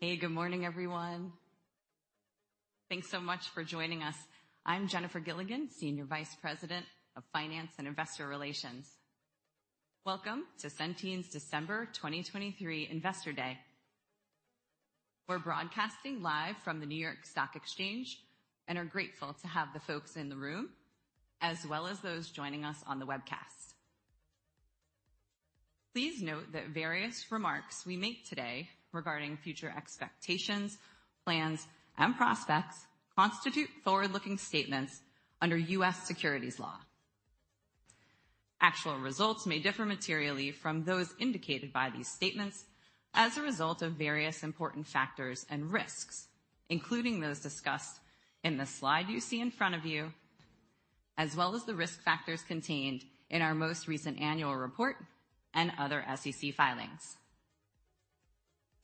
Hey, good morning, everyone. Thanks so much for joining us. I'm Jennifer Gilligan, Senior Vice President of Finance and Investor Relations. Welcome to Centene's December 2023 Investor Day. We're broadcasting live from the New York Stock Exchange, and are grateful to have the folks in the room, as well as those joining us on the webcast. Please note that various remarks we make today regarding future expectations, plans, and prospects constitute forward-looking statements under U.S. securities law. Actual results may differ materially from those indicated by these statements as a result of various important factors and risks, including those discussed in the slide you see in front of you, as well as the risk factors contained in our most recent annual report and other SEC filings.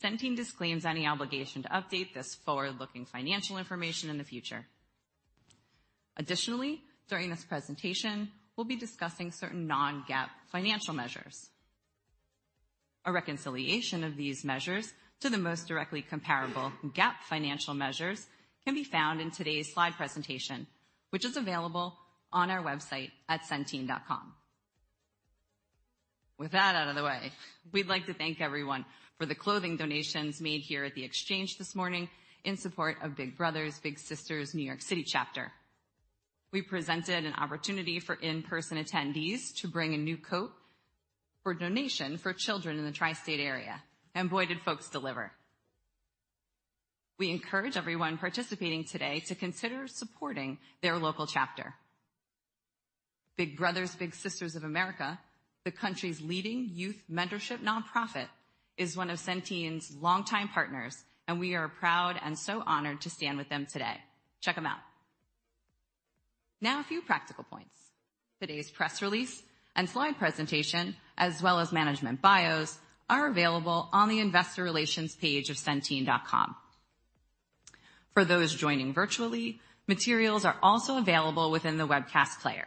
Centene disclaims any obligation to update this forward-looking financial information in the future. Additionally, during this presentation, we'll be discussing certain non-GAAP financial measures. A reconciliation of these measures to the most directly comparable GAAP financial measures can be found in today's slide presentation, which is available on our website at centene.com. With that out of the way, we'd like to thank everyone for the clothing donations made here at the Exchange this morning in support of Big Brothers Big Sisters of America, New York City chapter. We presented an opportunity for in-person attendees to bring a new coat for donation for children in the tri-state area, and boy, did folks deliver! We encourage everyone participating today to consider supporting their local chapter. Big Brothers Big Sisters of America, the country's leading youth mentorship nonprofit, is one of Centene's longtime partners, and we are proud and so honored to stand with them today. Check them out. Now, a few practical points. Today's press release and slide presentation, as well as management bios, are available on the Investor Relations page of Centene.com. For those joining virtually, materials are also available within the webcast player.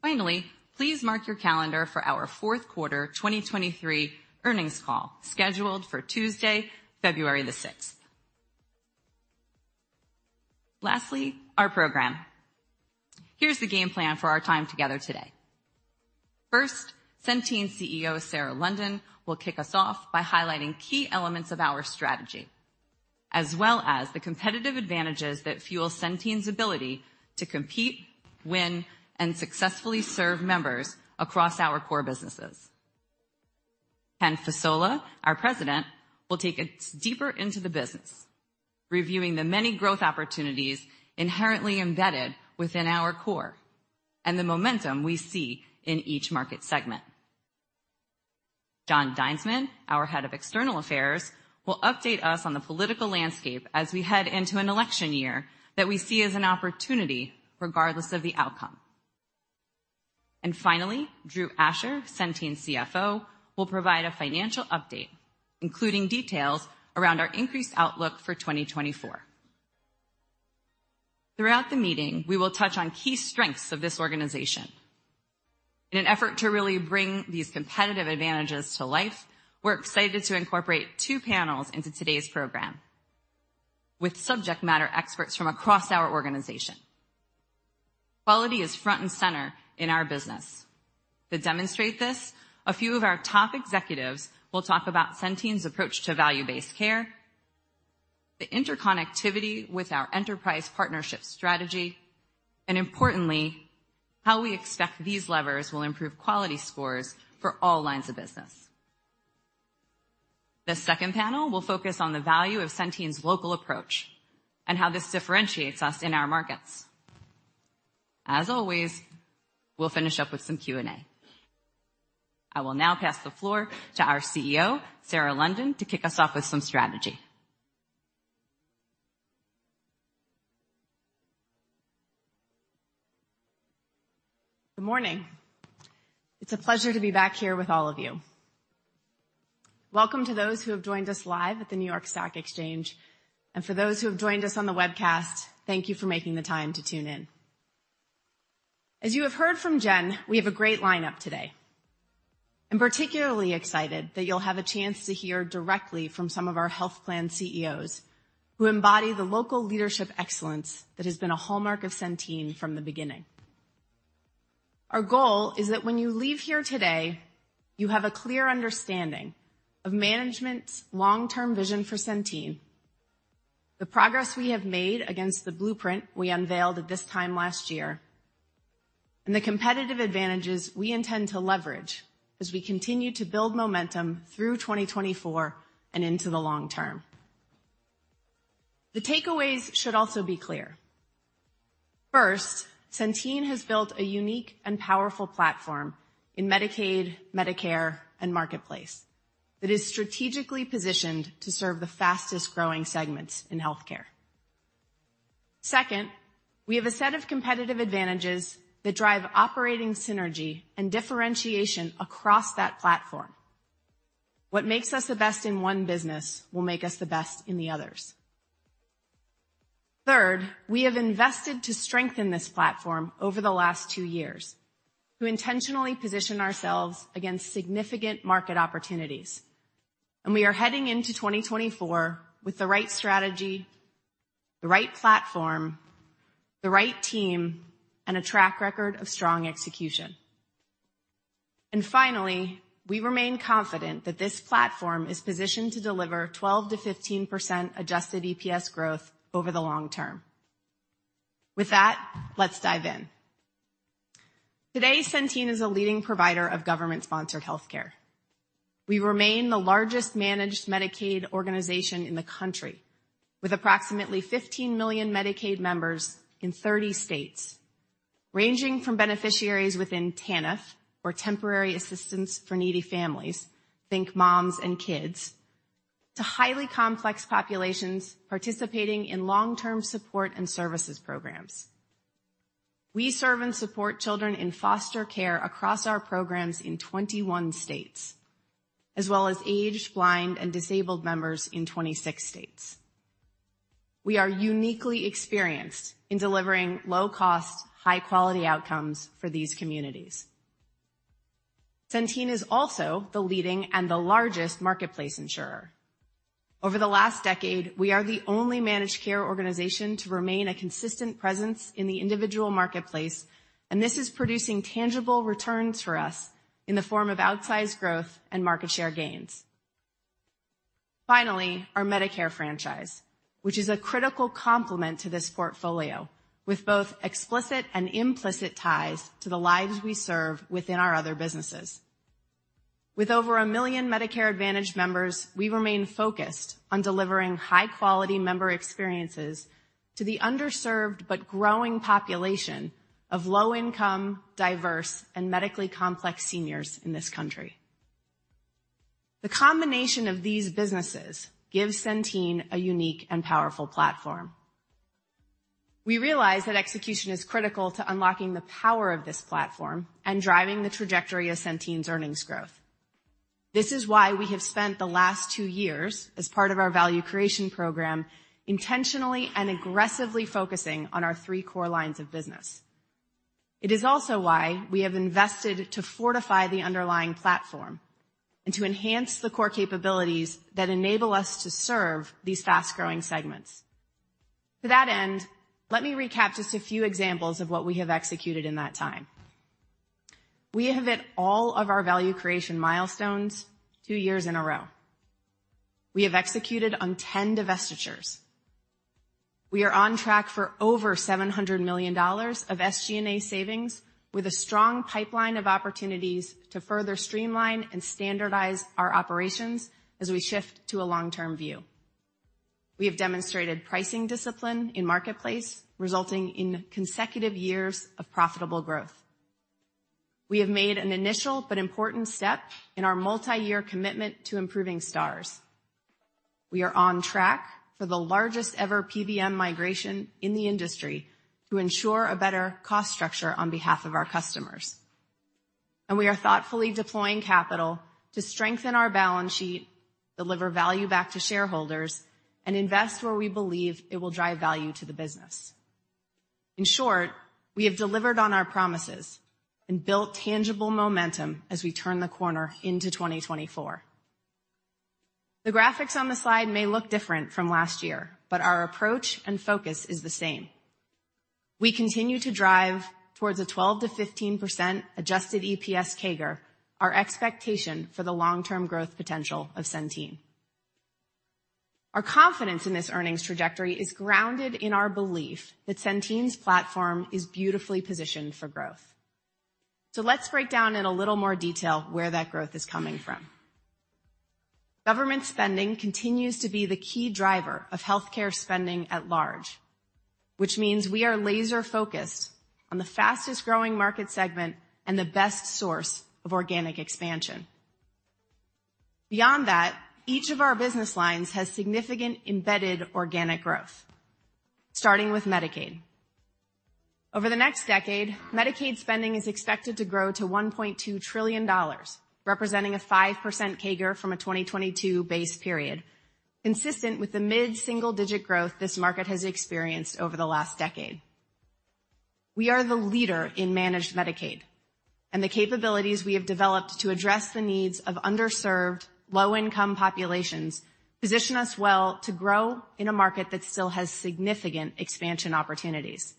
Finally, please mark your calendar for our fourth quarter 2023 earnings call, scheduled for Tuesday, February 6th. Lastly, our program. Here's the game plan for our time together today. First, Centene CEO Sarah London will kick us off by highlighting key elements of our strategy, as well as the competitive advantages that fuel Centene's ability to compete, win, and successfully serve members across our core businesses. Ken Fasola, our President, will take us deeper into the business, reviewing the many growth opportunities inherently embedded within our core and the momentum we see in each market segment. Jon Dinesman, our Head of External Affairs, will update us on the political landscape as we head into an election year that we see as an opportunity, regardless of the outcome. And finally, Drew Asher, Centene CFO, will provide a financial update, including details around our increased outlook for 2024. Throughout the meeting, we will touch on key strengths of this organization. In an effort to really bring these competitive advantages to life, we're excited to incorporate two panels into today's program, with subject matter experts from across our organization. Quality is front and center in our business. To demonstrate this, a few of our top executives will talk about Centene's approach to value-based care, the interconnectivity with our enterprise partnership strategy, and importantly, how we expect these levers will improve quality scores for all lines of business. The second panel will focus on the value of Centene's local approach and how this differentiates us in our markets. As always, we'll finish up with some Q&A. I will now pass the floor to our CEO, Sarah London, to kick us off with some strategy. Good morning. It's a pleasure to be back here with all of you. Welcome to those who have joined us live at the New York Stock Exchange, and for those who have joined us on the webcast, thank you for making the time to tune in. As you have heard from Jen, we have a great lineup today. I'm particularly excited that you'll have a chance to hear directly from some of our health plan CEOs, who embody the local leadership excellence that has been a hallmark of Centene from the beginning. Our goal is that when you leave here today, you have a clear understanding of management's long-term vision for Centene, the progress we have made against the blueprint we unveiled at this time last year, and the competitive advantages we intend to leverage as we continue to build momentum through 2024 and into the long term. The takeaways should also be clear. First, Centene has built a unique and powerful platform in Medicaid, Medicare, and Marketplace that is strategically positioned to serve the fastest-growing segments in healthcare. Second, we have a set of competitive advantages that drive operating synergy and differentiation across that platform. What makes us the best in one business will make us the best in the others. Third, we have invested to strengthen this platform over the last two years to intentionally position ourselves against significant market opportunities. We are heading into 2024 with the right strategy, the right platform, the right team, and a track record of strong execution. Finally, we remain confident that this platform is positioned to deliver 12% to 15% adjusted EPS growth over the long term. With that, let's dive in. Today, Centene is a leading provider of government-sponsored healthcare. We remain the largest managed Medicaid organization in the country, with approximately 15 million Medicaid members in 30 states, ranging from beneficiaries within TANF, or Temporary Assistance for Needy Families, think moms and kids, to highly complex populations participating in long-term support and services programs. We serve and support children in foster care across our programs in 21 states, as well as aged, blind, and disabled members in 26 states. We are uniquely experienced in delivering low-cost, high-quality outcomes for these communities. Centene is also the leading and the largest Marketplace insurer. Over the last decade, we are the only managed care organization to remain a consistent presence in the individual Marketplace, and this is producing tangible returns for us in the form of outsized growth and market share gains. Finally, our Medicare franchise, which is a critical complement to this portfolio, with both explicit and implicit ties to the lives we serve within our other businesses. With over a million Medicare Advantage members, we remain focused on delivering high-quality member experiences to the underserved but growing population of low-income, diverse, and medically complex seniors in this country. The combination of these businesses gives Centene a unique and powerful platform. We realize that execution is critical to unlocking the power of this platform and driving the trajectory of Centene's earnings growth. This is why we have spent the last two years as part of our value creation program, intentionally and aggressively focusing on our three core lines of business. It is also why we have invested to fortify the underlying platform and to enhance the core capabilities that enable us to serve these fast-growing segments. To that end, let me recap just a few examples of what we have executed in that time. We have hit all of our value creation milestones two years in a row. We have executed on 10 divestitures. We are on track for over $700 million of SG&A savings, with a strong pipeline of opportunities to further streamline and standardize our operations as we shift to a long-term view. We have demonstrated pricing discipline in Marketplace, resulting in consecutive years of profitable growth. We have made an initial but important step in our multi-year commitment to improving Stars. We are on track for the largest-ever PBM migration in the industry to ensure a better cost structure on behalf of our customers. We are thoughtfully deploying capital to strengthen our balance sheet, deliver value back to shareholders, and invest where we believe it will drive value to the business. In short, we have delivered on our promises and built tangible momentum as we turn the corner into 2024. The graphics on the slide may look different from last year, but our approach and focus is the same. We continue to drive towards a 12% to 15% adjusted EPS CAGR, our expectation for the long-term growth potential of Centene. Our confidence in this earnings trajectory is grounded in our belief that Centene's platform is beautifully positioned for growth. So let's break down in a little more detail where that growth is coming from. Government spending continues to be the key driver of healthcare spending at large, which means we are laser-focused on the fastest-growing market segment and the best source of organic expansion. Beyond that, each of our business lines has significant embedded organic growth, starting with Medicaid. Over the next decade, Medicaid spending is expected to grow to $1.2 trillion, representing a 5% CAGR from a 2022 base period, consistent with the mid-single-digit growth this market has experienced over the last decade. We are the leader in managed Medicaid, and the capabilities we have developed to address the needs of underserved, low-income populations position us well to grow in a market that still has significant expansion opportunities.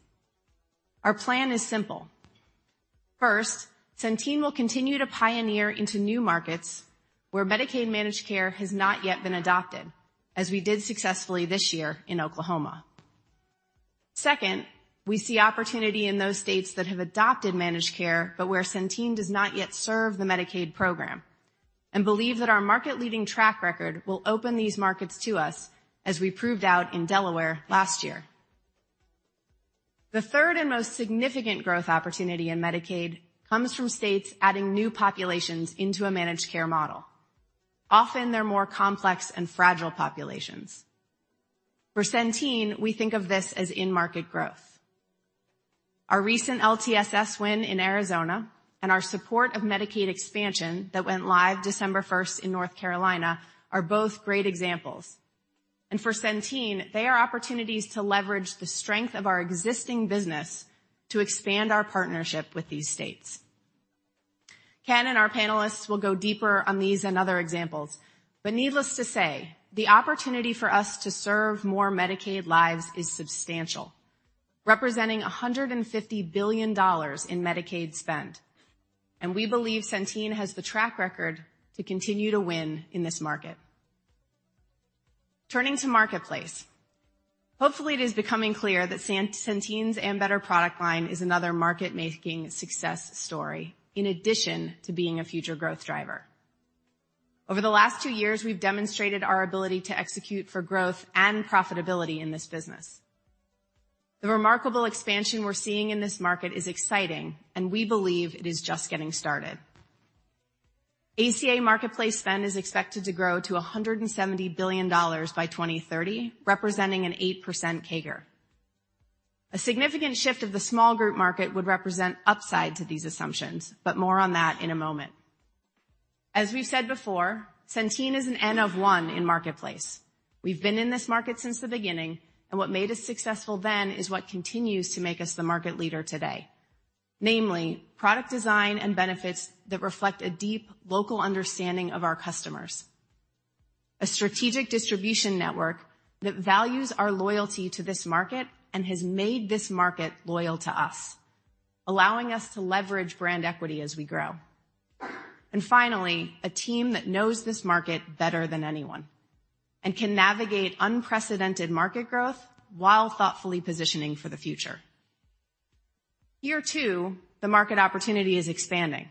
Our plan is simple. First, Centene will continue to pioneer into new markets where Medicaid managed care has not yet been adopted, as we did successfully this year in Oklahoma. Second, we see opportunity in those states that have adopted managed care, but where Centene does not yet serve the Medicaid program, and believe that our market-leading track record will open these markets to us, as we proved out in Delaware last year. The third and most significant growth opportunity in Medicaid comes from states adding new populations into a managed care model. Often, they're more complex and fragile populations. For Centene, we think of this as in-market growth.... Our recent LTSS win in Arizona and our support of Medicaid expansion that went live December 1 in North Carolina are both great examples. And for Centene, they are opportunities to leverage the strength of our existing business to expand our partnership with these states. Ken and our panelists will go deeper on these and other examples, but needless to say, the opportunity for us to serve more Medicaid lives is substantial, representing $150 billion in Medicaid spend, and we believe Centene has the track record to continue to win in this market. Turning to Marketplace, hopefully, it is becoming clear that Centene's Ambetter product line is another market-making success story, in addition to being a future growth driver. Over the last two years, we've demonstrated our ability to execute for growth and profitability in this business. The remarkable expansion we're seeing in this market is exciting, and we believe it is just getting started. ACA Marketplace spend is expected to grow to $170 billion by 2030, representing an 8% CAGR. A significant shift of the small group market would represent upside to these assumptions, but more on that in a moment. As we've said before, Centene is an N of one in Marketplace. We've been in this market since the beginning, and what made us successful then is what continues to make us the market leader today. Namely, product design and benefits that reflect a deep local understanding of our customers. A strategic distribution network that values our loyalty to this market and has made this market loyal to us, allowing us to leverage brand equity as we grow. And finally, a team that knows this market better than anyone and can navigate unprecedented market growth while thoughtfully positioning for the future. Year two, the market opportunity is expanding.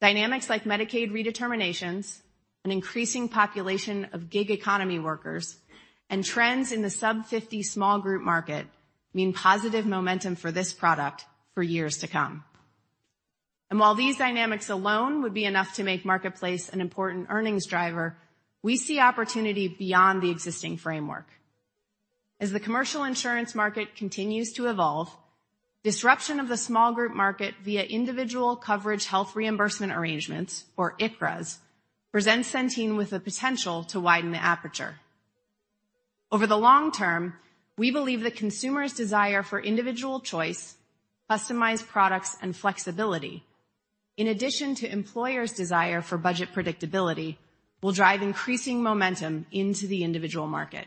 Dynamics like Medicaid redeterminations, an increasing population of gig economy workers, and trends in the sub-50 small group market mean positive momentum for this product for years to come. And while these dynamics alone would be enough to make Marketplace an important earnings driver, we see opportunity beyond the existing framework. As the commercial insurance market continues to evolve, disruption of the small group market via Individual Coverage Health Reimbursement Arrangements, or ICHRAs, presents Centene with the potential to widen the aperture. Over the long term, we believe that consumers' desire for individual choice, customized products, and flexibility, in addition to employers' desire for budget predictability, will drive increasing momentum into the individual market.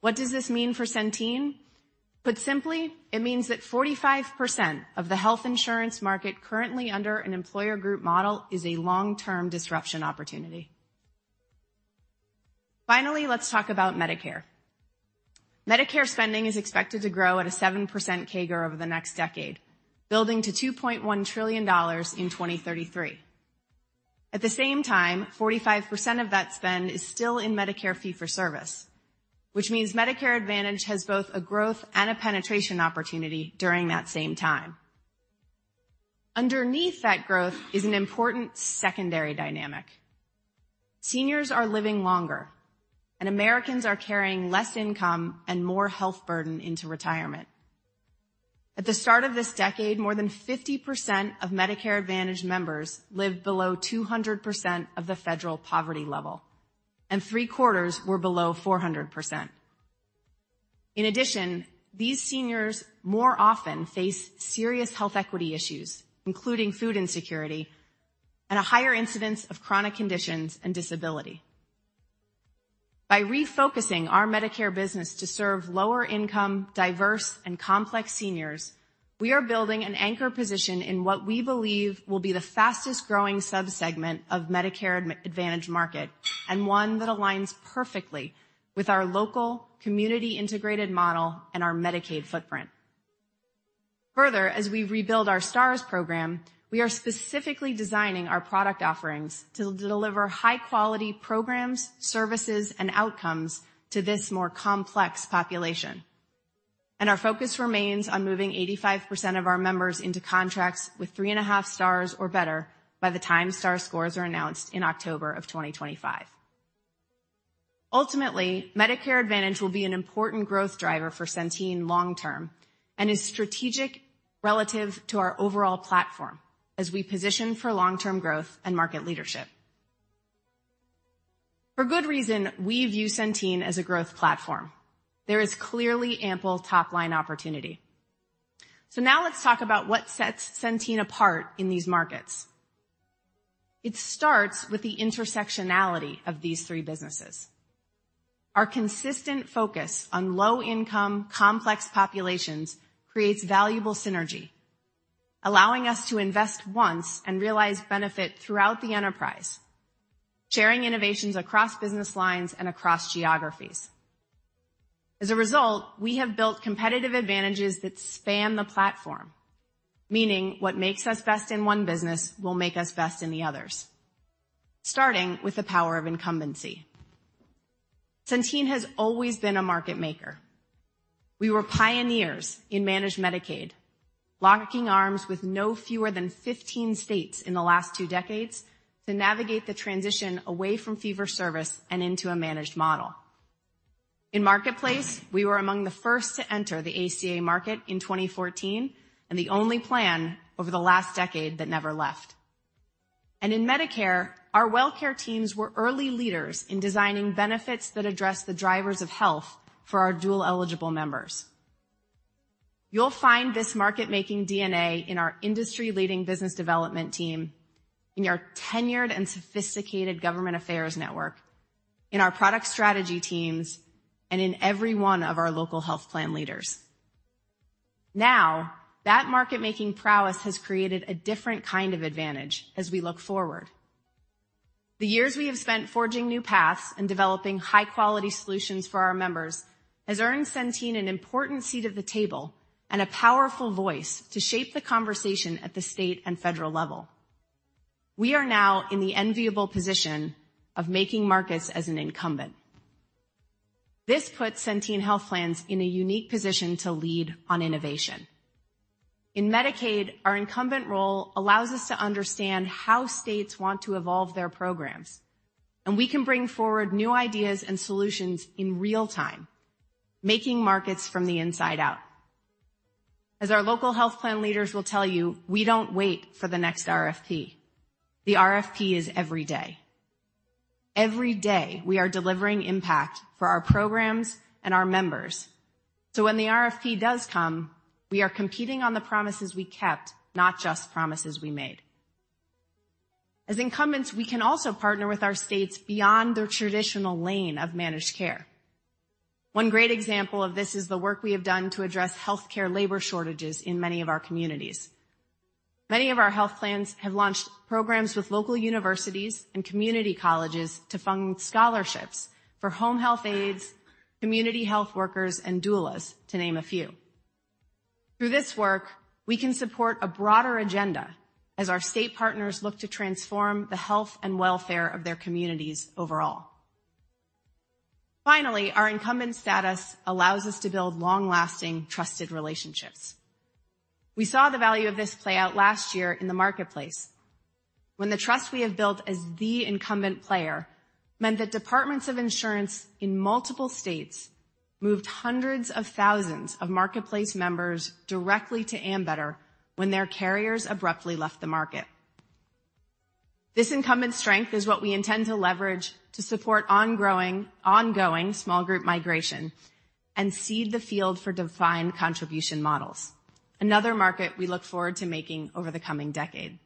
What does this mean for Centene? Put simply, it means that 45% of the health insurance market currently under an employer group model is a long-term disruption opportunity. Finally, let's talk about Medicare. Medicare spending is expected to grow at a 7% CAGR over the next decade, building to $2.1 trillion in 2033. At the same time, 45% of that spend is still in Medicare fee-for-service, which means Medicare Advantage has both a growth and a penetration opportunity during that same time. Underneath that growth is an important secondary dynamic. Seniors are living longer, and Americans are carrying less income and more health burden into retirement. At the start of this decade, more than 50% of Medicare Advantage members lived below 200% of the federal poverty level, and three-quarters were below 400%. In addition, these seniors more often face serious health equity issues, including food insecurity and a higher incidence of chronic conditions and disability. By refocusing our Medicare business to serve lower-income, diverse, and complex seniors, we are building an anchor position in what we believe will be the fastest-growing subsegment of Medicare Advantage market, and one that aligns perfectly with our local community-integrated model and our Medicaid footprint. Further, as we rebuild our Stars program, we are specifically designing our product offerings to deliver high-quality programs, services, and outcomes to this more complex population. Our focus remains on moving 85% of our members into contracts with 3.5 Stars or better by the time Star scores are announced in October 2025. Ultimately, Medicare Advantage will be an important growth driver for Centene long term and is strategic relative to our overall platform as we position for long-term growth and market leadership. For good reason, we view Centene as a growth platform. There is clearly ample top-line opportunity. So now let's talk about what sets Centene apart in these markets. It starts with the intersectionality of these three businesses. Our consistent focus on low-income, complex populations creates valuable synergy, allowing us to invest once and realize benefit throughout the enterprise, sharing innovations across business lines and across geographies. As a result, we have built competitive advantages that span the platform, meaning what makes us best in one business will make us best in the others, starting with the power of incumbency. Centene has always been a market maker. We were pioneers in managed Medicaid, locking arms with no fewer than 15 states in the last two decades to navigate the transition away from fee-for-service and into a managed model. In Marketplace, we were among the first to enter the ACA market in 2014, and the only plan over the last decade that never left. In Medicare, our WellCare teams were early leaders in designing benefits that address the drivers of health for our dual-eligible members. You'll find this market-making DNA in our industry-leading business development team, in our tenured and sophisticated government affairs network, in our product strategy teams, and in every one of our local health plan leaders. Now, that market-making prowess has created a different kind of advantage as we look forward. The years we have spent forging new paths and developing high-quality solutions for our members has earned Centene an important seat at the table and a powerful voice to shape the conversation at the state and federal level. We are now in the enviable position of making markets as an incumbent. This puts Centene Health Plans in a unique position to lead on innovation. In Medicaid, our incumbent role allows us to understand how states want to evolve their programs, and we can bring forward new ideas and solutions in real time, making markets from the inside out. As our local health plan leaders will tell you, we don't wait for the next RFP. The RFP is every day. Every day, we are delivering impact for our programs and our members. So when the RFP does come, we are competing on the promises we kept, not just promises we made. As incumbents, we can also partner with our states beyond their traditional lane of managed care. One great example of this is the work we have done to address healthcare labor shortages in many of our communities. Many of our health plans have launched programs with local universities and community colleges to fund scholarships for home health aides, community health workers, and doulas, to name a few. Through this work, we can support a broader agenda as our state partners look to transform the health and welfare of their communities overall. Finally, our incumbent status allows us to build long-lasting, trusted relationships. We saw the value of this play out last year in the Marketplace, when the trust we have built as the incumbent player meant that departments of insurance in multiple states moved hundreds of thousands of Marketplace members directly to Ambetter when their carriers abruptly left the market. This incumbent strength is what we intend to leverage to support ongoing small group migration and seed the field for defined contribution models, another market we look forward to making over the coming decade.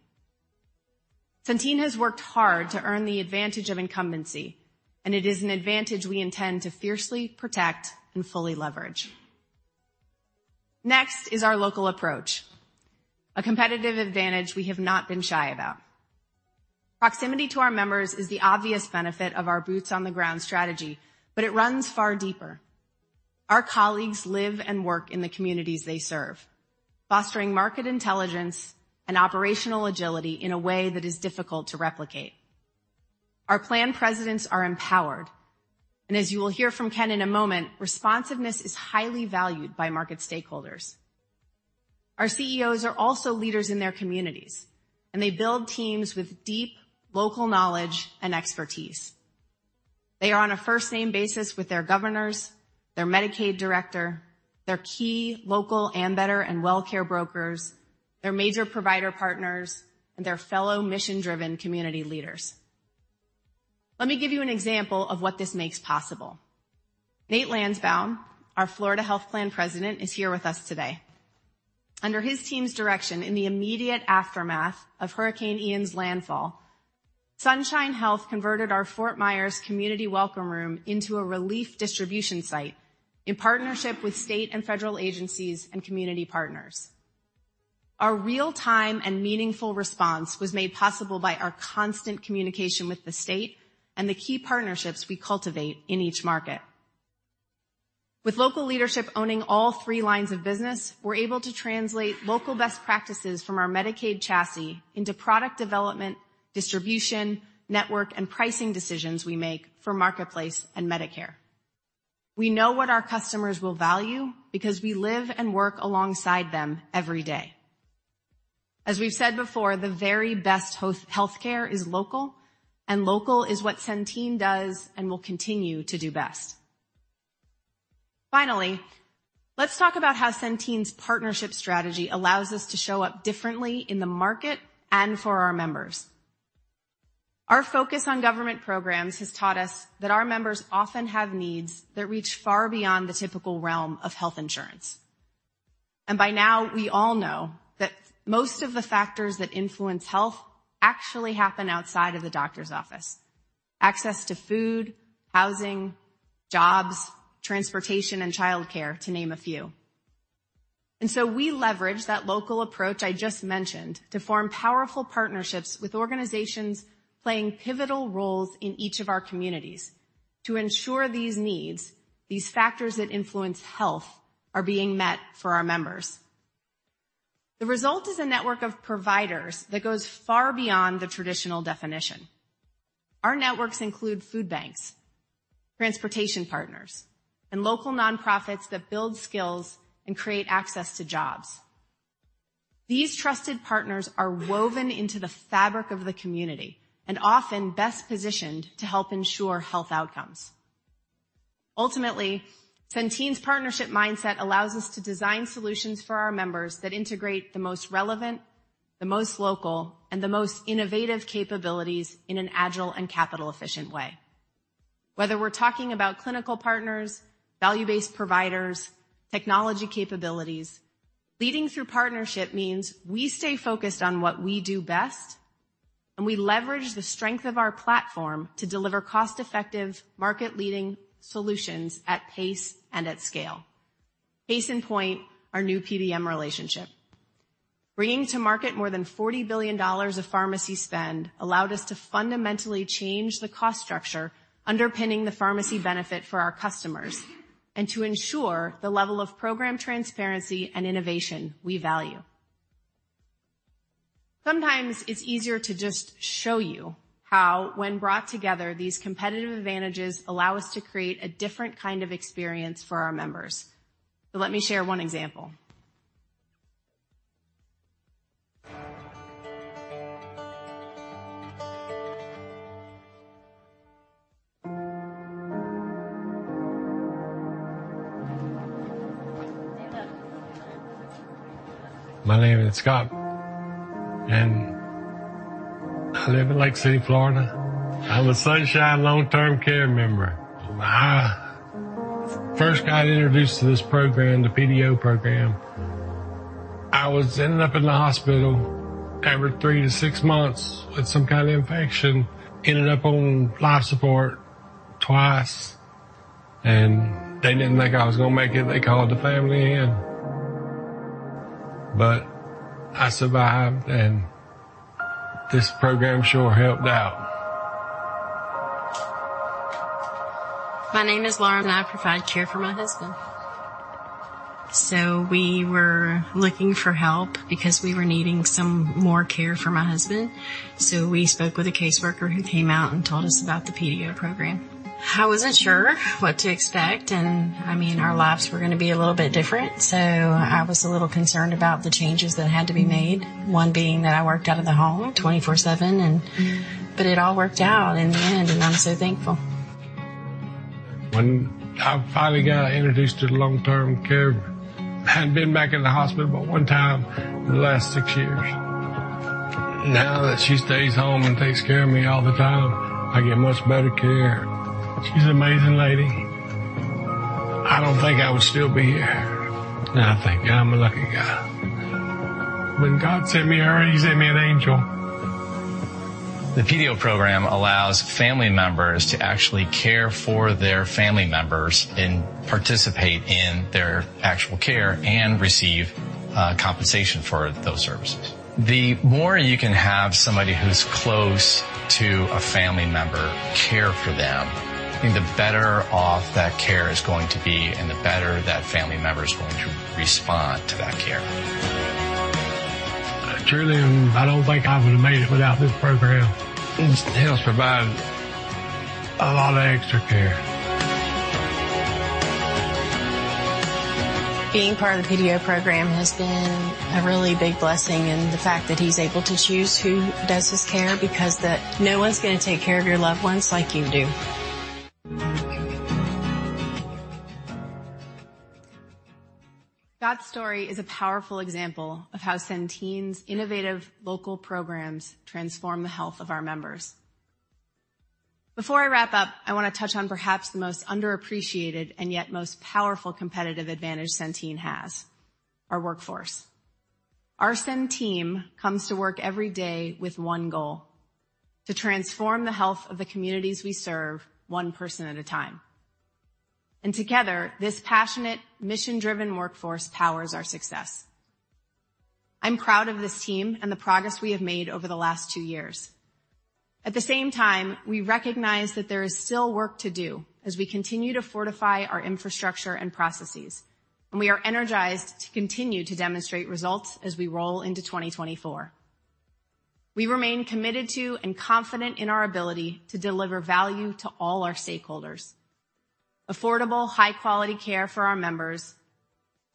Centene has worked hard to earn the advantage of incumbency, and it is an advantage we intend to fiercely protect and fully leverage. Next is our local approach, a competitive advantage we have not been shy about. Proximity to our members is the obvious benefit of our boots on the ground strategy, but it runs far deeper. Our colleagues live and work in the communities they serve, fostering market intelligence and operational agility in a way that is difficult to replicate. Our plan presidents are empowered, and as you will hear from Ken in a moment, responsiveness is highly valued by market stakeholders. Our CEOs are also leaders in their communities, and they build teams with deep local knowledge and expertise. They are on a first-name basis with their governors, their Medicaid director, their key local Ambetter and WellCare brokers, their major provider partners, and their fellow mission-driven community leaders. Let me give you an example of what this makes possible. Nathan Landsbaum, our Florida Health Plan President, is here with us today. Under his team's direction, in the immediate aftermath of Hurricane Ian's landfall, Sunshine Health converted our Fort Myers community welcome room into a relief distribution site in partnership with state and federal agencies and community partners. Our real-time and meaningful response was made possible by our constant communication with the state and the key partnerships we cultivate in each market. With local leadership owning all three lines of business, we're able to translate local best practices from our Medicaid chassis into product development, distribution, network, and pricing decisions we make for Marketplace and Medicare. We know what our customers will value because we live and work alongside them every day. As we've said before, the very best health, healthcare is local, and local is what Centene does and will continue to do best. Finally, let's talk about how Centene's partnership strategy allows us to show up differently in the market and for our members. Our focus on government programs has taught us that our members often have needs that reach far beyond the typical realm of health insurance. And by now, we all know that most of the factors that influence health actually happen outside of the doctor's office. Access to food, housing, jobs, transportation, and childcare, to name a few. And so we leverage that local approach I just mentioned to form powerful partnerships with organizations playing pivotal roles in each of our communities to ensure these needs, these factors that influence health, are being met for our members. The result is a network of providers that goes far beyond the traditional definition. Our networks include food banks, transportation partners, and local nonprofits that build skills and create access to jobs. These trusted partners are woven into the fabric of the community and often best positioned to help ensure health outcomes. Ultimately, Centene's partnership mindset allows us to design solutions for our members that integrate the most relevant, the most local, and the most innovative capabilities in an agile and capital-efficient way. Whether we're talking about clinical partners, value-based providers, technology capabilities, leading through partnership means we stay focused on what we do best, and we leverage the strength of our platform to deliver cost-effective, market-leading solutions at pace and at scale. Case in point, our new PBM relationship. Bringing to market more than $40 billion of pharmacy spend allowed us to fundamentally change the cost structure underpinning the pharmacy benefit for our customers and to ensure the level of program transparency and innovation we value. Sometimes it's easier to just show you how, when brought together, these competitive advantages allow us to create a different kind of experience for our members. So let me share one example. My name is Scott, and I live in Lake City, Florida. I'm a Sunshine long-term care member. I first got introduced to this program, the PDO program. I was ending up in the hospital every three to six months with some kind of infection, ended up on life support twice, and they didn't think I was gonna make it. They called the family in. But I survived, and this program sure helped out. My name is Laura, and I provide care for my husband. So we were looking for help because we were needing some more care for my husband. So we spoke with a caseworker who came out and told us about the PDO program. I wasn't sure what to expect, and, I mean, our lives were gonna be a little bit different, so I was a little concerned about the changes that had to be made, one being that I worked out of the home 24/7, and... But it all worked out in the end, and I'm so thankful. When I finally got introduced to the long-term care, I hadn't been back in the hospital but one time in the last six years. Now that she stays home and takes care of me all the time, I get much better care. She's an amazing lady. I don't think I would still be here. And I think I'm a lucky guy. When God sent me her, he sent me an angel. The PDO program allows family members to actually care for their family members and participate in their actual care and receive compensation for those services. The more you can have somebody who's close to a family member care for them, I think the better off that care is going to be and the better that family member is going to respond to that care. I truly am... I don't think I would have made it without this program. It helps provide a lot of extra care. Being part of the PDO program has been a really big blessing, and the fact that he's able to choose who does his care, because that no one's gonna take care of your loved ones like you do. That story is a powerful example of how Centene's innovative local programs transform the health of our members. Before I wrap up, I wanna touch on perhaps the most underappreciated and yet most powerful competitive advantage Centene has, our workforce. Our Centene team comes to work every day with one goal, to transform the health of the communities we serve, one person at a time. Together, this passionate, mission-driven workforce powers our success. I'm proud of this team and the progress we have made over the last two years. At the same time, we recognize that there is still work to do as we continue to fortify our infrastructure and processes, and we are energized to continue to demonstrate results as we roll into 2024. We remain committed to and confident in our ability to deliver value to all our stakeholders. Affordable, high-quality care for our members,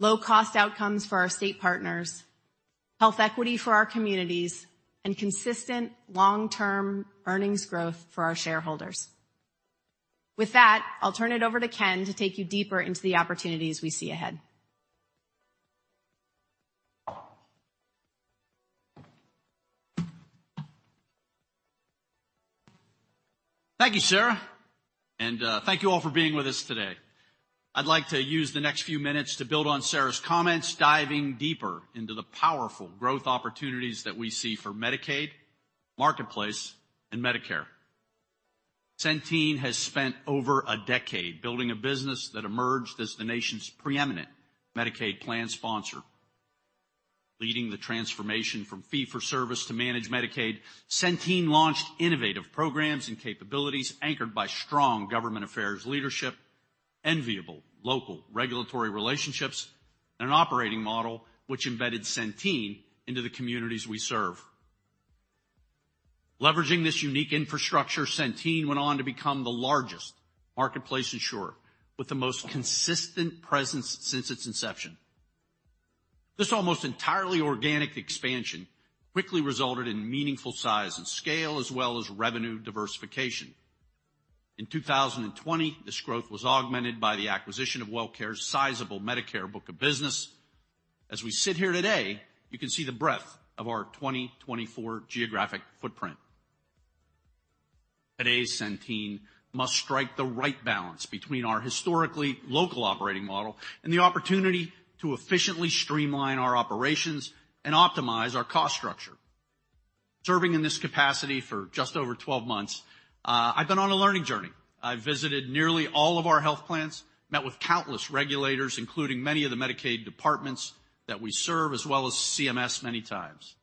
low-cost outcomes for our state partners, health equity for our communities, and consistent long-term earnings growth for our shareholders. With that, I'll turn it over to Ken to take you deeper into the opportunities we see ahead. Thank you, Sarah, and thank you all for being with us today. I'd like to use the next few minutes to build on Sarah's comments, diving deeper into the powerful growth opportunities that we see for Medicaid, Marketplace, and Medicare. Centene has spent over a decade building a business that emerged as the nation's preeminent Medicaid plan sponsor. Leading the transformation from fee-for-service to managed Medicaid, Centene launched innovative programs and capabilities anchored by strong government affairs leadership, enviable local regulatory relationships and an operating model which embedded Centene into the communities we serve. Leveraging this unique infrastructure, Centene went on to become the largest Marketplace insurer, with the most consistent presence since its inception. This almost entirely organic expansion quickly resulted in meaningful size and scale, as well as revenue diversification. In 2020, this growth was augmented by the acquisition of WellCare's sizable Medicare book of business. As we sit here today, you can see the breadth of our 2024 geographic footprint. Today, Centene must strike the right balance between our historically local operating model and the opportunity to efficiently streamline our operations and optimize our cost structure. Serving in this capacity for just over 12 months, I've been on a learning journey. I've visited nearly all of our health plans, met with countless regulators, including many of the Medicaid departments that we serve, as well as CMS many times.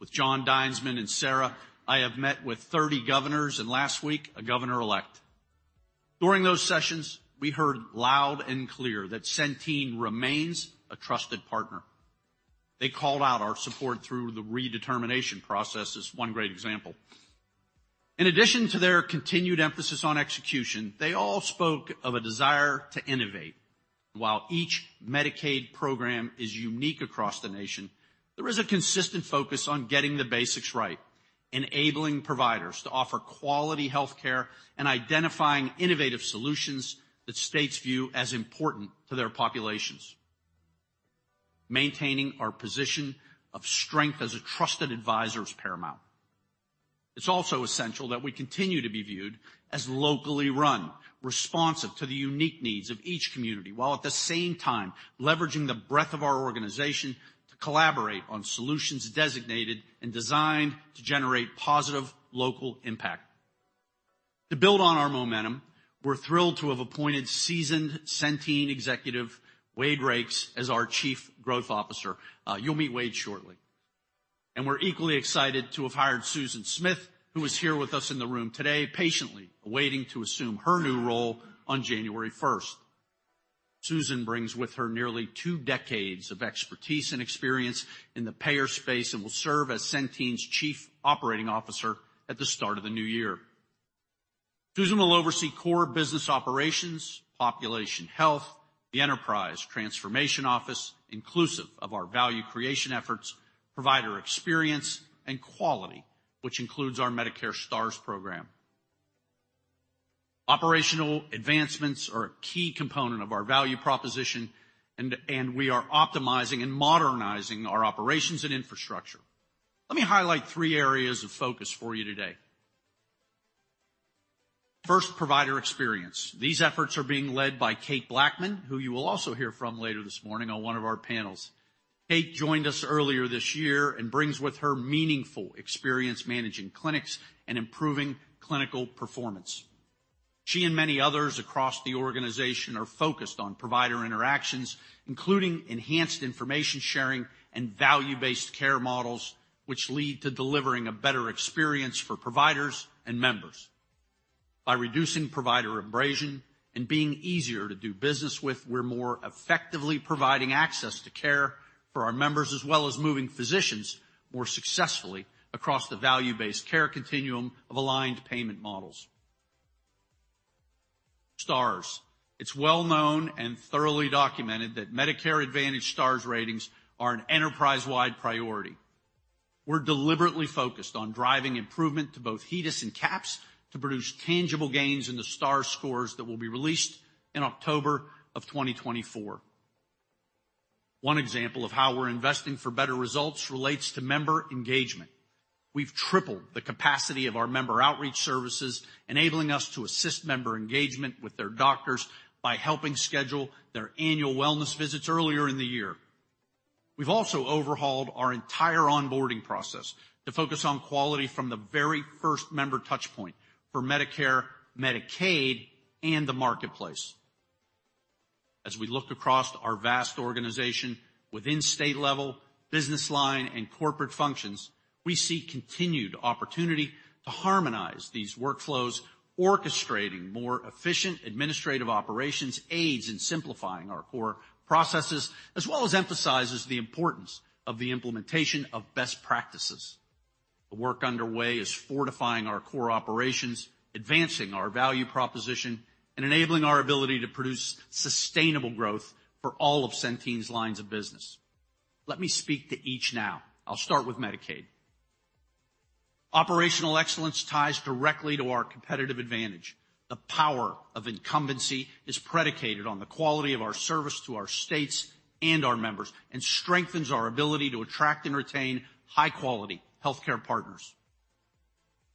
With Jon Dinesman and Sarah, I have met with 30 governors, and last week, a governor-elect. During those sessions, we heard loud and clear that Centene remains a trusted partner. They called out our support through the redetermination process as one great example. In addition to their continued emphasis on execution, they all spoke of a desire to innovate. While each Medicaid program is unique across the nation, there is a consistent focus on getting the basics right, enabling providers to offer quality health care, and identifying innovative solutions that states view as important to their populations. Maintaining our position of strength as a trusted advisor is paramount. It's also essential that we continue to be viewed as locally run, responsive to the unique needs of each community, while at the same time leveraging the breadth of our organization to collaborate on solutions designated and designed to generate positive local impact. To build on our momentum, we're thrilled to have appointed seasoned Centene executive, Wade Rakes, as our Chief Growth Officer. You'll meet Wade shortly. And we're equally excited to have hired Susan Smith, who is here with us in the room today, patiently waiting to assume her new role on January first. Susan brings with her nearly two decades of expertise and experience in the payer space and will serve as Centene's Chief Operating Officer at the start of the new year. Susan will oversee core business operations, population health, the Enterprise Transformation Office, inclusive of our value creation efforts, provider experience and quality, which includes our Medicare Stars program. Operational advancements are a key component of our value proposition, and we are optimizing and modernizing our operations and infrastructure. Let me highlight three areas of focus for you today. First, provider experience. These efforts are being led by Kate Blackmon, who you will also hear from later this morning on one of our panels. Kate joined us earlier this year and brings with her meaningful experience managing clinics and improving clinical performance. She and many others across the organization are focused on provider interactions, including enhanced information sharing and value-based care models, which lead to delivering a better experience for providers and members. By reducing provider abrasion and being easier to do business with, we're more effectively providing access to care for our members, as well as moving physicians more successfully across the value-based care continuum of aligned payment models. Stars. It's well known and thoroughly documented that Medicare Advantage Stars ratings are an enterprise-wide priority. We're deliberately focused on driving improvement to both HEDIS and CAHPS to produce tangible gains in the Stars scores that will be released in October of 2024. One example of how we're investing for better results relates to member engagement. We've tripled the capacity of our member outreach services, enabling us to assist member engagement with their doctors by helping schedule their annual wellness visits earlier in the year. We've also overhauled our entire onboarding process to focus on quality from the very first member touch point for Medicare, Medicaid, and the Marketplace. As we look across our vast organization within state-level, business line, and corporate functions, we see continued opportunity to harmonize these workflows, orchestrating more efficient administrative operations, aids in simplifying our core processes, as well as emphasizes the importance of the implementation of best practices. The work underway is fortifying our core operations, advancing our value proposition, and enabling our ability to produce sustainable growth for all of Centene's lines of business. Let me speak to each now. I'll start with Medicaid. Operational excellence ties directly to our competitive advantage. The power of incumbency is predicated on the quality of our service to our states and our members, and strengthens our ability to attract and retain high-quality healthcare partners.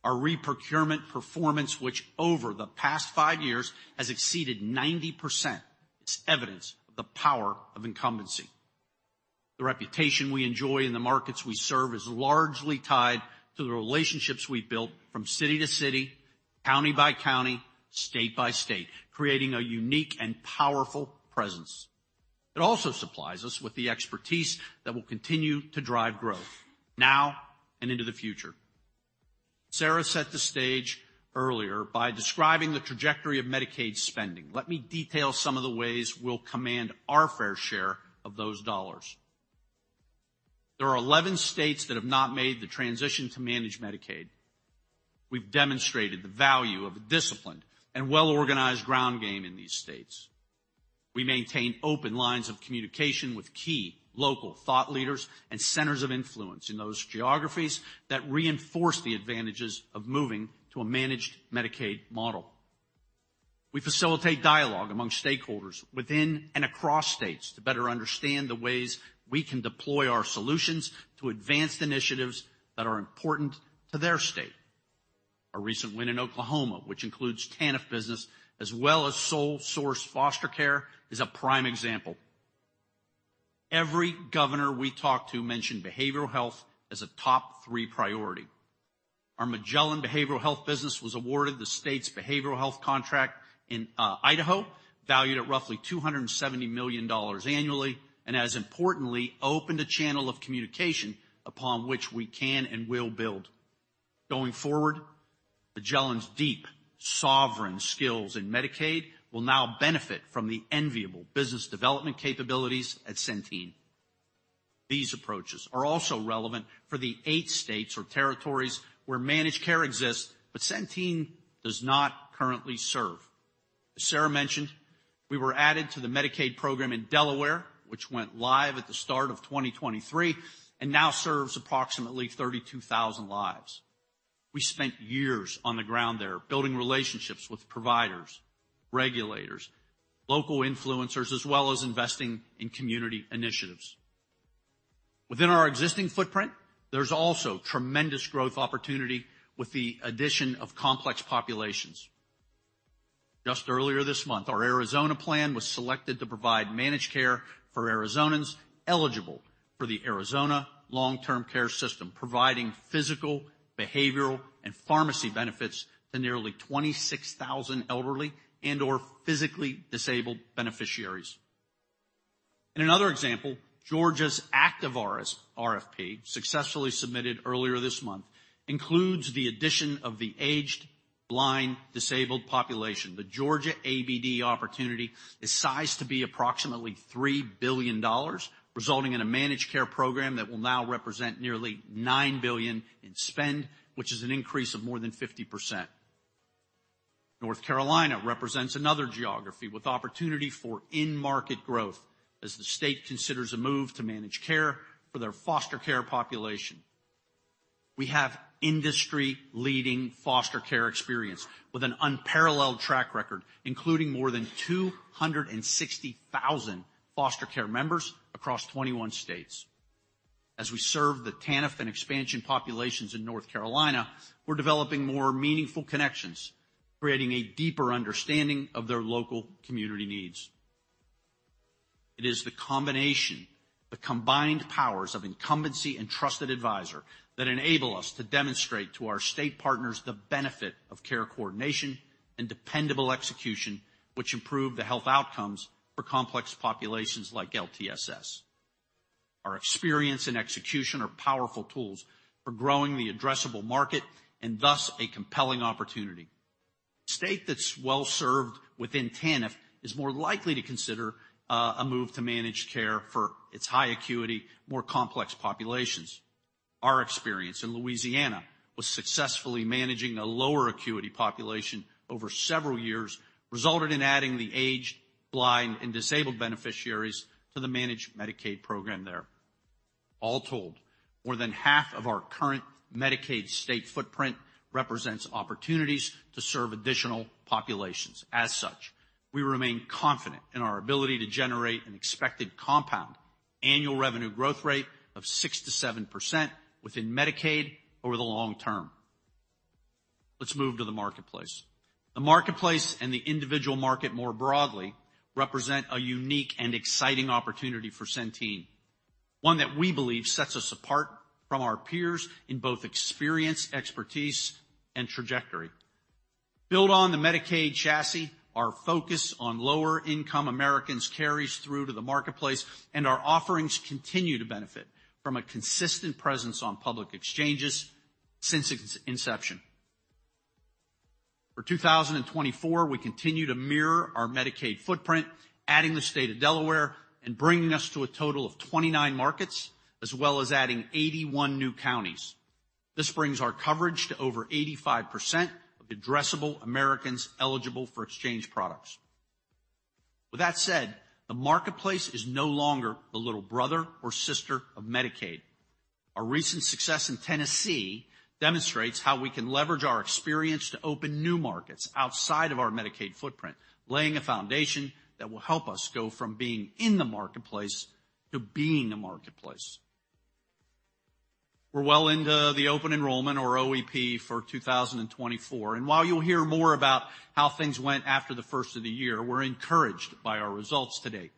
Our reprocurement performance, which over the past five years has exceeded 90%, is evidence of the power of incumbency. The reputation we enjoy in the markets we serve is largely tied to the relationships we've built from city to city, county by county, state by state, creating a unique and powerful presence. It also supplies us with the expertise that will continue to drive growth now and into the future.... Sarah set the stage earlier by describing the trajectory of Medicaid spending. Let me detail some of the ways we'll command our fair share of those dollars. There are 11 states that have not made the transition to managed Medicaid. We've demonstrated the value of a disciplined and well-organized ground game in these states. We maintain open lines of communication with key local thought leaders and centers of influence in those geographies that reinforce the advantages of moving to a managed Medicaid model. We facilitate dialogue among stakeholders within and across states to better understand the ways we can deploy our solutions to advanced initiatives that are important to their state. Our recent win in Oklahoma, which includes TANF business as well as sole source foster care, is a prime example. Every governor we talked to mentioned behavioral health as a top three priority. Our Magellan Behavioral Health business was awarded the state's behavioral health contract in Idaho, valued at roughly $270 million annually, and as importantly, opened a channel of communication upon which we can and will build. Going forward, Magellan's deep specialty skills in Medicaid will now benefit from the enviable business development capabilities at Centene. These approaches are also relevant for the eight states or territories where managed care exists, but Centene does not currently serve. As Sarah mentioned, we were added to the Medicaid program in Delaware, which went live at the start of 2023 and now serves approximately 32,000 lives. We spent years on the ground there, building relationships with providers, regulators, local influencers, as well as investing in community initiatives. Within our existing footprint, there's also tremendous growth opportunity with the addition of complex populations. Just earlier this month, our Arizona plan was selected to provide managed care for Arizonans eligible for the Arizona Long-Term Care System, providing physical, behavioral, and pharmacy benefits to nearly 26,000 elderly and/or physically disabled beneficiaries. In another example, Georgia's ABD RFP, successfully submitted earlier this month, includes the addition of the aged, blind, disabled population. The Georgia ABD opportunity is sized to be approximately $3 billion, resulting in a managed care program that will now represent nearly $9 billion in spend, which is an increase of more than 50%. North Carolina represents another geography with opportunity for in-market growth as the state considers a move to managed care for their foster care population. We have industry-leading foster care experience with an unparalleled track record, including more than 260,000 foster care members across 21 states. As we serve the TANF and expansion populations in North Carolina, we're developing more meaningful connections, creating a deeper understanding of their local community needs. It is the combination, the combined powers of incumbency and trusted advisor, that enable us to demonstrate to our state partners the benefit of care, coordination, and dependable execution, which improve the health outcomes for complex populations like LTSS. Our experience and execution are powerful tools for growing the addressable market and thus a compelling opportunity. A state that's well served within TANF is more likely to consider a move to managed care for its high acuity, more complex populations. Our experience in Louisiana was successfully managing a lower acuity population over several years, resulted in adding the aged, blind, and disabled beneficiaries to the managed Medicaid program there. All told, more than half of our current Medicaid state footprint represents opportunities to serve additional populations. As such, we remain confident in our ability to generate an expected compound annual revenue growth rate of 6% to 7% within Medicaid over the long term. Let's move to the Marketplace. The Marketplace and the individual market more broadly, represent a unique and exciting opportunity for Centene, one that we believe sets us apart from our peers in both experience, expertise, and trajectory. Built on the Medicaid chassis, our focus on lower-income Americans carries through to the Marketplace, and our offerings continue to benefit from a consistent presence on public exchanges since its inception. For 2024, we continue to mirror our Medicaid footprint, adding the state of Delaware and bringing us to a total of 29 markets, as well as adding 81 new counties. This brings our coverage to over 85% of addressable Americans eligible for exchange products. With that said, the Marketplace is no longer the little brother or sister of Medicaid. Our recent success in Tennessee demonstrates how we can leverage our experience to open new markets outside of our Medicaid footprint, laying a foundation that will help us go from being in the Marketplace to being a Marketplace. We're well into the open enrollment or OEP for 2024, and while you'll hear more about how things went after the first of the year, we're encouraged by our results to date.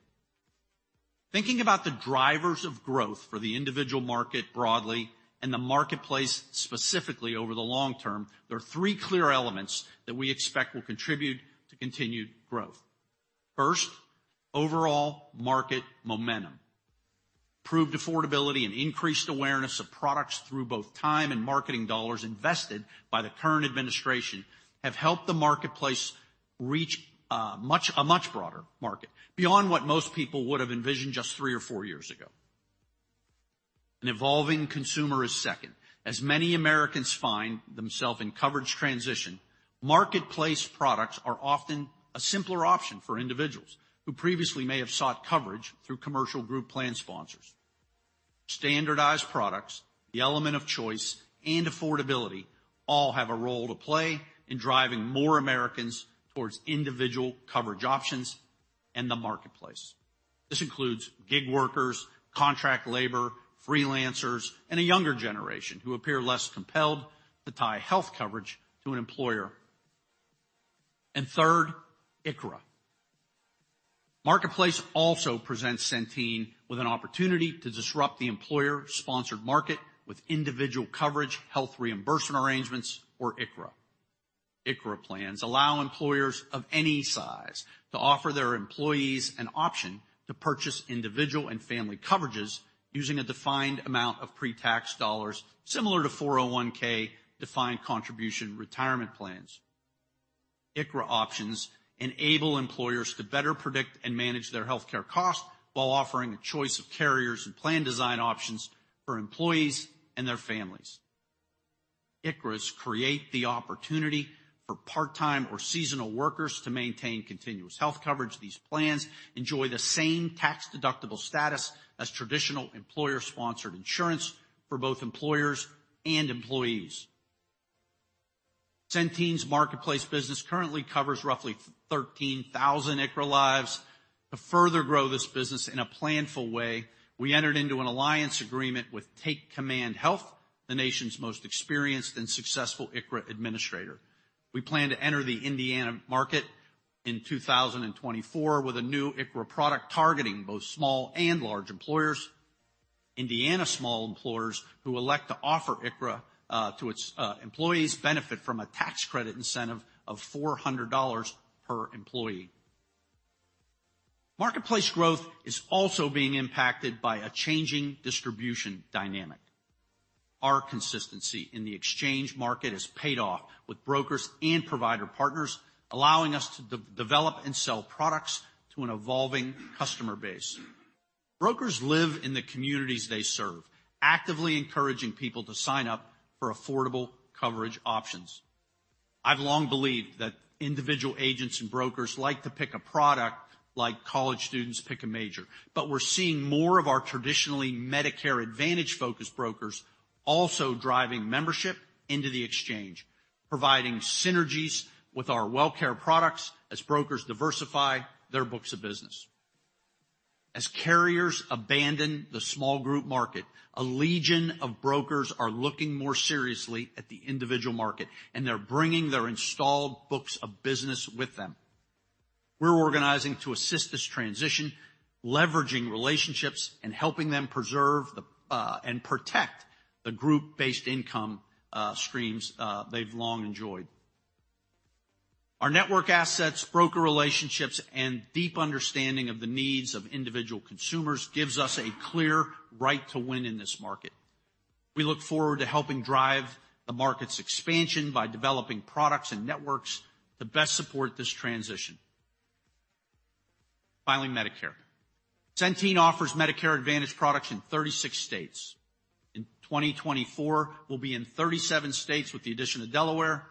Thinking about the drivers of growth for the individual market broadly and the Marketplace specifically over the long term, there are three clear elements that we expect will contribute to continued growth. First, overall market momentum.... Improved affordability and increased awareness of products through both time and marketing dollars invested by the current administration have helped the Marketplace reach a much broader market, beyond what most people would have envisioned just three or four years ago. An evolving consumer is second. As many Americans find themselves in coverage transition, Marketplace products are often a simpler option for individuals who previously may have sought coverage through commercial group plan sponsors. Standardized products, the element of choice, and affordability all have a role to play in driving more Americans towards individual coverage options and the Marketplace. This includes gig workers, contract labor, freelancers, and a younger generation who appear less compelled to tie health coverage to an employer. And third, ICHRA. Marketplace also presents Centene with an opportunity to disrupt the employer-sponsored market with Individual Coverage Health Reimbursement Arrangements, or ICHRA. ICHRA plans allow employers of any size to offer their employees an option to purchase individual and family coverages using a defined amount of pre-tax dollars, similar to 401(k) defined contribution retirement plans. ICHRA options enable employers to better predict and manage their healthcare costs, while offering a choice of carriers and plan design options for employees and their families. ICHRAs create the opportunity for part-time or seasonal workers to maintain continuous health coverage. These plans enjoy the same tax-deductible status as traditional employer-sponsored insurance for both employers and employees. Centene's Marketplace business currently covers roughly 13,000 ICHRA lives. To further grow this business in a planful way, we entered into an alliance agreement with Take Command Health, the nation's most experienced and successful ICHRA administrator. We plan to enter the Indiana market in 2024 with a new ICHRA product, targeting both small and large employers. Indiana small employers who elect to offer ICHRA to its employees benefit from a tax credit incentive of $400 per employee. Marketplace growth is also being impacted by a changing distribution dynamic. Our consistency in the exchange market has paid off with brokers and provider partners, allowing us to develop and sell products to an evolving customer base. Brokers live in the communities they serve, actively encouraging people to sign up for affordable coverage options. I've long believed that individual agents and brokers like to pick a product like college students pick a major, but we're seeing more of our traditionally Medicare Advantage-focused brokers also driving membership into the exchange, providing synergies with our WellCare products as brokers diversify their books of business. As carriers abandon the small group market, a legion of brokers are looking more seriously at the individual market, and they're bringing their installed books of business with them. We're organizing to assist this transition, leveraging relationships and helping them preserve the and protect the group-based income streams they've long enjoyed. Our network assets, broker relationships, and deep understanding of the needs of individual consumers gives us a clear right to win in this market. We look forward to helping drive the market's expansion by developing products and networks to best support this transition. Finally, Medicare. Centene offers Medicare Advantage products in 36 states. In 2024, we'll be in 37 states with the addition of Delaware.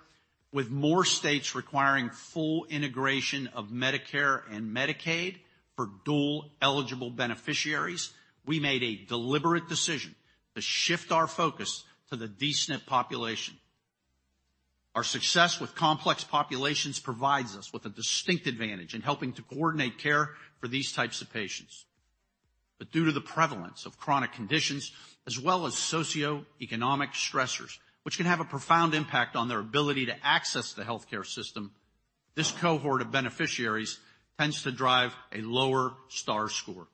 With more states requiring full integration of Medicare and Medicaid for dual-eligible beneficiaries, we made a deliberate decision to shift our focus to the D-SNP population. Our success with complex populations provides us with a distinct advantage in helping to coordinate care for these types of patients. But due to the prevalence of chronic conditions, as well as socioeconomic stressors, which can have a profound impact on their ability to access the healthcare system, this cohort of beneficiaries tends to drive a lower Stars score.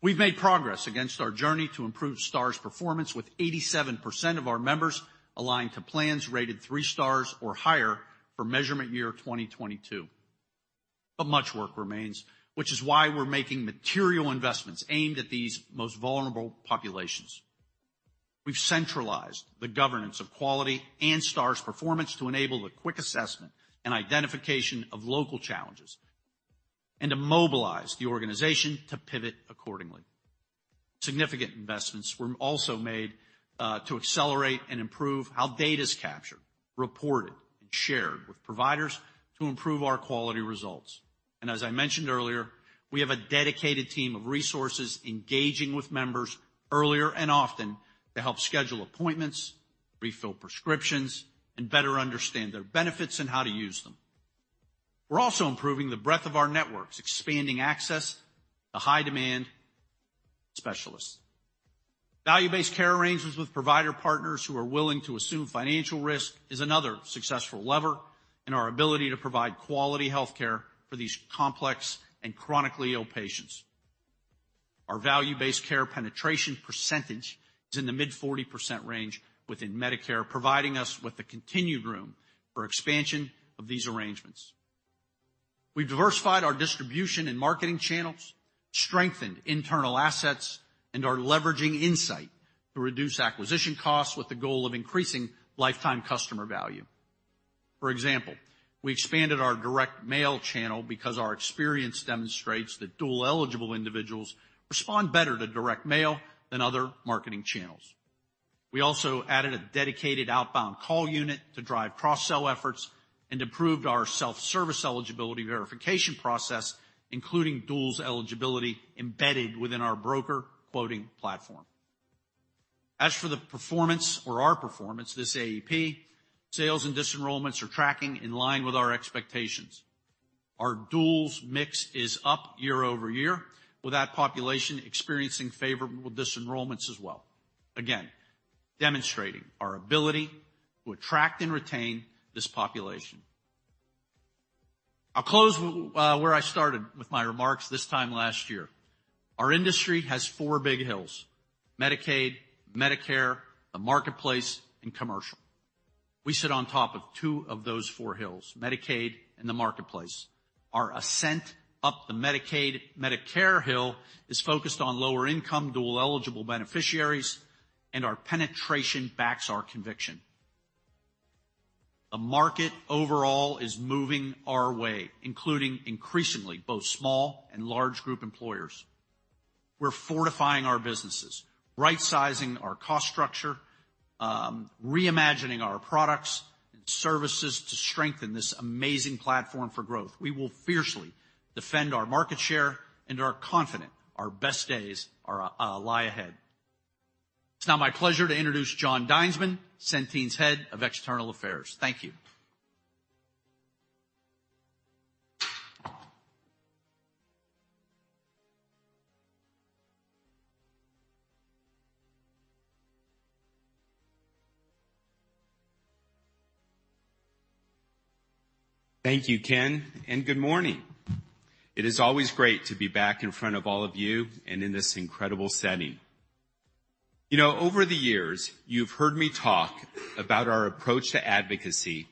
We've made progress against our journey to improve Stars performance, with 87% of our members aligned to plans rated three Stars or higher for measurement year 2022. But much work remains, which is why we're making material investments aimed at these most vulnerable populations. We've centralized the governance of quality and Stars performance to enable the quick assessment and identification of local challenges and to mobilize the organization to pivot accordingly. Significant investments were also made to accelerate and improve how data is captured, reported, and shared with providers to improve our quality results. And as I mentioned earlier, we have a dedicated team of resources engaging with members earlier and often to help schedule appointments, refill prescriptions, and better understand their benefits and how to use them. We're also improving the breadth of our networks, expanding access to high-demand specialists. value-based care arrangements with provider partners who are willing to assume financial risk is another successful lever in our ability to provide quality healthcare for these complex and chronically ill patients. Our value-based care penetration percentage is in the mid-40% range within Medicare, providing us with the continued room for expansion of these arrangements. We've diversified our distribution and marketing channels, strengthened internal assets, and are leveraging insight to reduce acquisition costs with the goal of increasing lifetime customer value. For example, we expanded our direct mail channel because our experience demonstrates that dual-eligible individuals respond better to direct mail than other marketing channels. We also added a dedicated outbound call unit to drive cross-sell efforts and improved our self-service eligibility verification process, including duals eligibility embedded within our broker quoting platform. As for the performance, our performance, this AEP, sales and disenrollments are tracking in line with our expectations. Our duals mix is up year-over-year, with that population experiencing favorable disenrollments as well, again, demonstrating our ability to attract and retain this population. I'll close, where I started with my remarks this time last year. Our industry has four big hills: Medicaid, Medicare, the Marketplace, and commercial. We sit on top of two of those four hills, Medicaid and the Marketplace. Our ascent up the Medicaid, Medicare Hill is focused on lower-income dual-eligible beneficiaries, and our penetration backs our conviction. The market overall is moving our way, including increasingly both small and large group employers. We're fortifying our businesses, rightsizing our cost structure, reimagining our products and services to strengthen this amazing platform for growth. We will fiercely defend our market share and are confident our best days are lie ahead. It's now my pleasure to introduce Jon Dinesman, Centene's Head of External Affairs. Thank you. Thank you, Ken, and good morning. It is always great to be back in front of all of you and in this incredible setting. You know, over the years, you've heard me talk about our approach to advocacy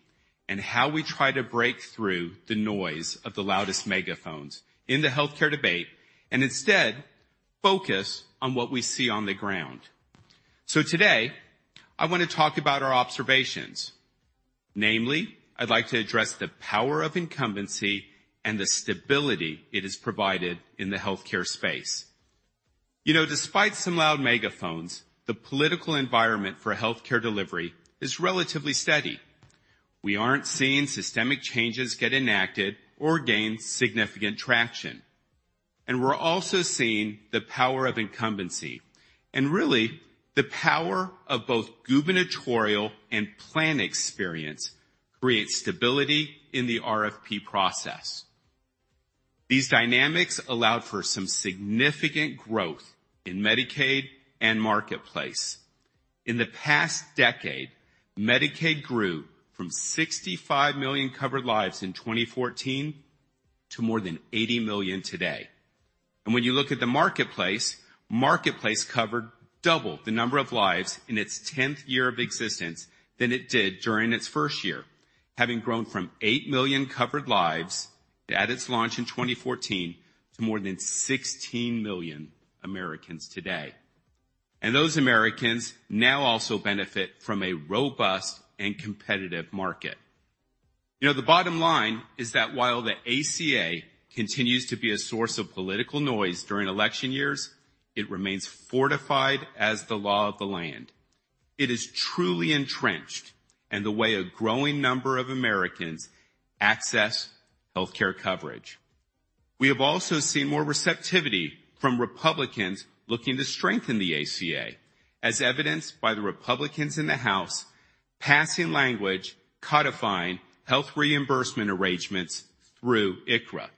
and how we try to break through the noise of the loudest megaphones in the healthcare debate, and instead focus on what we see on the ground. Today, I want to talk about our observations. Namely, I'd like to address the power of incumbency and the stability it has provided in the healthcare space. You know, despite some loud megaphones, the political environment for healthcare delivery is relatively steady. We aren't seeing systemic changes get enacted or gain significant traction, and we're also seeing the power of incumbency, and really, the power of both gubernatorial and plan experience create stability in the RFP process. These dynamics allowed for some significant growth in Medicaid and Marketplace. In the past decade, Medicaid grew from 65 million covered lives in 2014 to more than 80 million today. When you look at the Marketplace, Marketplace covered double the number of lives in its tenth year of existence than it did during its first year, having grown from 8 million covered lives at its launch in 2014 to more than 16 million Americans today. Those Americans now also benefit from a robust and competitive market. You know, the bottom line is that while the ACA continues to be a source of political noise during election years, it remains fortified as the law of the land. It is truly entrenched in the way a growing number of Americans access healthcare coverage. We have also seen more receptivity from Republicans looking to strengthen the ACA, as evidenced by the Republicans in the House passing language codifying health reimbursement arrangements through ICHRA.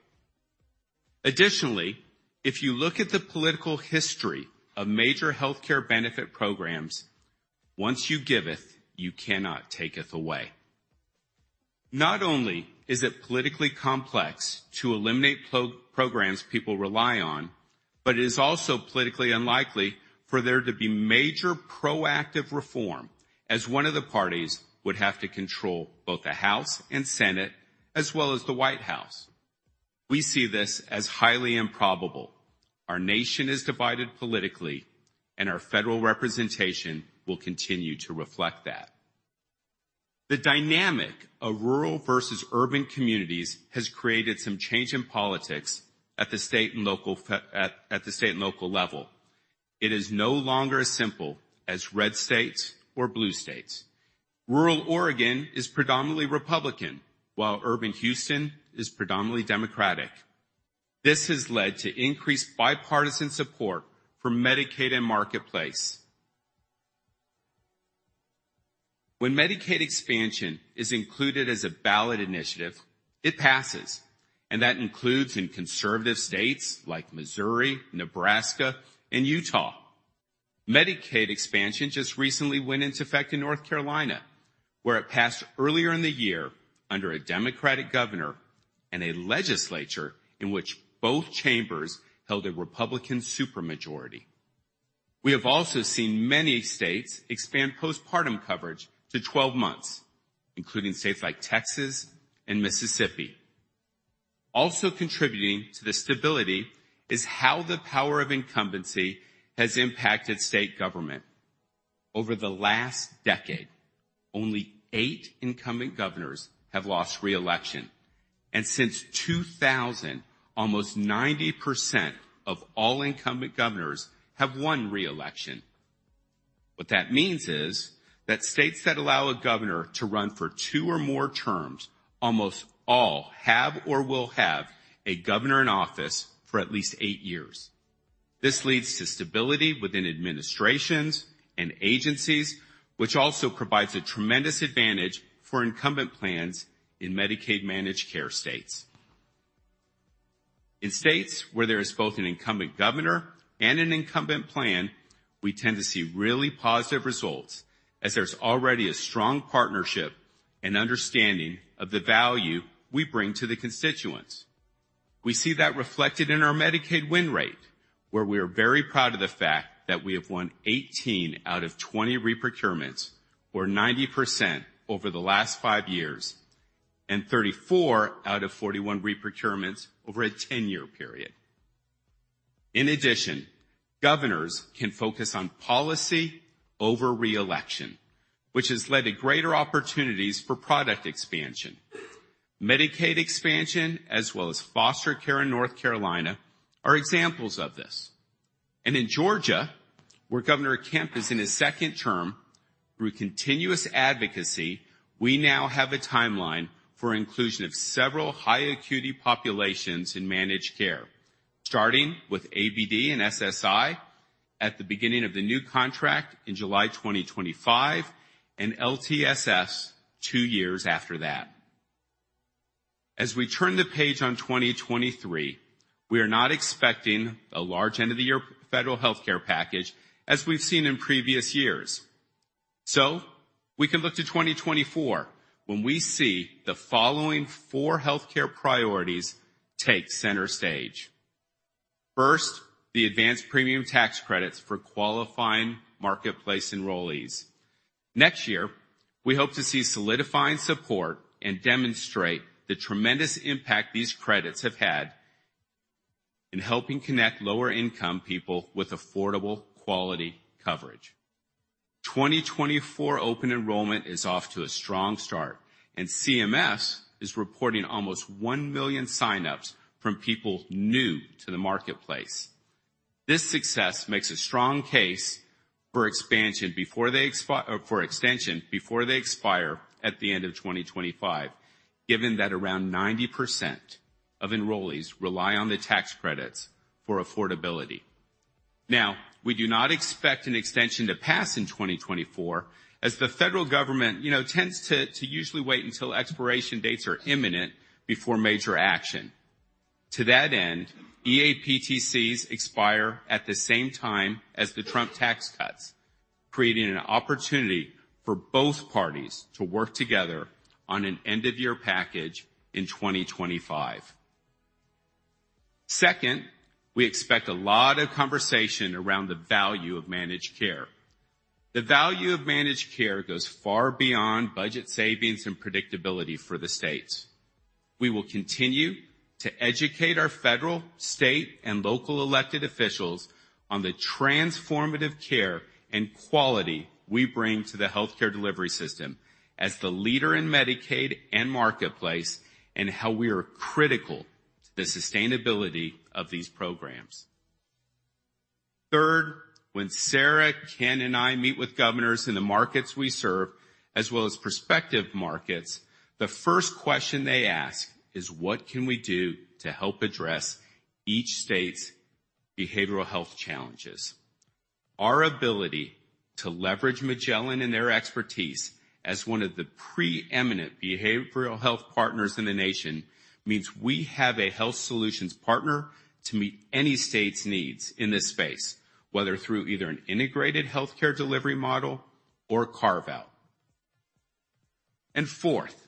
Additionally, if you look at the political history of major healthcare benefit programs, once you giveth, you cannot taketh away. Not only is it politically complex to eliminate programs people rely on, but it is also politically unlikely for there to be major proactive reform, as one of the parties would have to control both the House and Senate, as well as the White House. We see this as highly improbable. Our nation is divided politically, and our federal representation will continue to reflect that. The dynamic of rural versus urban communities has created some change in politics at the state and local level. It is no longer as simple as red states or blue states. Rural Oregon is predominantly Republican, while urban Houston is predominantly Democratic. This has led to increased bipartisan support for Medicaid and Marketplace. When Medicaid expansion is included as a ballot initiative, it passes, and that includes in conservative states like Missouri, Nebraska, and Utah. Medicaid expansion just recently went into effect in North Carolina, where it passed earlier in the year under a Democratic governor and a legislature in which both chambers held a Republican supermajority. We have also seen many states expand postpartum coverage to 12 months, including states like Texas and Mississippi. Also contributing to the stability is how the power of incumbency has impacted state government. Over the last decade, only eight incumbent governors have lost re-election, and since 2000, almost 90% of all incumbent governors have won re-election. What that means is that states that allow a governor to run for two or more terms, almost all have or will have a governor in office for at least 8 years. This leads to stability within administrations and agencies, which also provides a tremendous advantage for incumbent plans in Medicaid managed care states. In states where there is both an incumbent governor and an incumbent plan, we tend to see really positive results, as there's already a strong partnership and understanding of the value we bring to the constituents. We see that reflected in our Medicaid win rate, where we are very proud of the fact that we have won 18 out of 20 reprocurements, or 90% over the last five years, and 34 out of 41 reprocurements over a 10-year period. In addition, governors can focus on policy over re-election, which has led to greater opportunities for product expansion. Medicaid expansion, as well as foster care in North Carolina, are examples of this. In Georgia, where Governor Kemp is in his second term, through continuous advocacy, we now have a timeline for inclusion of several high acuity populations in managed care, starting with ABD and SSI at the beginning of the new contract in July 2025, and LTSS two years after that. As we turn the page on 2023, we are not expecting a large end-of-the-year federal healthcare package as we've seen in previous years. We can look to 2024, when we see the following four healthcare priorities take center stage. First, the advance premium tax credits for qualifying Marketplace enrollees. Next year, we hope to see solidifying support and demonstrate the tremendous impact these credits have had in helping connect lower-income people with affordable quality coverage. 2024 open enrollment is off to a strong start, and CMS is reporting almost 1 million sign-ups from people new to the Marketplace. This success makes a strong case for expansion before they expire, for extension, before they expire at the end of 2025, given that around 90% of enrollees rely on the tax credits for affordability. Now, we do not expect an extension to pass in 2024, as the federal government, you know, tends to usually wait until expiration dates are imminent before major action. To that end, EAPTCs expire at the same time as the Trump tax cuts, creating an opportunity for both parties to work together on an end-of-year package in 2025. Second, we expect a lot of conversation around the value of managed care. The value of managed care goes far beyond budget savings and predictability for the states. We will continue to educate our federal, state, and local elected officials on the transformative care and quality we bring to the healthcare delivery system as the leader in Medicaid and Marketplace, and how we are critical to the sustainability of these programs. Third, when Sarah, Ken, and I meet with governors in the markets we serve, as well as prospective markets, the first question they ask is: What can we do to help address each state's behavioral health challenges? Our ability to leverage Magellan and their expertise as one of the preeminent behavioral health partners in the nation, means we have a health solutions partner to meet any state's needs in this space, whether through either an integrated healthcare delivery model or a carve-out. Fourth,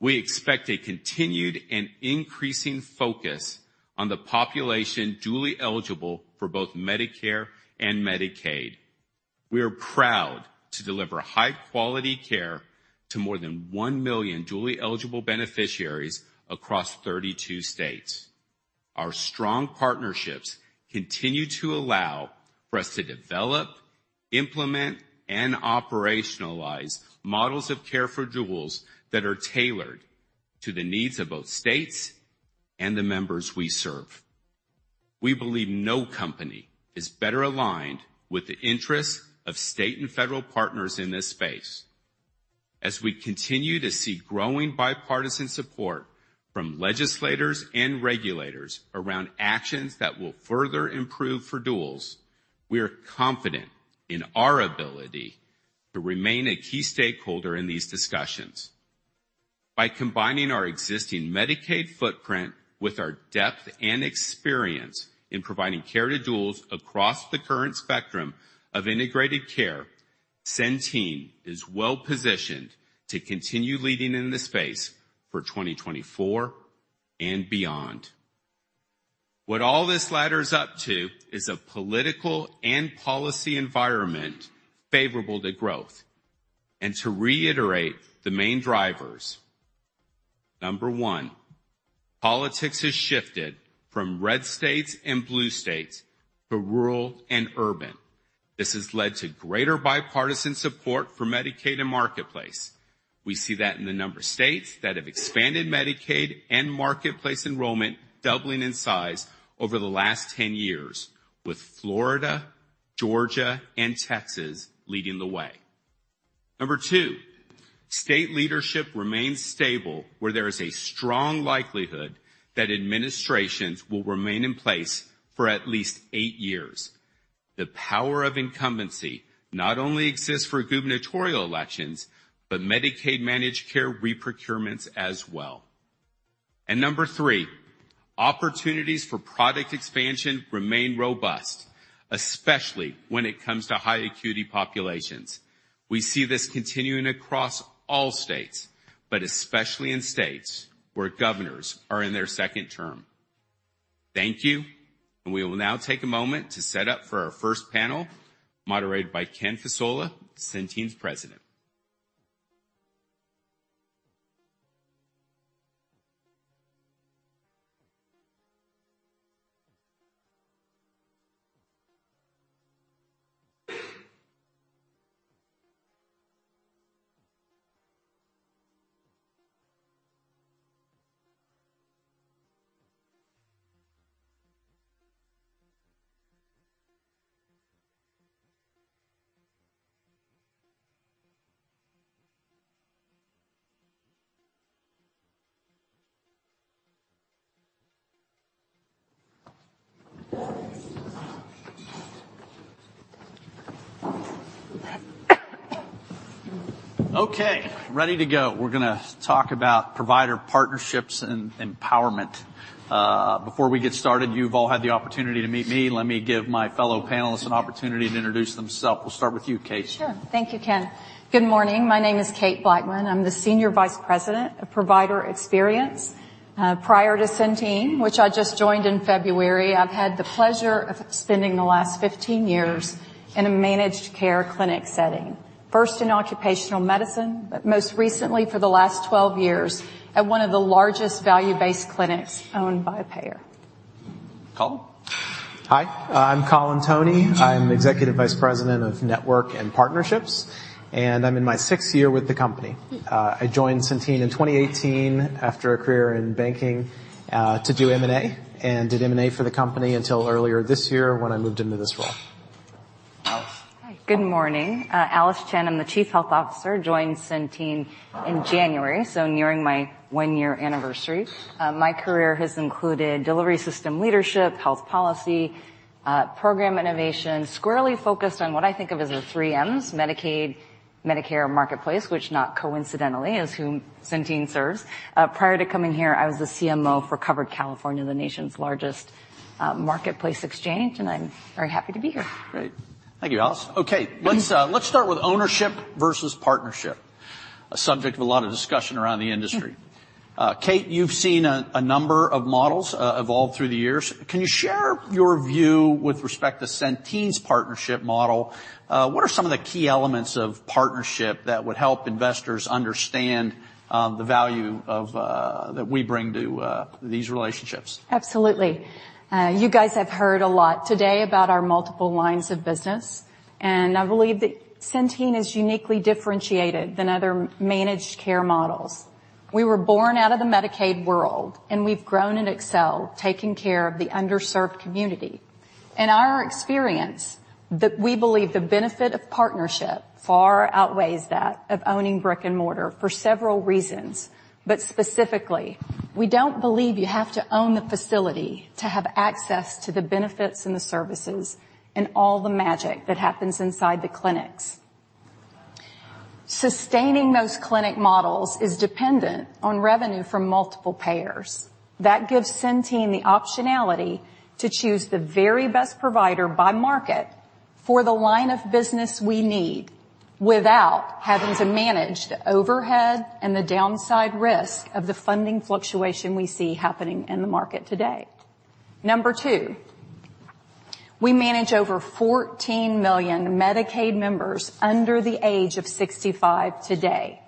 we expect a continued and increasing focus on the population dually eligible for both Medicare and Medicaid. We are proud to deliver high-quality care to more than 1 million dually eligible beneficiaries across 32 states. Our strong partnerships continue to allow for us to develop, implement, and operationalize models of care for duals that are tailored to the needs of both states and the members we serve. We believe no company is better aligned with the interests of state and federal partners in this space. As we continue to see growing bipartisan support from legislators and regulators around actions that will further improve for duals, we are confident in our ability to remain a key stakeholder in these discussions. By combining our existing Medicaid footprint with our depth and experience in providing care to duals across the current spectrum of integrated care, Centene is well positioned to continue leading in this space for 2024... and beyond. What all this ladders up to is a political and policy environment favorable to growth. And to reiterate the main drivers, number one, politics has shifted from red states and blue states to rural and urban. This has led to greater bipartisan support for Medicaid and Marketplace. We see that in the number of states that have expanded Medicaid and Marketplace enrollment doubling in size over the last 10 years, with Florida, Georgia, and Texas leading the way. Number two, state leadership remains stable, where there is a strong likelihood that administrations will remain in place for at least eight years. The power of incumbency not only exists for gubernatorial elections, but Medicaid managed care reprocurements as well. Number three, opportunities for product expansion remain robust, especially when it comes to high acuity populations. We see this continuing across all states, but especially in states where governors are in their second term. Thank you, and we will now take a moment to set up for our first panel, moderated by Ken Fasola, Centene's President. Okay, ready to go. We're going to talk about provider partnerships and empowerment. Before we get started, you've all had the opportunity to meet me. Let me give my fellow panelists an opportunity to introduce themselves. We'll start with you, Kate. Sure. Thank you, Ken. Good morning. My name is Kate Blackmon. I'm the Senior Vice President of Provider Experience. Prior to Centene, which I just joined in February, I've had the pleasure of spending the last 15 years in a managed care clinic setting, first in occupational medicine, but most recently for the last 12 years, at one of the largest value-based clinics owned by a payer. Colin? Hi, I'm Colin Toney. I'm Executive Vice President of Network and Partnerships, and I'm in my sixth year with the company. I joined Centene in 2018 after a career in banking, to do M&A, and did M&A for the company until earlier this year when I moved into this role. Alice. Hi. Good morning. Alice Chen, I'm the Chief Health Officer, joined Centene in January, so nearing my one-year anniversary. My career has included delivery system leadership, health policy, program innovation, squarely focused on what I think of as the three M's: Medicaid, Medicare, and Marketplace, which not coincidentally, is whom Centene serves. Prior to coming here, I was the CMO for Covered California, the nation's largest, Marketplace exchange, and I'm very happy to be here. Great. Thank you, Alice. Okay, let's start with ownership versus partnership, a subject of a lot of discussion around the industry. Mm. Kate, you've seen a number of models evolve through the years. Can you share your view with respect to Centene's partnership model? What are some of the key elements of partnership that would help investors understand the value of that we bring to these relationships? Absolutely. You guys have heard a lot today about our multiple lines of business, and I believe that Centene is uniquely differentiated than other managed care models. We were born out of the Medicaid world, and we've grown and excelled, taking care of the underserved community. In our experience, we believe the benefit of partnership far outweighs that of owning brick-and-mortar for several reasons, but specifically, we don't believe you have to own the facility to have access to the benefits and the services and all the magic that happens inside the clinics. Sustaining those clinic models is dependent on revenue from multiple payers. That gives Centene the optionality to choose the very best provider by market for the line of business we need, without having to manage the overhead and the downside risk of the funding fluctuation we see happening in the market today. Number two, we manage over 14 million Medicaid members under the age of 65 today,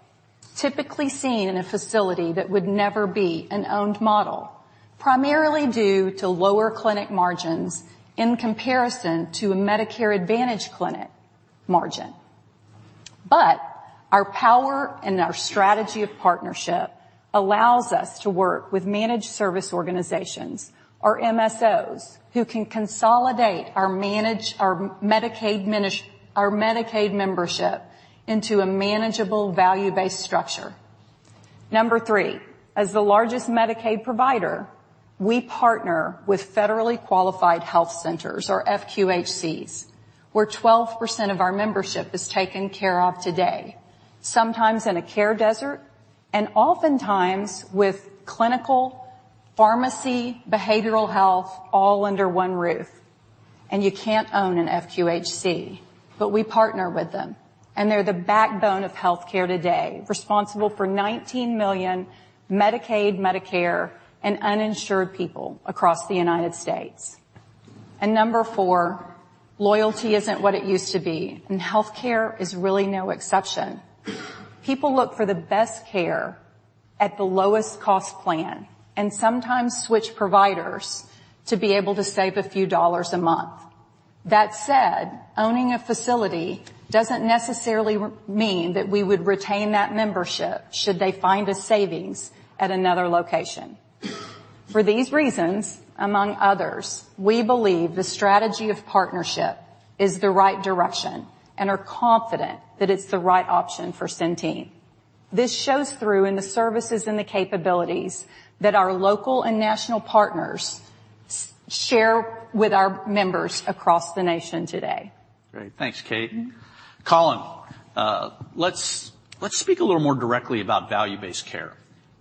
typically seen in a facility that would never be an owned model, primarily due to lower clinic margins in comparison to a Medicare Advantage clinic margin. But our power and our strategy of partnership allows us to work with managed service organizations or MSOs, who can consolidate our Medicaid membership into a manageable value-based structure. Number three, as the largest Medicaid provider, we partner with Federally Qualified Health Centers or FQHCs, where 12% of our membership is taken care of today, sometimes in a care desert, and oftentimes with clinical, pharmacy, behavioral health, all under one roof, and you can't own an FQHC, but we partner with them, and they're the backbone of healthcare today, responsible for 19 million Medicaid, Medicare, and uninsured people across the United States. Number four, loyalty isn't what it used to be, and healthcare is really no exception. People look for the best care at the lowest cost plan and sometimes switch providers to be able to save a few dollars a month. That said, owning a facility doesn't necessarily mean that we would retain that membership should they find a savings at another location. For these reasons, among others, we believe the strategy of partnership is the right direction and are confident that it's the right option for Centene. This shows through in the services and the capabilities that our local and national partners share with our members across the nation today. Great. Thanks, Kate. Colin, let's speak a little more directly about value-based care.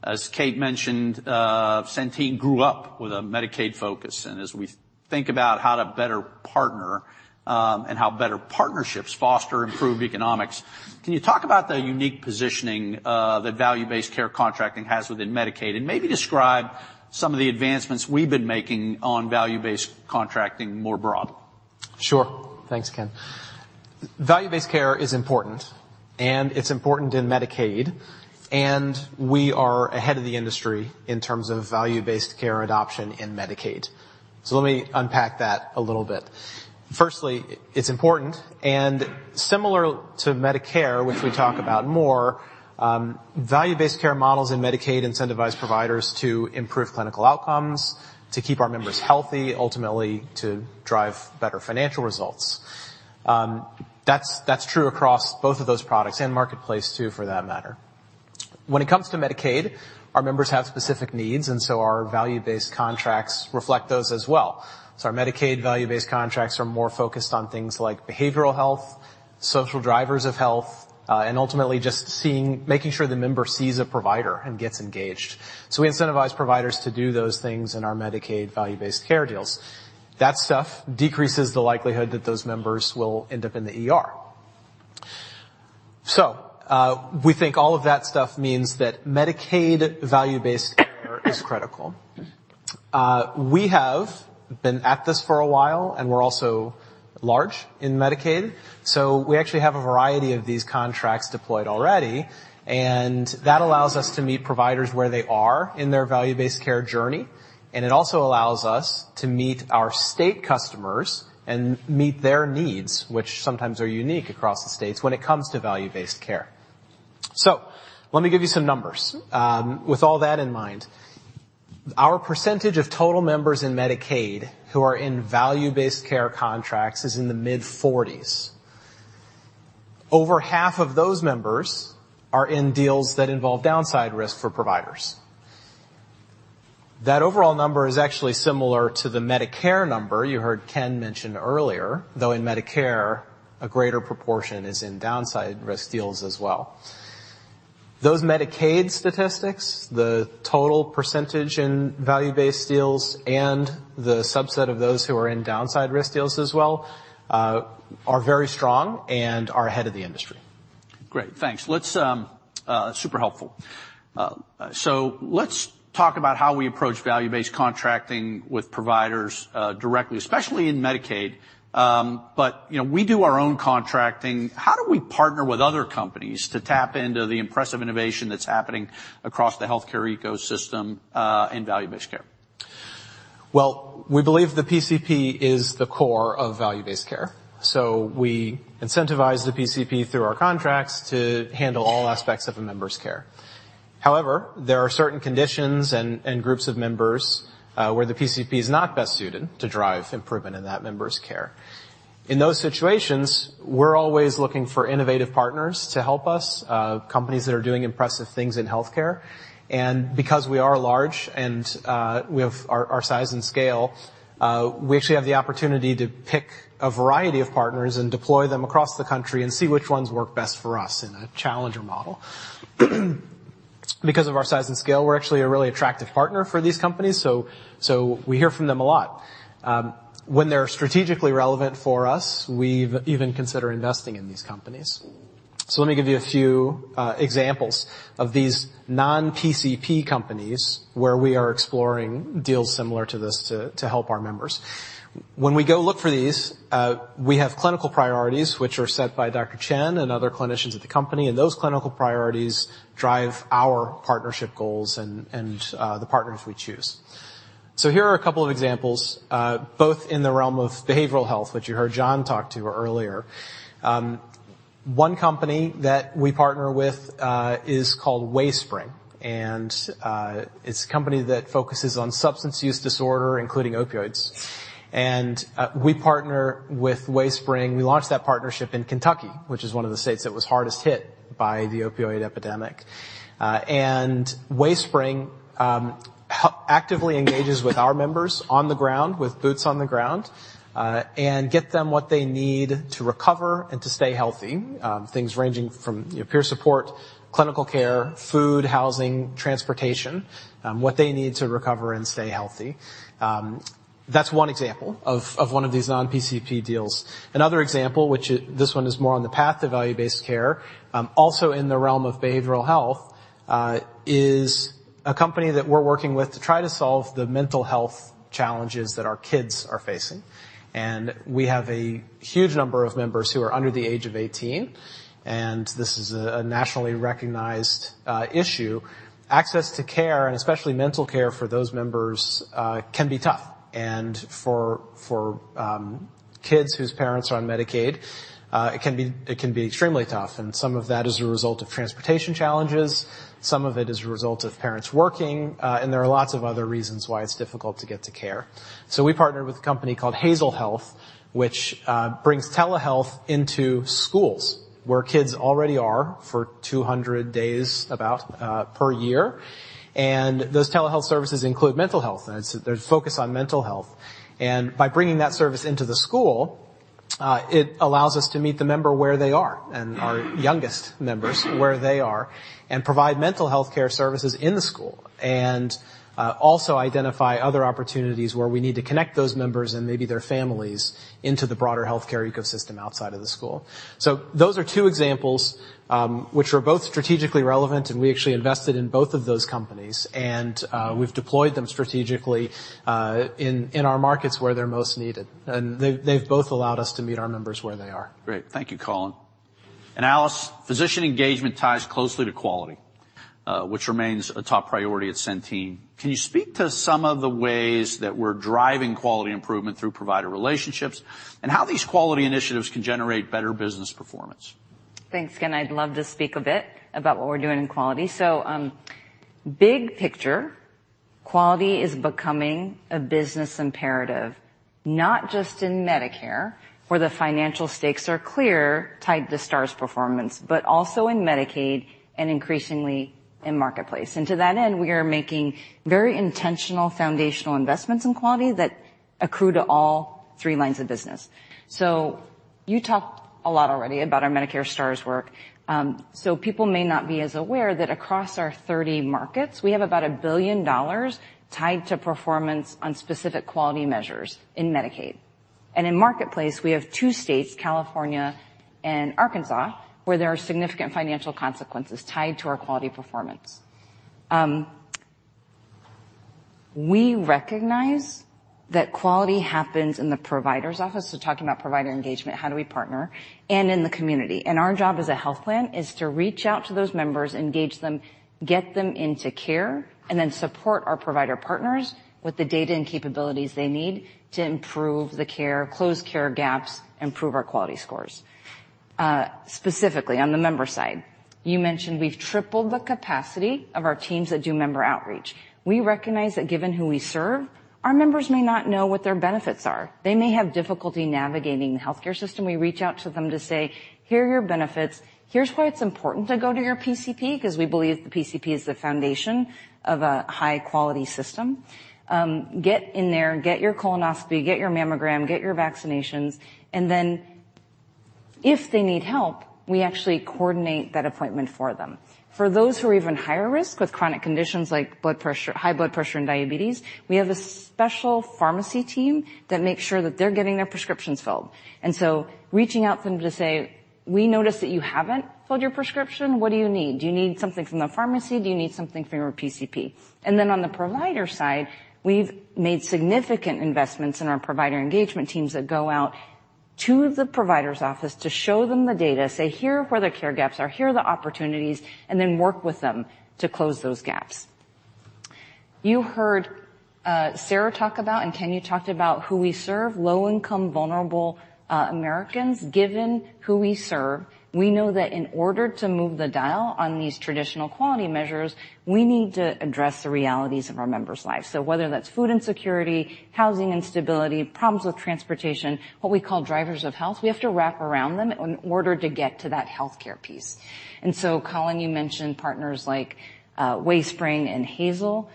As Kate mentioned, Centene grew up with a Medicaid focus, and as we think about how to better partner, and how better partnerships foster improved economics, can you talk about the unique positioning that value-based care contracting has within Medicaid, and maybe describe some of the advancements we've been making on value-based contracting more broadly? Sure. Thanks, Ken. value-based care is important, and it's important in Medicaid, and we are ahead of the industry in terms of value-based care adoption in Medicaid. So let me unpack that a little bit. Firstly, it's important, and similar to Medicare, which we talk about more, value-based care models in Medicaid incentivize providers to improve clinical outcomes, to keep our members healthy, ultimately to drive better financial results. That's, that's true across both of those products, and Marketplace, too, for that matter. When it comes to Medicaid, our members have specific needs, and so our value-based contracts reflect those as well. So our Medicaid value-based contracts are more focused on things like behavioral health, social drivers of health, and ultimately just seeing, making sure the member sees a provider and gets engaged. So we incentivize providers to do those things in our Medicaid value-based care deals. That stuff decreases the likelihood that those members will end up in the ER. So, we think all of that stuff means that Medicaid value-based care is critical. We have been at this for a while, and we're also large in Medicaid, so we actually have a variety of these contracts deployed already, and that allows us to meet providers where they are in their value-based care journey. And it also allows us to meet our state customers and meet their needs, which sometimes are unique across the states when it comes to value-based care. So let me give you some numbers. With all that in mind, our percentage of total members in Medicaid who are in value-based care contracts is in the mid-40s. Over half of those members are in deals that involve downside risk for providers. That overall number is actually similar to the Medicare number you heard Ken mention earlier, though in Medicare, a greater proportion is in downside risk deals as well. Those Medicaid statistics, the total percentage in value-based deals and the subset of those who are in downside risk deals as well, are very strong and are ahead of the industry. Great, thanks. Let's, super helpful. So let's talk about how we approach value-based contracting with providers, directly, especially in Medicaid. But, you know, we do our own contracting. How do we partner with other companies to tap into the impressive innovation that's happening across the healthcare ecosystem, in value-based care? Well, we believe the PCP is the core of value-based care, so we incentivize the PCP through our contracts to handle all aspects of a member's care. However, there are certain conditions and groups of members where the PCP is not best suited to drive improvement in that member's care. In those situations, we're always looking for innovative partners to help us, companies that are doing impressive things in healthcare. And because we are large and we have our size and scale, we actually have the opportunity to pick a variety of partners and deploy them across the country and see which ones work best for us in a challenger model. Because of our size and scale, we're actually a really attractive partner for these companies, so we hear from them a lot. When they're strategically relevant for us, we've even consider investing in these companies. So let me give you a few examples of these non-PCP companies where we are exploring deals similar to this to help our members. When we go look for these, we have clinical priorities, which are set by Dr. Chen and other clinicians at the company, and those clinical priorities drive our partnership goals and the partners we choose. So here are a couple of examples, both in the realm of behavioral health, which you heard Jon talk to earlier. One company that we partner with is called Wayspring, and it's a company that focuses on substance use disorder, including opioids. And we partner with Wayspring. We launched that partnership in Kentucky, which is one of the states that was hardest hit by the opioid epidemic. and Wayspring actively engages with our members on the ground, with boots on the ground, and get them what they need to recover and to stay healthy. Things ranging from, you know, peer support, clinical care, food, housing, transportation, what they need to recover and stay healthy. That's one example of one of these non-PCP deals. Another example, which is this one is more on the path to value-based care, also in the realm of behavioral health, is a company that we're working with to try to solve the mental health challenges that our kids are facing. And we have a huge number of members who are under the age of eighteen, and this is a nationally recognized issue. Access to care, and especially mental care for those members, can be tough. And for kids whose parents are on Medicaid, it can be extremely tough, and some of that is a result of transportation challenges, some of it is a result of parents working, and there are lots of other reasons why it's difficult to get to care. So we partnered with a company called Hazel Health, which brings telehealth into schools, where kids already are for 200 days, about, per year. And those telehealth services include mental health, and they're focused on mental health. And by bringing that service into the school, it allows us to meet the member where they are, and our youngest members where they are, and provide mental health care services in the school. Also identify other opportunities where we need to connect those members and maybe their families into the broader healthcare ecosystem outside of the school. Those are two examples, which are both strategically relevant, and we actually invested in both of those companies, and we've deployed them strategically in our markets where they're most needed. They've both allowed us to meet our members where they are. Great. Thank you, Colin. Alice, physician engagement ties closely to quality, which remains a top priority at Centene. Can you speak to some of the ways that we're driving quality improvement through provider relationships, and how these quality initiatives can generate better business performance? Thanks, Ken. I'd love to speak a bit about what we're doing in quality. So, big picture, quality is becoming a business imperative, not just in Medicare, where the financial stakes are clear, tied to Stars performance, but also in Medicaid and increasingly in Marketplace. And to that end, we are making very intentional foundational investments in quality that accrue to all three lines of business. So you talked a lot already about our Medicare Stars work. So people may not be aware that across our 30 markets, we have about $1 billion tied to performance on specific quality measures in Medicaid. And in Marketplace, we have two states, California and Arkansas, where there are significant financial consequences tied to our quality performance. We recognize that quality happens in the provider's office. So talking about provider engagement, how do we partner? And in the community. Our job as a health plan is to reach out to those members, engage them, get them into care, and then support our provider partners with the data and capabilities they need to improve the care, close care gaps, improve our quality scores. Specifically on the member side, you mentioned we've tripled the capacity of our teams that do member outreach. We recognize that given who we serve, our members may not know what their benefits are. They may have difficulty navigating the healthcare system. We reach out to them to say, "Here are your benefits. Here's why it's important to go to your PCP," 'cause we believe the PCP is the foundation of a high-quality system. "Get in there, get your colonoscopy, get your mammogram, get your vaccinations." And then if they need help, we actually coordinate that appointment for them. For those who are even higher risk with chronic conditions like blood pressure-high blood pressure and diabetes, we have a special pharmacy team that makes sure that they're getting their prescriptions filled. And so reaching out to them to say, "We noticed that you haven't filled your prescription. What do you need? Do you need something from the pharmacy? Do you need something from your PCP?" And then on the provider side, we've made significant investments in our provider engagement teams that go out to the provider's office to show them the data, say, "Here are where the care gaps are, here are the opportunities," and then work with them to close those gaps. You heard, Sarah talk about, and Kenny talked about who we serve, low-income, vulnerable, Americans. Given who we serve, we know that in order to move the dial on these traditional quality measures, we need to address the realities of our members' lives. So whether that's food insecurity, housing instability, problems with transportation, what we call drivers of health, we have to wrap around them in order to get to that healthcare piece. And so, Colin, you mentioned partners like Wayspring and Hazel.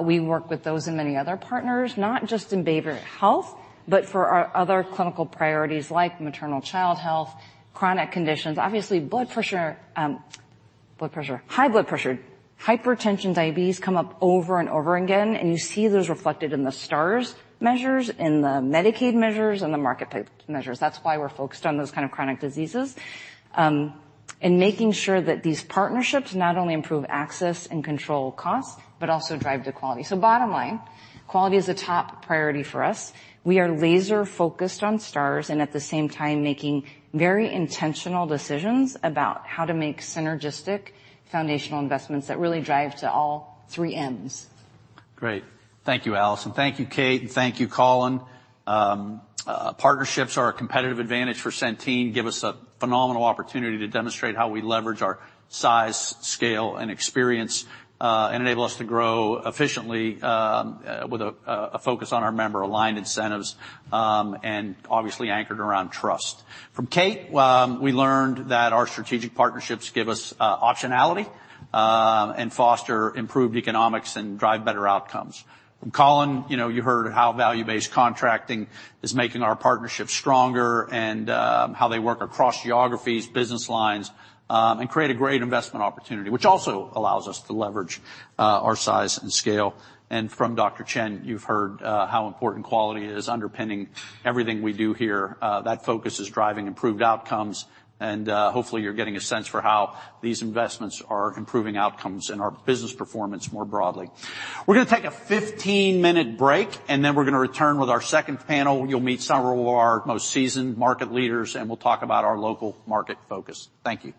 We work with those and many other partners, not just in behavioral health, but for our other clinical priorities like maternal child health, chronic conditions. Obviously, blood pressure, high blood pressure, hypertension, diabetes come up over and over again, and you see those reflected in the Stars measures, in the Medicaid measures, and the Marketplace measures. That's why we're focused on those kind of chronic diseases, and making sure that these partnerships not only improve access and control costs, but also drive the quality. So bottom line, quality is a top priority for us. We are laser focused on Stars and at the same time making very intentional decisions about how to make synergistic foundational investments that really drive to all three Ms. Great. Thank you, Alice, and thank you, Kate, and thank you, Colin. Partnerships are a competitive advantage for Centene, give us a phenomenal opportunity to demonstrate how we leverage our size, scale, and experience, and enable us to grow efficiently, with a focus on our member aligned incentives, and obviously anchored around trust. From Kate, we learned that our strategic partnerships give us optionality, and foster improved economics and drive better outcomes. From Colin, you know, you heard how value-based contracting is making our partnerships stronger and how they work across geographies, business lines, and create a great investment opportunity, which also allows us to leverage our size and scale. From Dr. Chen, you've heard how important quality is underpinning everything we do here. That focus is driving improved outcomes, and, hopefully, you're getting a sense for how these investments are improving outcomes and our business performance more broadly. We're gonna take a 15-minute break, and then we're gonna return with our second panel. You'll meet several of our most seasoned market leaders, and we'll talk about our local market focus. Thank you.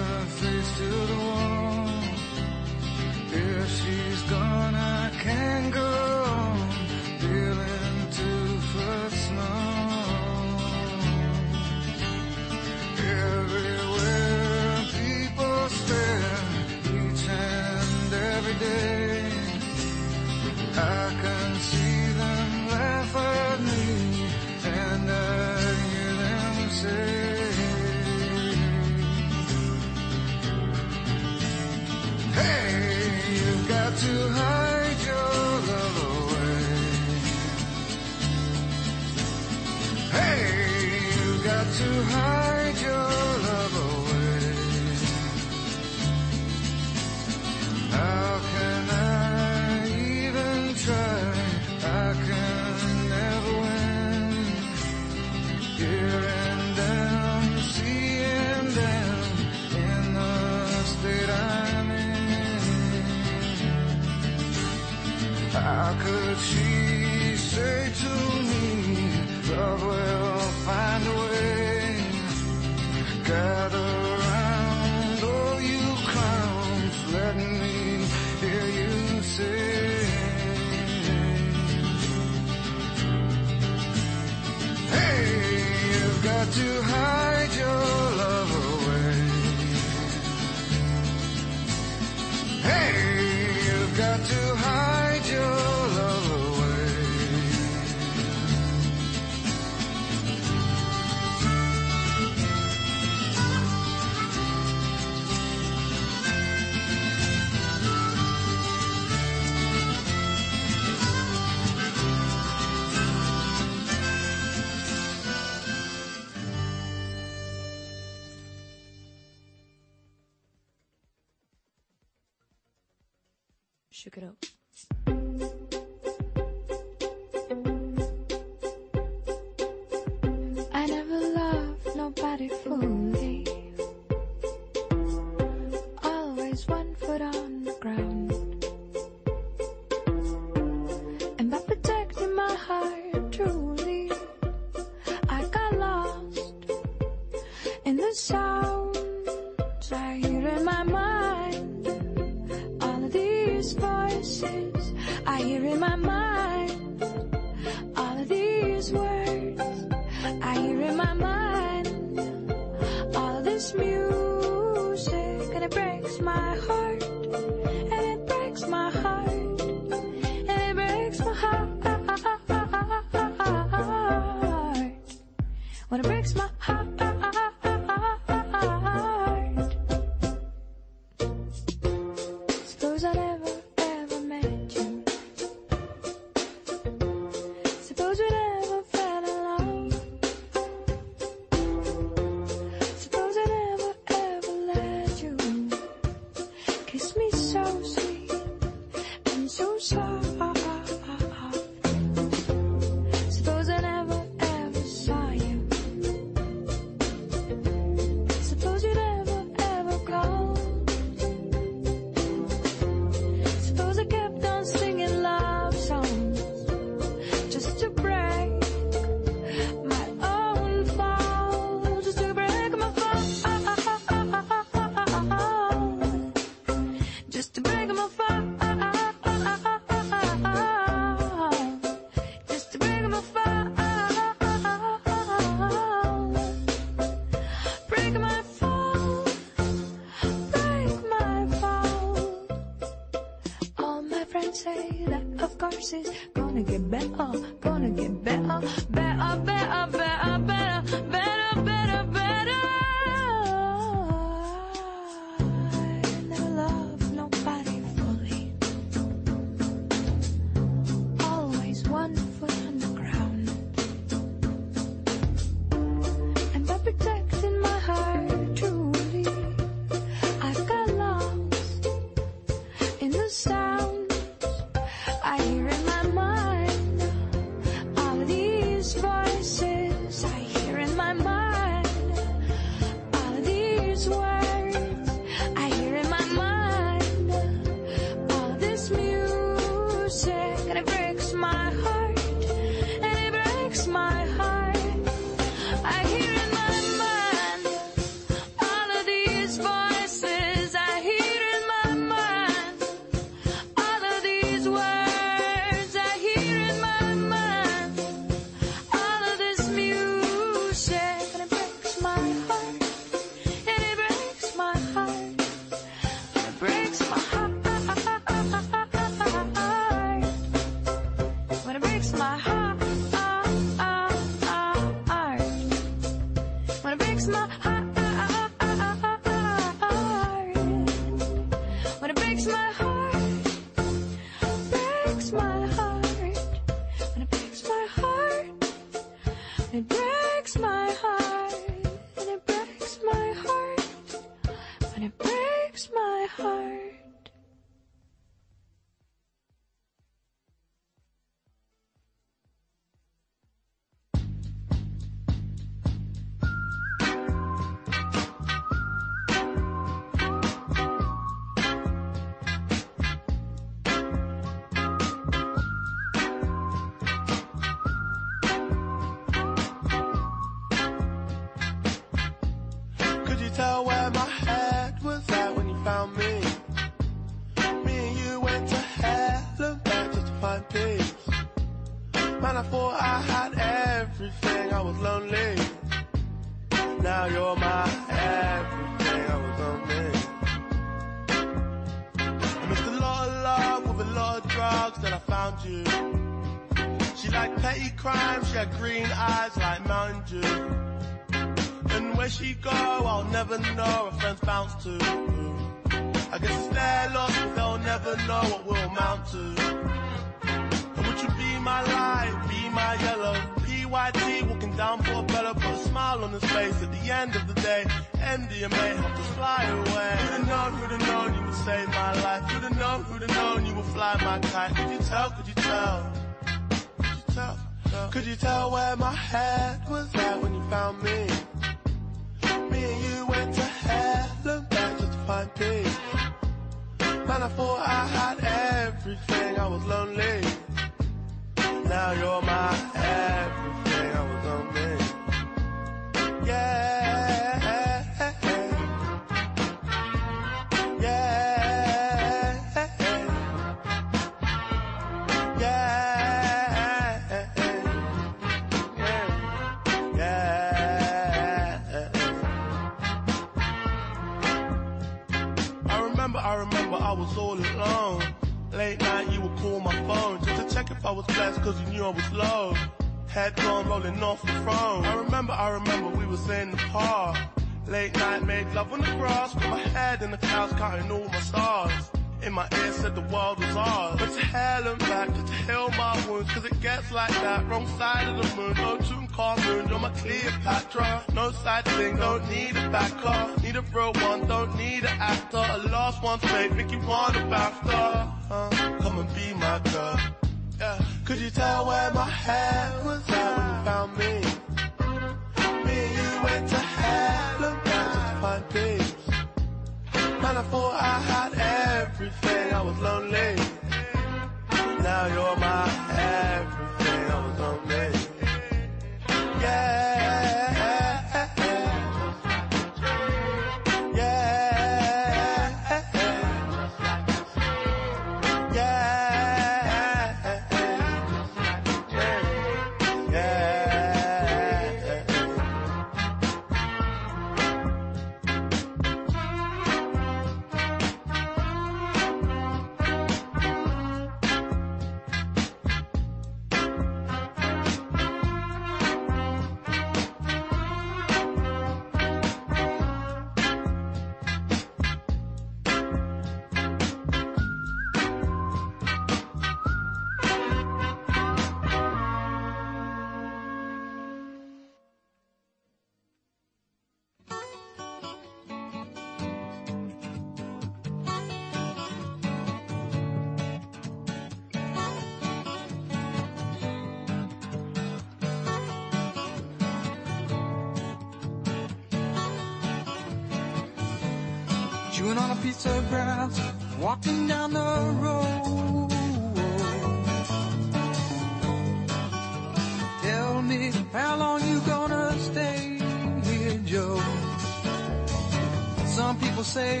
Well,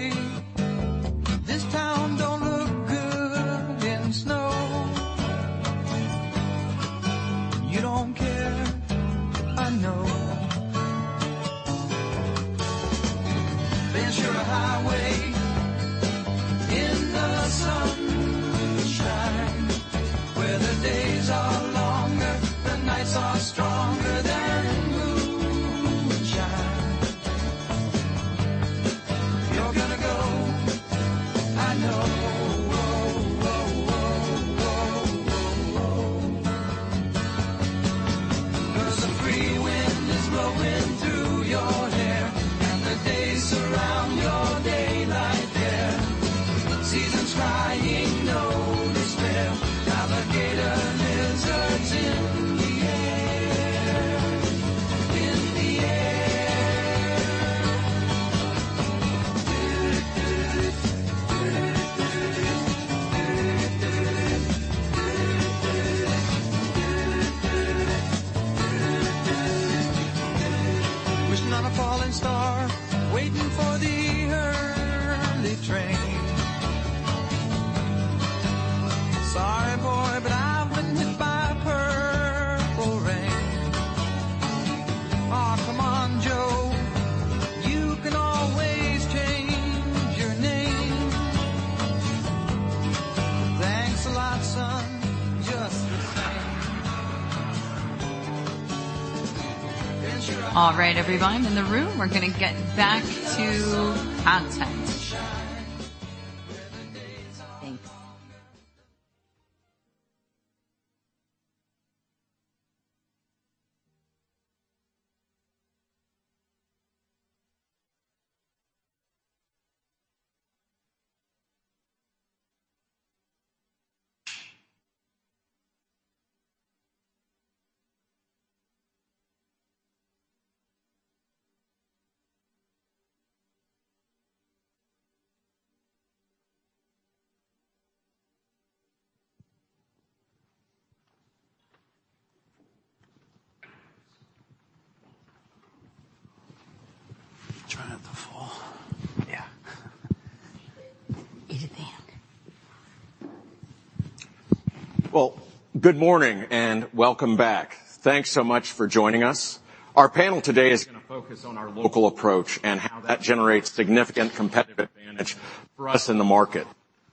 good morning and welcome back. Thanks so much for joining us. Our panel today is gonna focus on our local approach and how that generates significant competitive advantage for us in the market.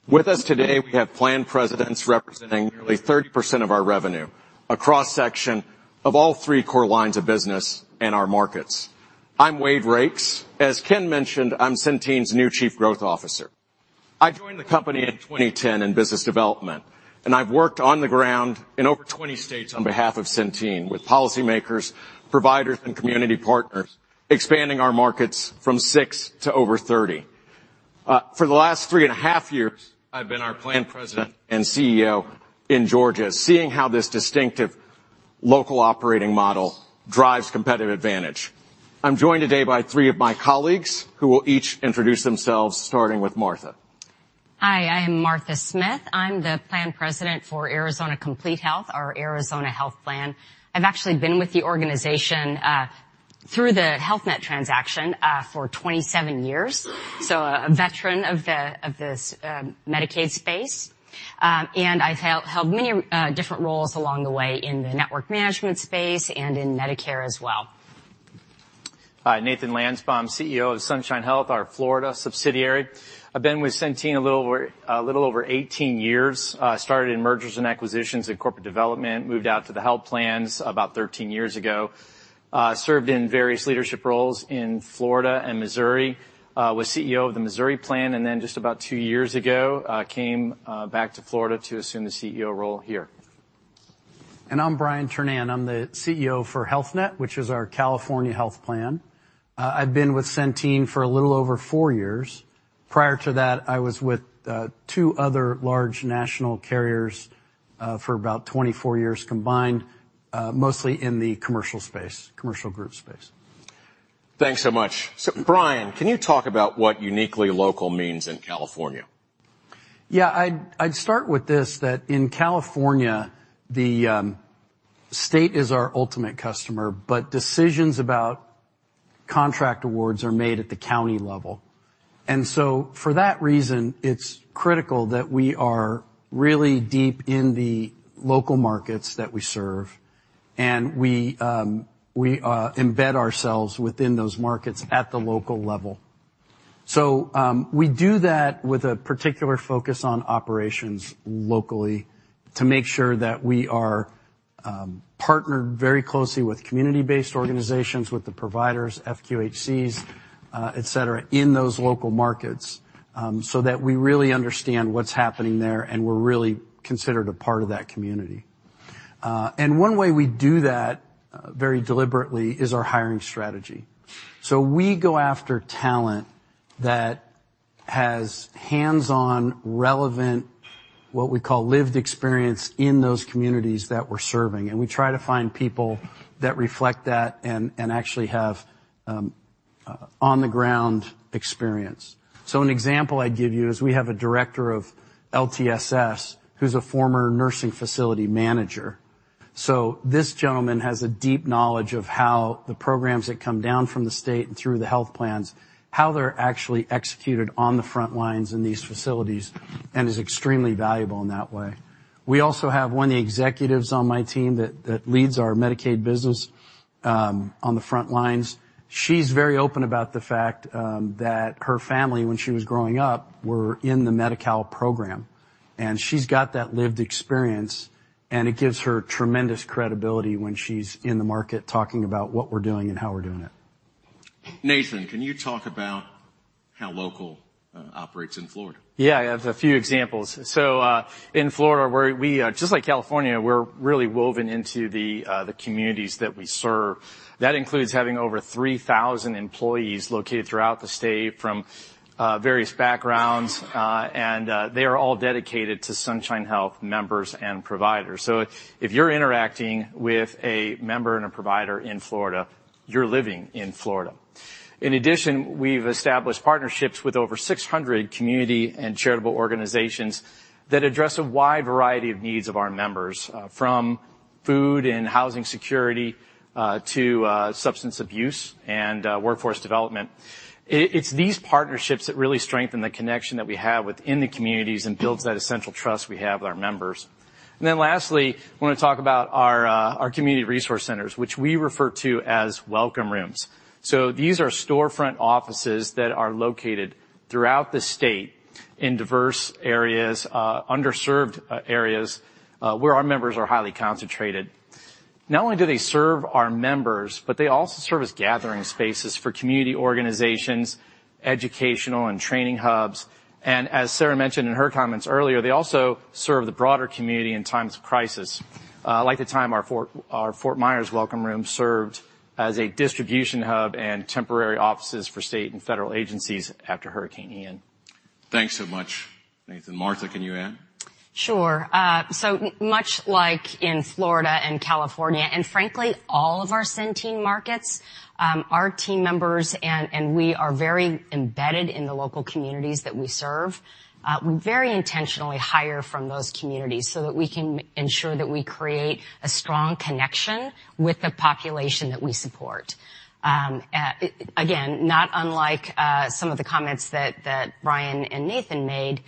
With us today, we have plan presidents representing nearly 30% of our revenue, a cross-section of all three core lines of business and our markets. I'm Wade Rakes. As Ken mentioned, I'm Centene's new Chief Growth Officer. I joined the company in 2010 in business development, and I've worked on the ground in over 20 states on behalf of Centene, with policymakers, providers, and community partners, expanding our markets from six to over 30. For the last 3.5 years, I've been our Plan President and CEO in Georgia, seeing how this distinctive local operating model drives competitive advantage. I'm joined today by three of my colleagues, who will each introduce themselves, starting with Martha. Hi, I am Martha Smith. I'm the Plan President for Arizona Complete Health, our Arizona health plan. I've actually been with the organization through the Health Net transaction for 27 years, so a veteran of this Medicaid space. And I've held many different roles along the way in the network management space and in Medicare as well. Hi, Nathan Landsbaum, CEO of Sunshine Health, our Florida subsidiary. I've been with Centene a little over, little over 18 years. I started in mergers and acquisitions and corporate development, moved out to the health plans about 13 years ago. Served in various leadership roles in Florida and Missouri, was CEO of the Missouri plan, and then just about two years ago, came back to Florida to assume the CEO role here. I'm Brian Ternan. I'm the CEO for Health Net, which is our California health plan. I've been with Centene for a little over four years. Prior to that, I was with two other large national carriers for about 24 years combined, mostly in the commercial space, commercial group space. Thanks so much. Brian, can you talk about what uniquely local means in California? Yeah, I'd start with this, that in California, the state is our ultimate customer, but decisions about contract awards are made at the county level. And so for that reason, it's critical that we are really deep in the local markets that we serve, and we embed ourselves within those markets at the local level. So, we do that with a particular focus on operations locally to make sure that we are partnered very closely with community-based organizations, with the providers, FQHCs, et cetera, in those local markets, so that we really understand what's happening there, and we're really considered a part of that community. And one way we do that very deliberately is our hiring strategy. So we go after talent that has hands-on relevant, what we call lived experience, in those communities that we're serving, and we try to find people that reflect that and actually have on-the-ground experience. So an example I'd give you is we have a director of LTSS, who's a former nursing facility manager. So this gentleman has a deep knowledge of how the programs that come down from the state and through the health plans, how they're actually executed on the front lines in these facilities, and is extremely valuable in that way. We also have one of the executives on my team that leads our Medicaid business on the front lines. She's very open about the fact that her family, when she was growing up, were in the Medi-Cal program, and she's got that lived experience, and it gives her tremendous credibility when she's in the market talking about what we're doing and how we're doing it. Nathan, can you talk about how local operates in Florida? Yeah, I have a few examples. So, in Florida, where we, just like California, we're really woven into the, the communities that we serve. That includes having over 3,000 employees located throughout the state from, various backgrounds, and, they are all dedicated to Sunshine Health members and providers. So if you're interacting with a member and a provider in Florida, you're living in Florida. In addition, we've established partnerships with over 600 community and charitable organizations that address a wide variety of needs of our members, from food and housing security, to, substance abuse and, workforce development. It's these partnerships that really strengthen the connection that we have within the communities and builds that essential trust we have with our members. And then lastly, I wanna talk about our, our community resource centers, which we refer to as welcome rooms. So these are storefront offices that are located throughout the state in diverse areas, underserved areas, where our members are highly concentrated. Not only do they serve our members, but they also serve as gathering spaces for community organizations, educational and training hubs, and as Sarah mentioned in her comments earlier, they also serve the broader community in times of crisis. Like the time our Fort, our Fort Myers welcome room served as a distribution hub and temporary offices for state and federal agencies after Hurricane Ian. Thanks so much, Nathan. Martha, can you add? Sure. So much like in Florida and California, and frankly, all of our Centene markets, our team members and we are very embedded in the local communities that we serve. We very intentionally hire from those communities so that we can ensure that we create a strong connection with the population that we support. Again, not unlike some of the comments that Brian and Nathan made,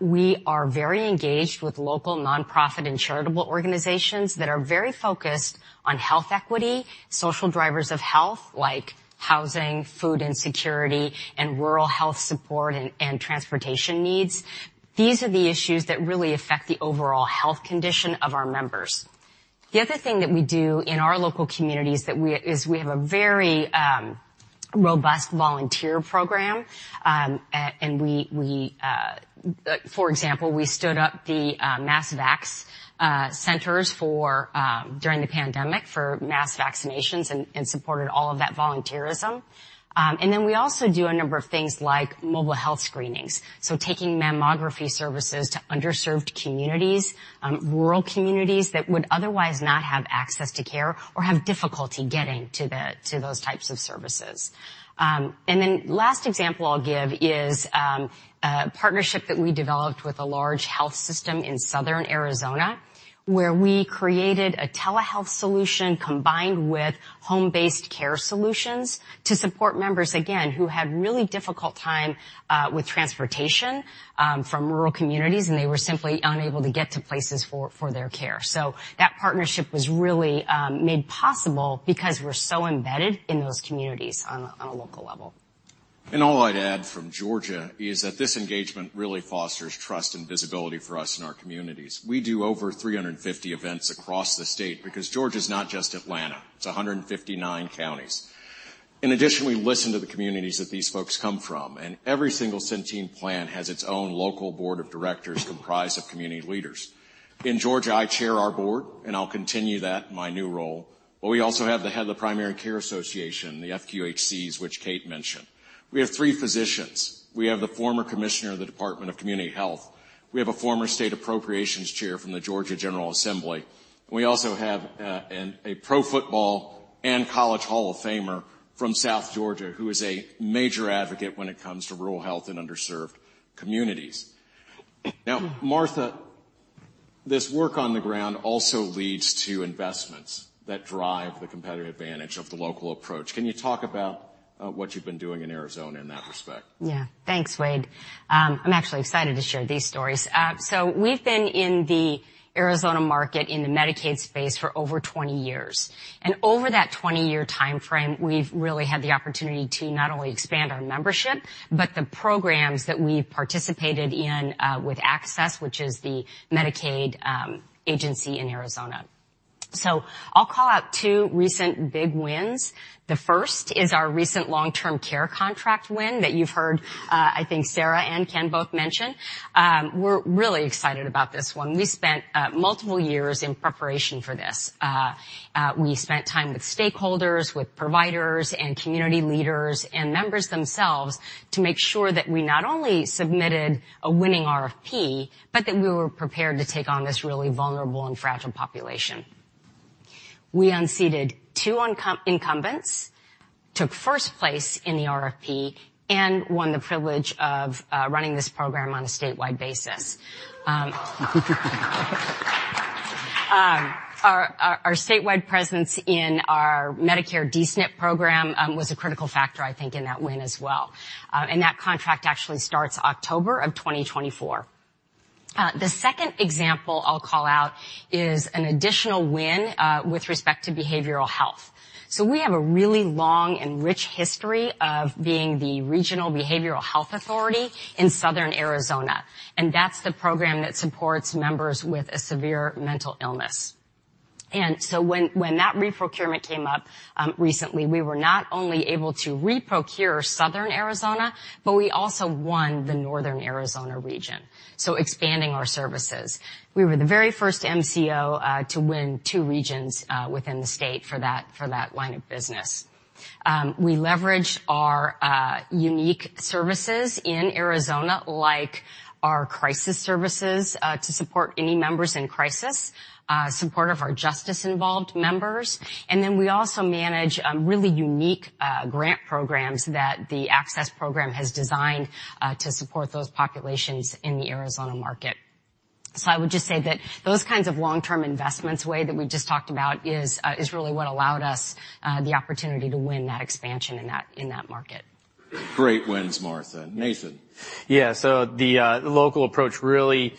we are very engaged with local nonprofit and charitable organizations that are very focused on health equity, social drivers of health, like housing, food insecurity, and rural health support and transportation needs. These are the issues that really affect the overall health condition of our members. The other thing that we do in our local communities that we... is we have a very robust volunteer program, and we, we, for example, we stood up the mass vax centers for during the pandemic for mass vaccinations and supported all of that volunteerism. And then we also do a number of things like mobile health screenings, so taking mammography services to underserved communities, rural communities that would otherwise not have access to care or have difficulty getting to the to those types of services. And then last example I'll give is a partnership that we developed with a large health system in southern Arizona, where we created a telehealth solution combined with home-based care solutions to support members, again, who had really difficult time with transportation from rural communities, and they were simply unable to get to places for for their care. So that partnership was really made possible because we're so embedded in those communities on a local level. All I'd add from Georgia is that this engagement really fosters trust and visibility for us in our communities. We do over 350 events across the state because Georgia is not just Atlanta, it's 159 counties. In addition, we listen to the communities that these folks come from, and every single Centene plan has its own local board of directors comprised of community leaders. In Georgia, I chair our board, and I'll continue that in my new role. But we also have the head of the Primary Care Association, the FQHCs, which Kate mentioned. We have three physicians. We have the former commissioner of the Department of Community Health. We have a former state appropriations chair from the Georgia General Assembly. We also have an... A pro football and college Hall of Famer from South Georgia, who is a major advocate when it comes to rural health and underserved communities. Now, Martha, this work on the ground also leads to investments that drive the competitive advantage of the local approach. Can you talk about what you've been doing in Arizona in that respect? Yeah. Thanks, Wade. I'm actually excited to share these stories. So we've been in the Arizona market, in the Medicaid space for over 20 years, and over that 20-year timeframe, we've really had the opportunity to not only expand our membership, but the programs that we've participated in with AHCCCS, which is the Medicaid agency in Arizona. So I'll call out two recent big wins. The first is our recent long-term care contract win that you've heard Sarah and Ken both mention. We're really excited about this one. We spent multiple years in preparation for this. We spent time with stakeholders, with providers, and community leaders and members themselves to make sure that we not only submitted a winning RFP, but that we were prepared to take on this really vulnerable and fragile population. We unseated two incumbents, took first place in the RFP, and won the privilege of running this program on a statewide basis. Our statewide presence in our Medicare D-SNP program was a critical factor, I think, in that win as well. And that contract actually starts October of 2024. The second example I'll call out is an additional win with respect to behavioral health. So we have a really long and rich history of being the regional behavioral health authority in southern Arizona, and that's the program that supports members with a severe mental illness. And so when that reprocurement came up recently, we were not only able to reprocure southern Arizona, but we also won the northern Arizona region, so expanding our services. We were the very first MCO to win two regions within the state for that, for that line of business. We leveraged our unique services in Arizona, like our crisis services, to support any members in crisis, support of our justice-involved members. And then we also manage really unique grant programs that the Access program has designed to support those populations in the Arizona market. So I would just say that those kinds of long-term investments, Wade, that we just talked about, is really what allowed us the opportunity to win that expansion in that, in that market. Great wins, Martha. Nathan? Yeah, so the, local approach really,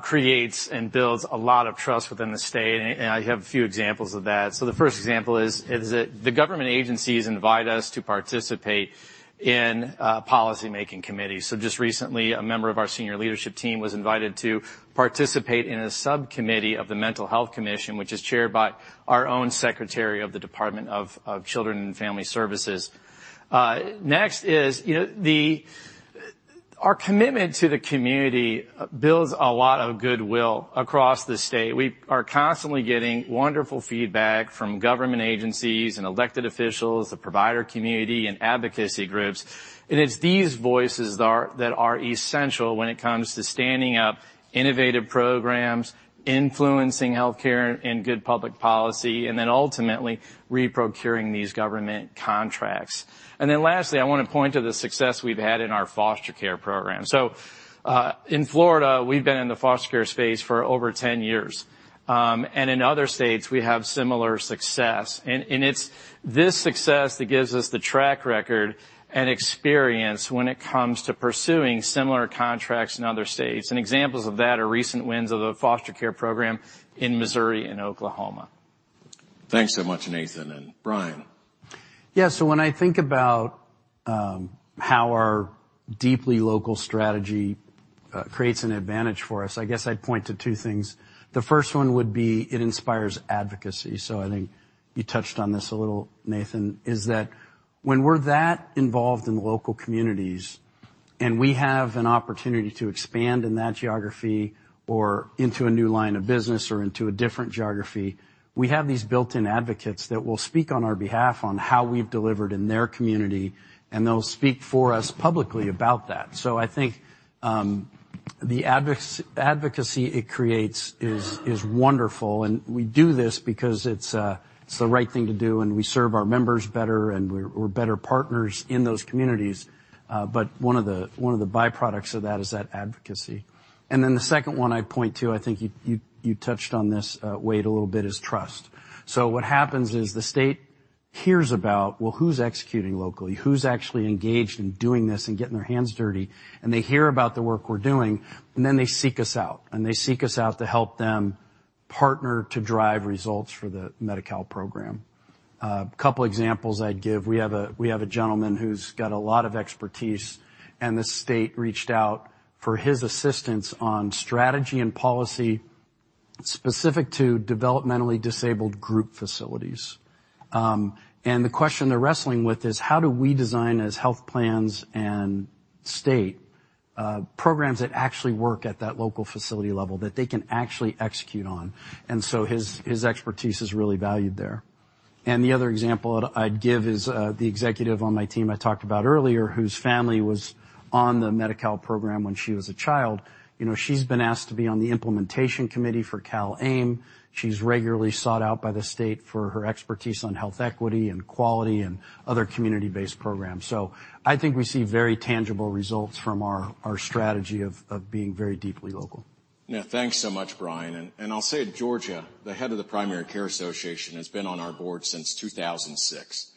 creates and builds a lot of trust within the state, and I have a few examples of that. So the first example is that the government agencies invite us to participate in, policymaking committees. So just recently, a member of our senior leadership team was invited to participate in a subcommittee of the Mental Health Commission, which is chaired by our own Secretary of the Department of Children and Family Services. Next is, you know, our commitment to the community builds a lot of goodwill across the state. We are constantly getting wonderful feedback from government agencies and elected officials, the provider community, and advocacy groups. And it's these voices that are essential when it comes to standing up innovative programs, influencing healthcare and good public policy, and then ultimately, reprocuring these government contracts. Then lastly, I want to point to the success we've had in our foster care program. So, in Florida, we've been in the foster care space for over 10 years. And in other states, we have similar success, and it's this success that gives us the track record and experience when it comes to pursuing similar contracts in other states. And examples of that are recent wins of the foster care program in Missouri and Oklahoma. Thanks so much, Nathan. And Brian? Yeah, so when I think about how our deeply local strategy creates an advantage for us, I guess I'd point to two things. The first one would be it inspires advocacy. So I think you touched on this a little, Nathan, is that when we're that involved in the local communities, and we have an opportunity to expand in that geography or into a new line of business or into a different geography, we have these built-in advocates that will speak on our behalf on how we've delivered in their community, and they'll speak for us publicly about that. So I think the advocacy it creates is wonderful, and we do this because it's the right thing to do, and we serve our members better, and we're better partners in those communities. But one of the byproducts of that is that advocacy. And then the second one I'd point to, I think you touched on this, Wade, a little bit, is trust. So what happens is the state hears about, well, who's executing locally? Who's actually engaged in doing this and getting their hands dirty? And they hear about the work we're doing, and then they seek us out, and they seek us out to help them partner to drive results for the Medi-Cal program. A couple examples I'd give. We have a gentleman who's got a lot of expertise, and the state reached out for his assistance on strategy and policy specific to developmentally disabled group facilities. And the question they're wrestling with is: How do we design as health plans and state programs that actually work at that local facility level that they can actually execute on? And so his expertise is really valued there. And the other example I'd give is the executive on my team I talked about earlier, whose family was on the Medi-Cal program when she was a child. You know, she's been asked to be on the implementation committee for CalAIM. She's regularly sought out by the state for her expertise on health equity and quality and other community-based programs. So I think we see very tangible results from our strategy of being very deeply local. Yeah. Thanks so much, Brian. And, and I'll say Georgia, the head of the Primary Care Association, has been on our board since 2006.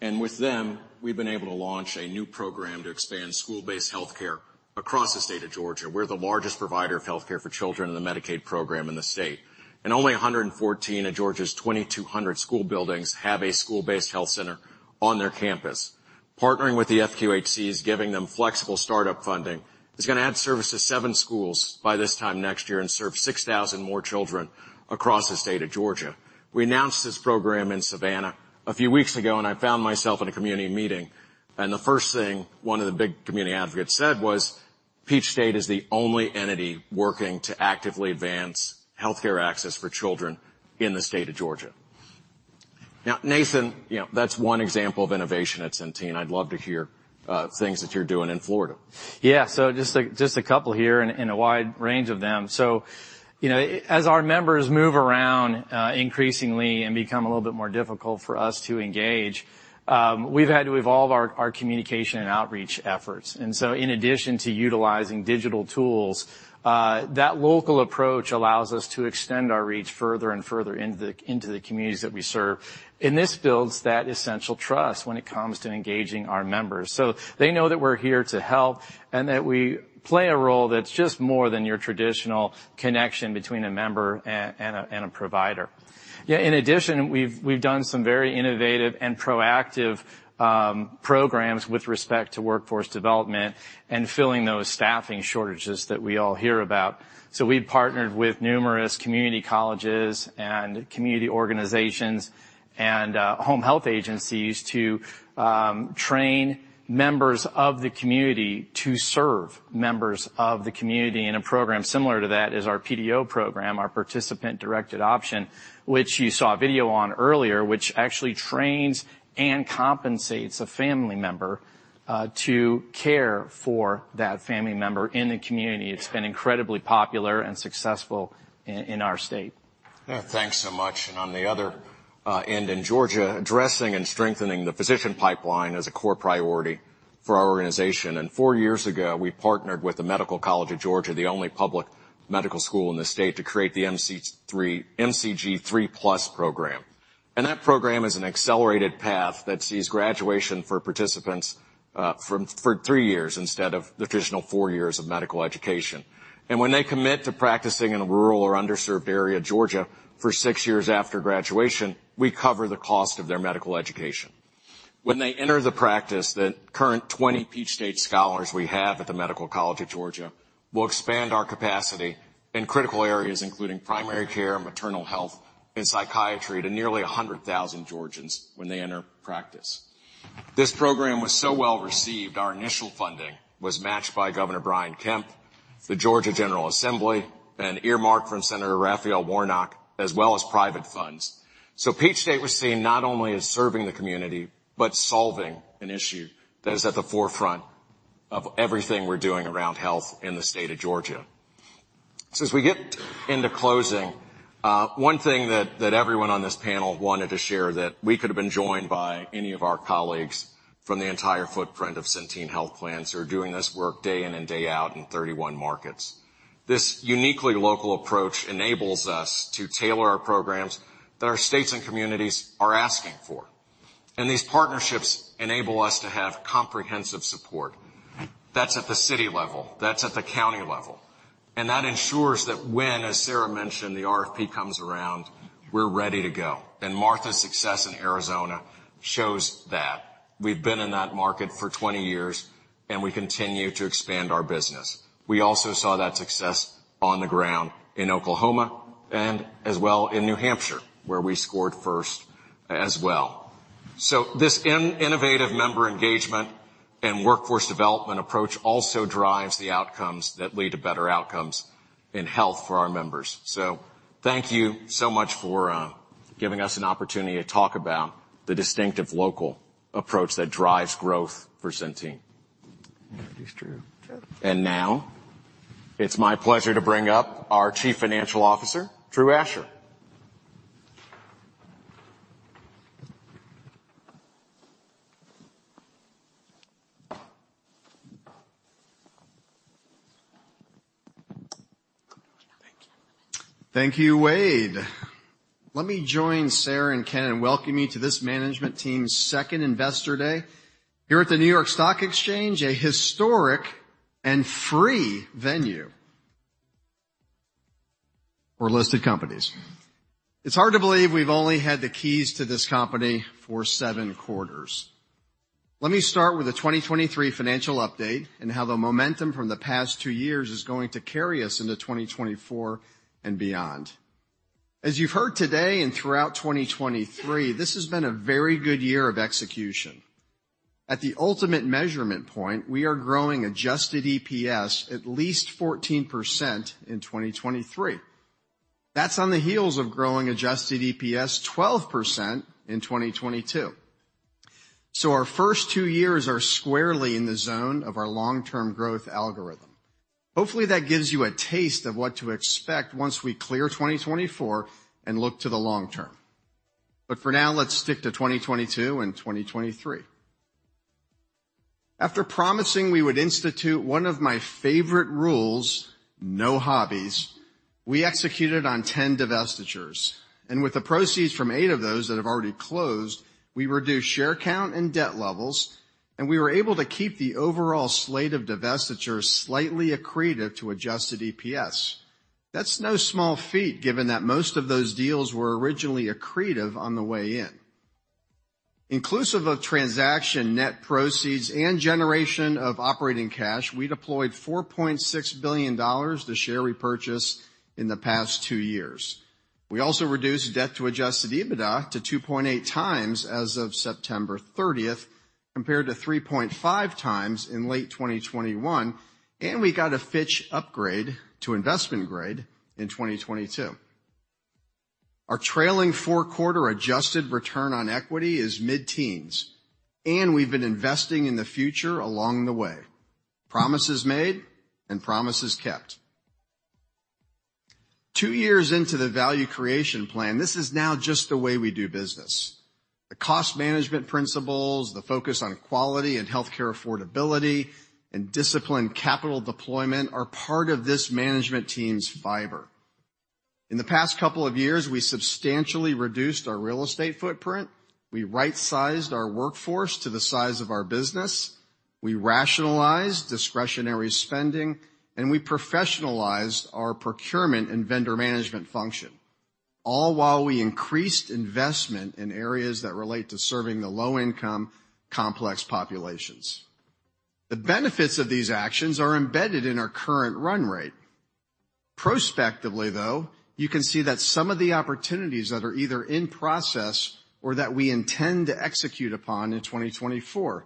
And with them, we've been able to launch a new program to expand school-based healthcare across the state of Georgia. We're the largest provider of healthcare for children in the Medicaid program in the state, and only 114 of Georgia's 2,200 school buildings have a school-based health center... on their campus. Partnering with the FQHCs, giving them flexible startup funding, is going to add service to seven schools by this time next year and serve 6,000 more children across the state of Georgia. We announced this program in Savannah a few weeks ago, and I found myself in a community meeting, and the first thing one of the big community advocates said was, "Peach State is the only entity working to actively advance healthcare access for children in the state of Georgia." Now, Nathan, you know, that's one example of innovation at Centene. I'd love to hear things that you're doing in Florida. Yeah. So just a couple here and a wide range of them. So, you know, as our members move around increasingly and become a little bit more difficult for us to engage, we've had to evolve our communication and outreach efforts. And so in addition to utilizing digital tools, that local approach allows us to extend our reach further and further into the communities that we serve. And this builds that essential trust when it comes to engaging our members. So they know that we're here to help and that we play a role that's just more than your traditional connection between a member and a provider. Yeah, in addition, we've done some very innovative and proactive programs with respect to workforce development and filling those staffing shortages that we all hear about. So we've partnered with numerous community colleges and community organizations and, home health agencies to, train members of the community to serve members of the community. A program similar to that is our PDO program, our Participant Directed Option, which you saw a video on earlier, which actually trains and compensates a family member, to care for that family member in the community. It's been incredibly popular and successful in our state. Yeah. Thanks so much. On the other end, in Georgia, addressing and strengthening the physician pipeline is a core priority for our organization. Four years ago, we partnered with the Medical College of Georgia, the only public medical school in the state, to create the MCG 3+ Program. That program is an accelerated path that sees graduation for participants in three years instead of the traditional four years of medical education. When they commit to practicing in a rural or underserved area of Georgia for six years after graduation, we cover the cost of their medical education. When they enter the practice, the current 20 Peach State Scholars we have at the Medical College of Georgia will expand our capacity in critical areas, including primary care, maternal health, and psychiatry, to nearly 100,000 Georgians when they enter practice. This program was so well-received, our initial funding was matched by Governor Brian Kemp, the Georgia General Assembly, and earmarked from Senator Raphael Warnock, as well as private funds. So Peach State was seen not only as serving the community, but solving an issue that is at the forefront of everything we're doing around health in the state of Georgia. So as we get into closing, one thing that everyone on this panel wanted to share, that we could have been joined by any of our colleagues from the entire footprint of Centene Health Plans, who are doing this work day in and day out in 31 markets. This uniquely local approach enables us to tailor our programs that our states and communities are asking for. These partnerships enable us to have comprehensive support that's at the city level, that's at the county level, and that ensures that when, as Sarah mentioned, the RFP comes around, we're ready to go. Martha's success in Arizona shows that. We've been in that market for 20 years, and we continue to expand our business. We also saw that success on the ground in Oklahoma and as well in New Hampshire, where we scored first as well. This innovative member engagement and workforce development approach also drives the outcomes that lead to better outcomes in health for our members. Thank you so much for giving us an opportunity to talk about the distinctive local approach that drives growth for Centene. It's true. Now it's my pleasure to bring up our Chief Financial Officer, Drew Asher. Thank you. Thank you, Wade. Let me join Sarah and Ken in welcoming you to this management team's second Investor Day here at the New York Stock Exchange, a historic and free venue for listed companies. It's hard to believe we've only had the keys to this company for seven quarters. Let me start with the 2023 financial update and how the momentum from the past two years is going to carry us into 2024 and beyond. As you've heard today and throughout 2023, this has been a very good year of execution. At the ultimate measurement point, we are growing adjusted EPS at least 14% in 2023. That's on the heels of growing adjusted EPS 12% in 2022. So our first two years are squarely in the zone of our long-term growth algorithm. Hopefully, that gives you a taste of what to expect once we clear 2024 and look to the long-term. But for now, let's stick to 2022 and 2023. After promising we would institute one of my favorite rules, no hobbies, we executed on 10 divestitures, and with the proceeds from eight of those that have already closed, we reduced share count and debt levels, and we were able to keep the overall slate of divestitures slightly accretive to adjusted EPS. That's no small feat, given that most of those deals were originally accretive on the way in. Inclusive of transaction net proceeds and generation of operating cash, we deployed $4.6 billion to share repurchase in the past two years. We also reduced debt to adjusted EBITDA to 2.8 times as of September 30, compared to 3.5 times in late 2021, and we got a Fitch upgrade to investment grade in 2022. Our trailing four-quarter adjusted return on equity is mid-teens, and we've been investing in the future along the way. Promises made and promises kept two years into the Value Creation Plan, this is now just the way we do business. The cost management principles, the focus on quality and healthcare affordability, and disciplined capital deployment are part of this management team's fiber. In the past couple of years, we substantially reduced our real estate footprint, we right-sized our workforce to the size of our business, we rationalized discretionary spending, and we professionalized our procurement and vendor management function, all while we increased investment in areas that relate to serving the low-income, complex populations. The benefits of these actions are embedded in our current run rate. Prospectively, though, you can see that some of the opportunities that are either in process or that we intend to execute upon in 2024.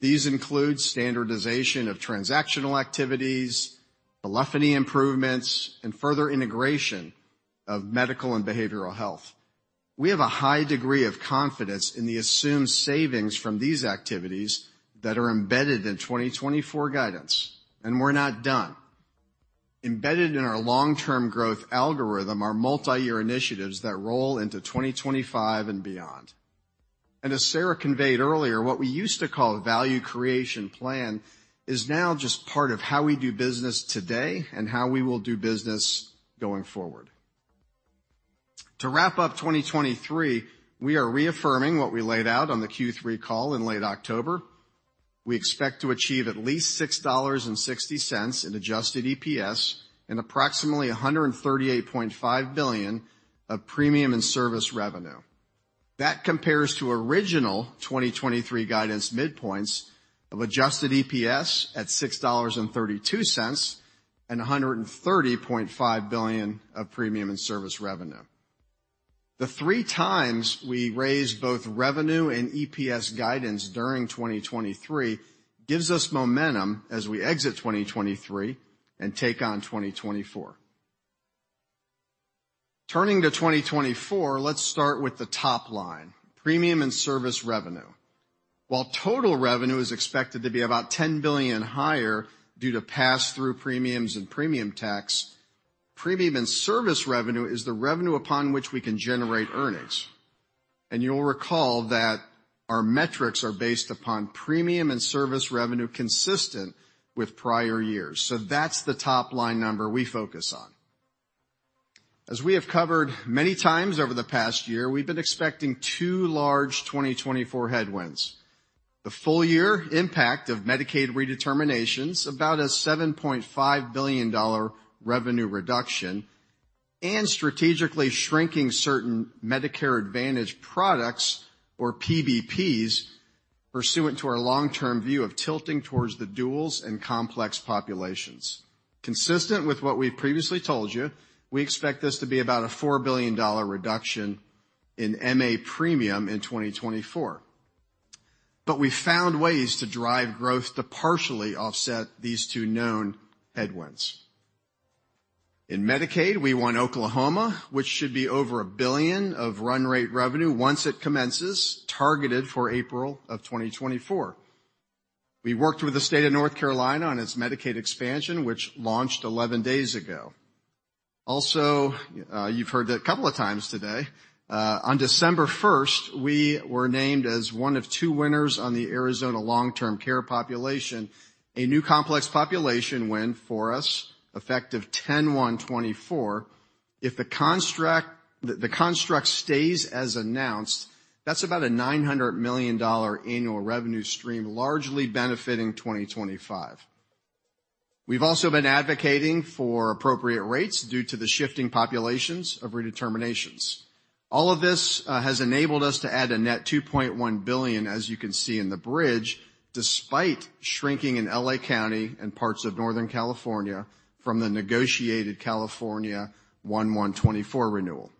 These include standardization of transactional activities, telephony improvements, and further integration of medical and behavioral health. We have a high degree of confidence in the assumed savings from these activities that are embedded in 2024 guidance, and we're not done. Embedded in our long-term growth algorithm are multiyear initiatives that roll into 2025 and beyond. As Sarah conveyed earlier, what we used to call a Value Creation Plan is now just part of how we do business today and how we will do business going forward. To wrap up 2023, we are reaffirming what we laid out on the Q3 call in late October. We expect to achieve at least $6.60 in adjusted EPS and approximately $138.5 billion of premium and service revenue. That compares to original 2023 guidance midpoints of adjusted EPS at $6.32, and $130.5 billion of premium and service revenue. The three times we raised both revenue and EPS guidance during 2023 gives us momentum as we exit 2023 and take on 2024. Turning to 2024, let's start with the top line, premium and service revenue. While total revenue is expected to be about $10 billion higher due to pass-through premiums and premium tax, premium and service revenue is the revenue upon which we can generate earnings. And you'll recall that our metrics are based upon premium and service revenue consistent with prior years. That's the top-line number we focus on. As we have covered many times over the past year, we've been expecting two large 2024 headwinds: the full year impact of Medicaid redeterminations, about a $7.5 billion revenue reduction, and strategically shrinking certain Medicare Advantage products, or PBPs, pursuant to our long-term view of tilting towards the duals and complex populations. Consistent with what we've previously told you, we expect this to be about a $4 billion reduction in MA premium in 2024. But we found ways to drive growth to partially offset these two known headwinds. In Medicaid, we won Oklahoma, which should be over a $1 billion of run-rate revenue once it commences, targeted for April of 2024. We worked with the state of North Carolina on its Medicaid expansion, which launched 11 days ago. Also, you've heard that a couple of times today. On December 1, we were named as one of two winners on the Arizona Long-Term Care population, a new complex population win for us, effective October 1, 2024. If the construct stays as announced, that's about a $900 million annual revenue stream, largely benefiting 2025. We've also been advocating for appropriate rates due to the shifting populations of redeterminations. All of this has enabled us to add a net $2.1 billion, as you can see in the bridge, despite shrinking in L.A. County and parts of Northern California from the negotiated California January 1, 2024 renewal.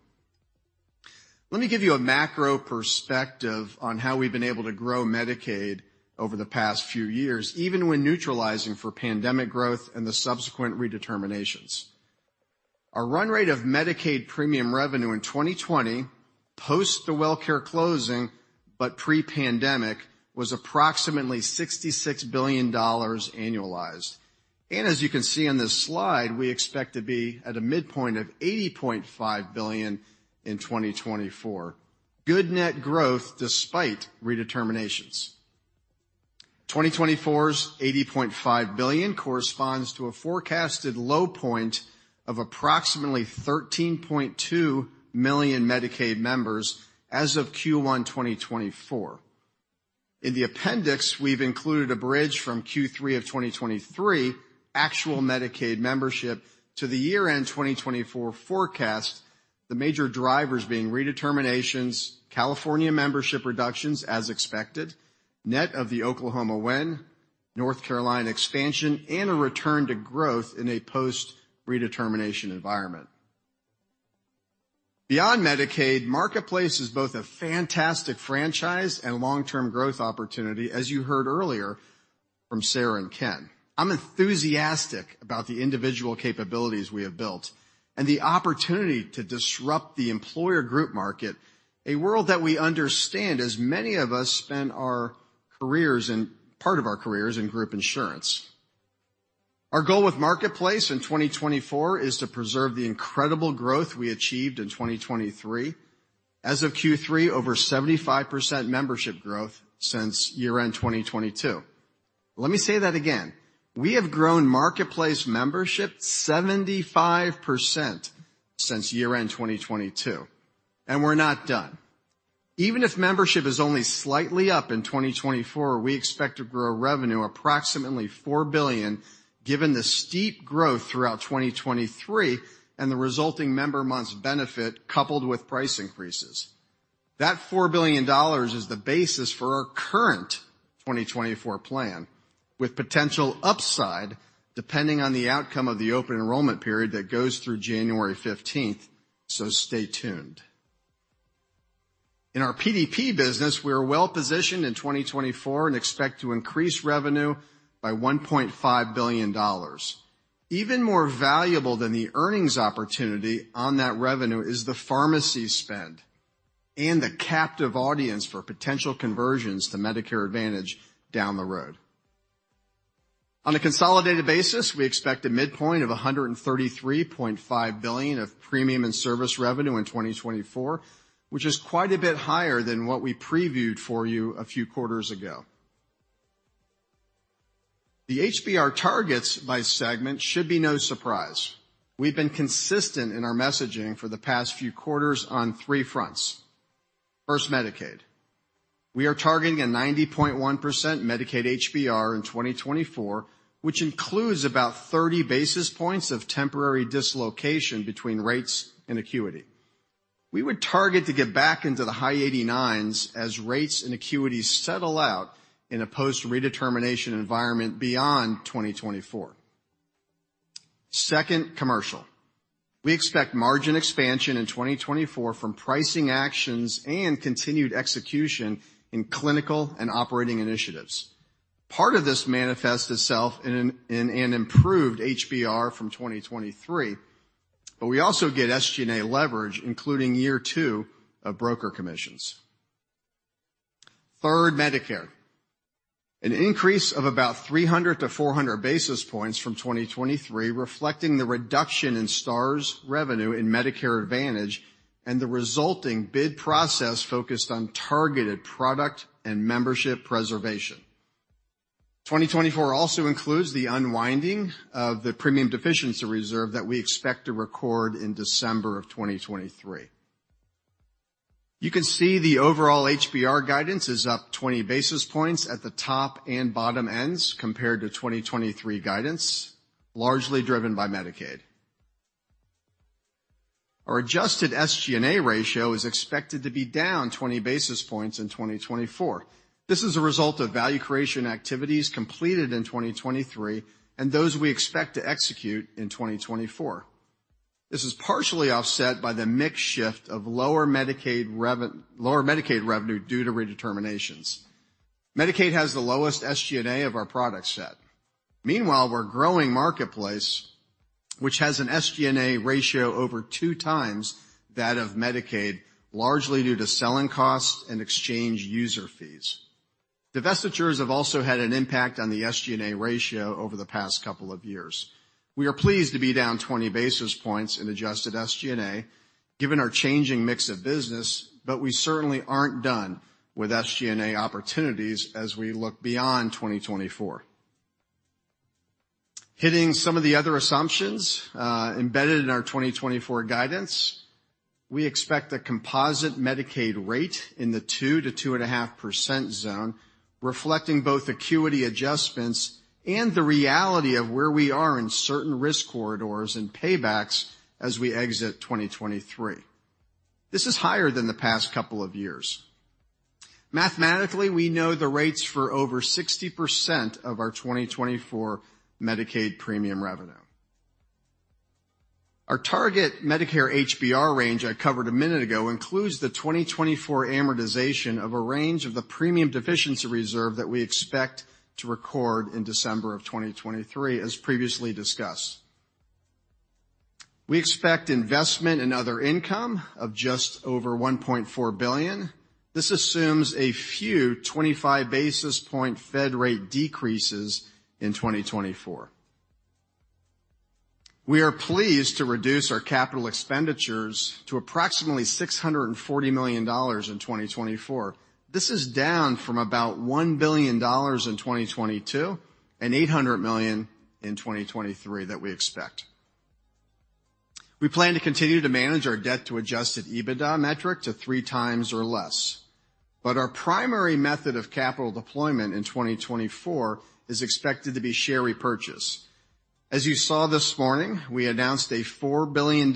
Let me give you a macro perspective on how we've been able to grow Medicaid over the past few years, even when neutralizing for pandemic growth and the subsequent redeterminations. Our run rate of Medicaid premium revenue in 2020, post the WellCare closing, but pre-pandemic, was approximately $66 billion annualized. And as you can see in this slide, we expect to be at a midpoint of $80.5 billion in 2024. Good net growth despite redeterminations. 2024's $80.5 billion corresponds to a forecasted low point of approximately 13.2 million Medicaid members as of Q1 2024. In the appendix, we've included a bridge from Q3 of 2023, actual Medicaid membership to the year-end 2024 forecast, the major drivers being redeterminations, California membership reductions as expected, net of the Oklahoma win, North Carolina expansion, and a return to growth in a post-redetermination environment. Beyond Medicaid, Marketplace is both a fantastic franchise and long-term growth opportunity, as you heard earlier from Sarah and Ken. I'm enthusiastic about the individual capabilities we have built and the opportunity to disrupt the employer group market, a world that we understand, as many of us spend our careers and part of our careers in group insurance. Our goal with Marketplace in 2024 is to preserve the incredible growth we achieved in 2023. As of Q3, over 75% membership growth since year-end 2022. Let me say that again. We have grown Marketplace membership 75% since year-end 2022, and we're not done. Even if membership is only slightly up in 2024, we expect to grow revenue approximately $4 billion, given the steep growth throughout 2023 and the resulting member months benefit, coupled with price increases. That $4 billion is the basis for our current 2024 plan, with potential upside, depending on the outcome of the open enrollment period that goes through January 15, so stay tuned. In our PDP business, we are well positioned in 2024 and expect to increase revenue by $1.5 billion. Even more valuable than the earnings opportunity on that revenue is the pharmacy spend and the captive audience for potential conversions to Medicare Advantage down the road. On a consolidated basis, we expect a midpoint of $133.5 billion of premium and service revenue in 2024, which is quite a bit higher than what we previewed for you a few quarters ago. The HBR targets by segment should be no surprise. We've been consistent in our messaging for the past few quarters on three fronts. First, Medicaid. We are targeting a 90.1% Medicaid HBR in 2024, which includes about 30 basis points of temporary dislocation between rates and acuity. We would target to get back into the high 89s as rates and acuities settle out in a post-redetermination environment beyond 2024. Second, commercial. We expect margin expansion in 2024 from pricing actions and continued execution in clinical and operating initiatives. Part of this manifests itself in an improved HBR from 2023, but we also get SG&A leverage, including year two of broker commissions. Third, Medicare. An increase of about 300-400 basis points from 2023, reflecting the reduction in Stars revenue in Medicare Advantage and the resulting bid process focused on targeted product and membership preservation. 2024 also includes the unwinding of the premium deficiency reserve that we expect to record in December of 2023. You can see the overall HBR guidance is up 20 basis points at the top and bottom ends compared to 2023 guidance, largely driven by Medicaid. Our adjusted SG&A ratio is expected to be down 20 basis points in 2024. This is a result of value creation activities completed in 2023, and those we expect to execute in 2024. This is partially offset by the mix shift of lower Medicaid revenue due to redeterminations. Medicaid has the lowest SG&A of our product set. Meanwhile, we're growing Marketplace, which has an SG&A ratio over two times that of Medicaid, largely due to selling costs and exchange user fees. Divestitures have also had an impact on the SG&A ratio over the past couple of years. We are pleased to be down 20 basis points in adjusted SG&A, given our changing mix of business, but we certainly aren't done with SG&A opportunities as we look beyond 2024. Hitting some of the other assumptions, embedded in our 2024 guidance, we expect a composite Medicaid rate in the 2% to 2.5% zone, reflecting both acuity adjustments and the reality of where we are in certain risk corridors and paybacks as we exit 2023. This is higher than the past couple of years. Mathematically, we know the rates for over 60% of our 2024 Medicaid premium revenue. Our target Medicare HBR range I covered a minute ago includes the 2024 amortization of a range of the premium deficiency reserve that we expect to record in December of 2023, as previously discussed. We expect investment and other income of just over $1.4 billion. This assumes a few 25 basis point Fed rate decreases in 2024. We are pleased to reduce our capital expenditures to approximately $640 million in 2024. This is down from about $1 billion in 2022, and $800 million in 2023 that we expect.... We plan to continue to manage our debt to adjusted EBITDA metric to 3x or less, but our primary method of capital deployment in 2024 is expected to be share repurchase. As you saw this morning, we announced $4 billion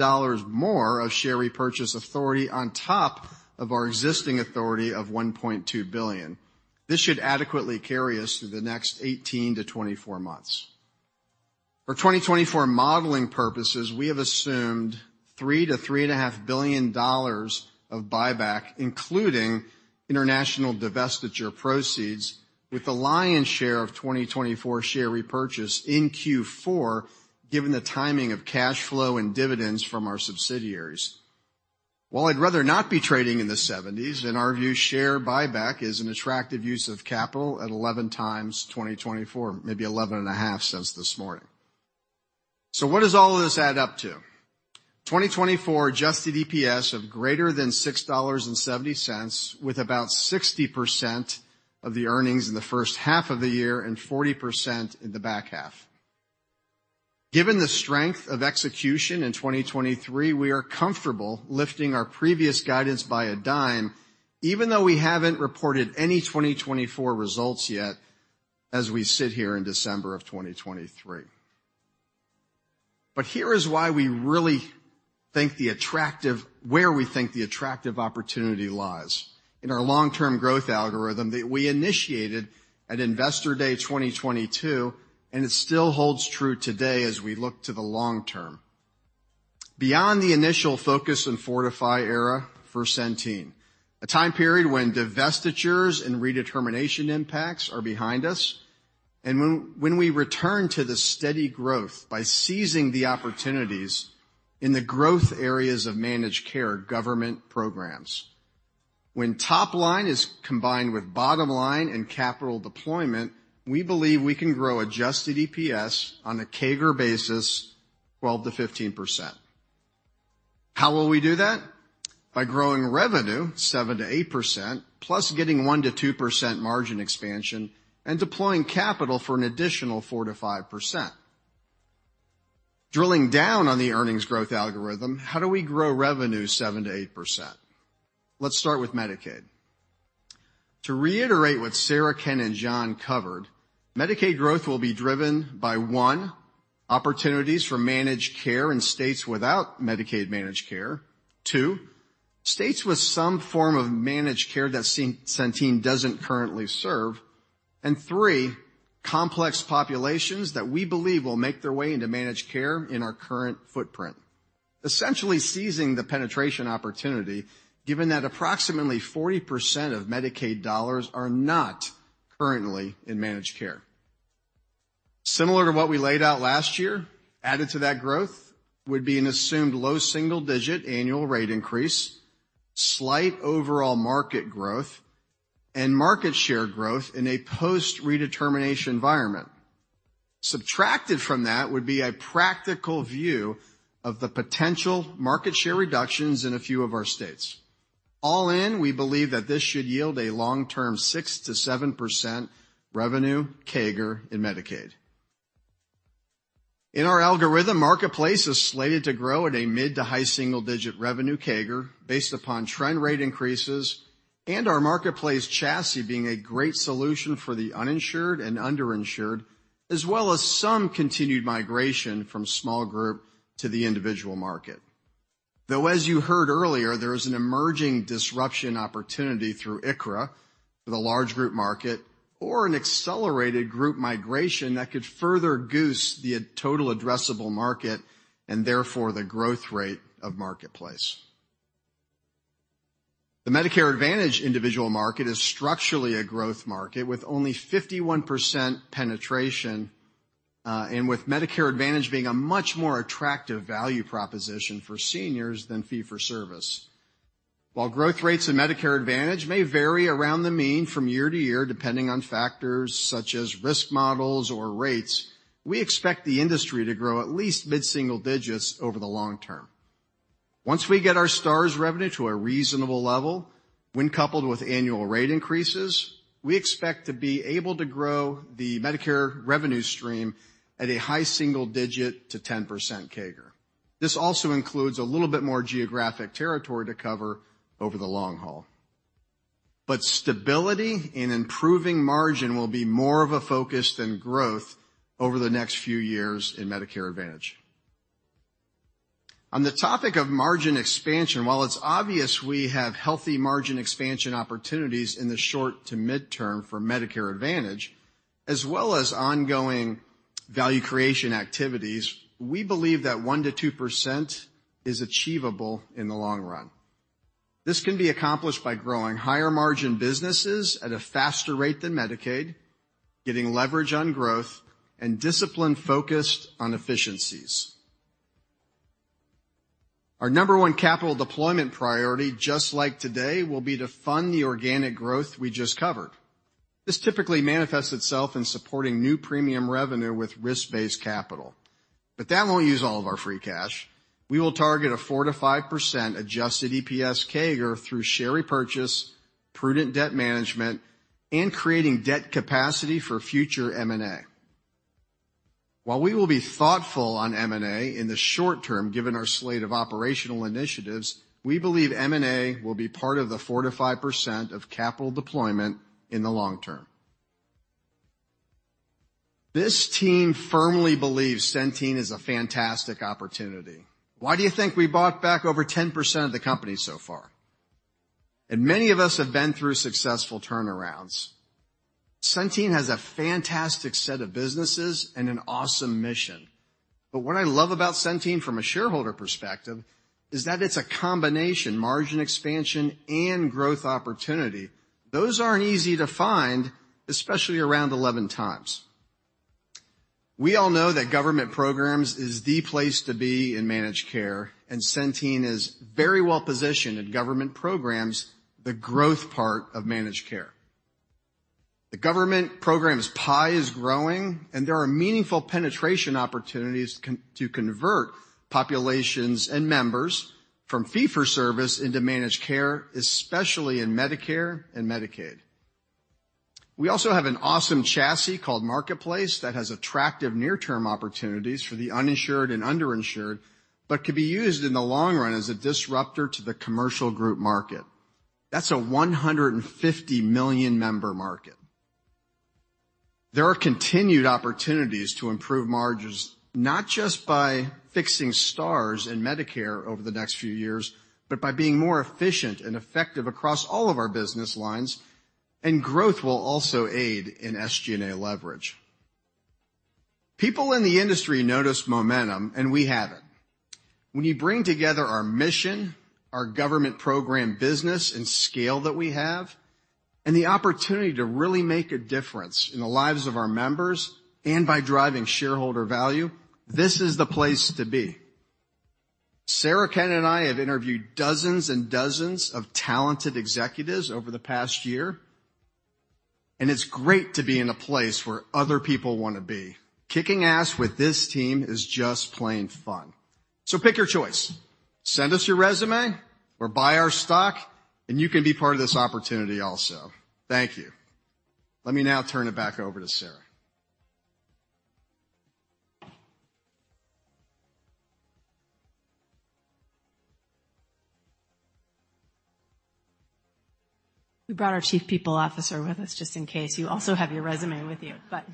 more of share repurchase authority on top of our existing authority of $1.2 billion. This should adequately carry us through the next 18 to 24 months. For 2024 modeling purposes, we have assumed $3 billion to $3.5 billion of buyback, including international divestiture proceeds, with the lion's share of 2024 share repurchase in Q4, given the timing of cash flow and dividends from our subsidiaries. While I'd rather not be trading in the 70s, in our view, share buyback is an attractive use of capital at 11x 2024, maybe 11.5 since this morning. So what does all of this add up to? 2024 adjusted EPS of greater than $6.70, with about 60% of the earnings in the first half of the year and 40% in the back half. Given the strength of execution in 2023, we are comfortable lifting our previous guidance by $0.10, even though we haven't reported any 2024 results yet as we sit here in December 2023. But here is why we really think the attractive opportunity lies in our long-term growth algorithm that we initiated at Investor Day 2022, and it still holds true today as we look to the long term. Beyond the initial Focus and Fortify era for Centene, a time period when divestitures and redetermination impacts are behind us, and when we return to the steady growth by seizing the opportunities in the growth areas of managed care government programs. When top line is combined with bottom line and capital deployment, we believe we can grow adjusted EPS on a CAGR basis, 12% to 15%. How will we do that? By growing revenue 7% to 8%, plus getting 1% to 2% margin expansion and deploying capital for an additional 4% to 5%. Drilling down on the earnings growth algorithm, how do we grow revenue 7% to 8%? Let's start with Medicaid. To reiterate what Sarah, Ken, and Jon covered, Medicaid growth will be driven by, one, opportunities for managed care in states without Medicaid managed care. Two, states with some form of managed care that Centene doesn't currently serve. And three, complex populations that we believe will make their way into managed care in our current footprint, essentially seizing the penetration opportunity, given that approximately 40% of Medicaid dollars are not currently in managed care. Similar to what we laid out last year, added to that growth would be an assumed low single-digit annual rate increase, slight overall market growth, and market share growth in a post-redetermination environment. Subtracted from that would be a practical view of the potential market share reductions in a few of our states. All in, we believe that this should yield a long-term 6% to 7% revenue CAGR in Medicaid. In our algorithm, Marketplace is slated to grow at a mid- to high-single-digit revenue CAGR, based upon trend rate increases and our Marketplace chassis being a great solution for the uninsured and underinsured, as well as some continued migration from small group to the individual market. Though, as you heard earlier, there is an emerging disruption opportunity through ICHRA for the large group market or an accelerated group migration that could further goose the total addressable market and therefore the growth rate of Marketplace. The Medicare Advantage individual market is structurally a growth market, with only 51% penetration, and with Medicare Advantage being a much more attractive value proposition for seniors than fee-for-service. While growth rates in Medicare Advantage may vary around the mean from year to year, depending on factors such as risk models or rates, we expect the industry to grow at least mid-single digits over the long term. Once we get our Stars revenue to a reasonable level, when coupled with annual rate increases, we expect to be able to grow the Medicare revenue stream at a high single-digit to 10% CAGR. This also includes a little bit more geographic territory to cover over the long haul. But stability and improving margin will be more of a focus than growth over the next few years in Medicare Advantage. On the topic of margin expansion, while it's obvious we have healthy margin expansion opportunities in the short- to mid-term for Medicare Advantage, as well as ongoing value creation activities, we believe that 1% to 2% is achievable in the long run. This can be accomplished by growing higher margin businesses at a faster rate than Medicaid, getting leverage on growth, and discipline focused on efficiencies. Our number one capital deployment priority, just like today, will be to fund the organic growth we just covered. This typically manifests itself in supporting new premium revenue with risk-based capital, but that won't use all of our free cash. We will target a 4% to 5% adjusted EPS CAGR through share repurchase, prudent debt management, and creating debt capacity for future M&A. While we will be thoughtful on M&A in the short term, given our slate of operational initiatives, we believe M&A will be part of the 4% to 5% of capital deployment in the long term. This team firmly believes Centene is a fantastic opportunity. Why do you think we bought back over 10% of the company so far? And many of us have been through successful turnarounds. Centene has a fantastic set of businesses and an awesome mission. But what I love about Centene from a shareholder perspective, is that it's a combination, margin expansion and growth opportunity. Those aren't easy to find, especially around 11x. We all know that government programs is the place to be in managed care, and Centene is very well positioned in government programs, the growth part of managed care. The government program's pie is growing, and there are meaningful penetration opportunities continue to convert populations and members from fee-for-service into managed care, especially in Medicare and Medicaid. We also have an awesome chassis called Marketplace, that has attractive near-term opportunities for the uninsured and underinsured, but could be used in the long run as a disruptor to the commercial group market. That's a 150 million-member market. There are continued opportunities to improve margins, not just by fixing Stars in Medicare over the next few years, but by being more efficient and effective across all of our business lines, and growth will also aid in SG&A leverage. People in the industry notice momentum, and we have it. When you bring together our mission, our government program, business, and scale that we have, and the opportunity to really make a difference in the lives of our members and by driving shareholder value, this is the place to be. Sarah London and I have interviewed dozens and dozens of talented executives over the past year, and it's great to be in a place where other people want to be. Kicking ass with this team is just plain fun. So pick your choice. Send us your resume or buy our stock, and you can be part of this opportunity also. Thank you. Let me now turn it back over to Sarah. We brought our Chief People Officer with us, just in case you also have your resume with you. But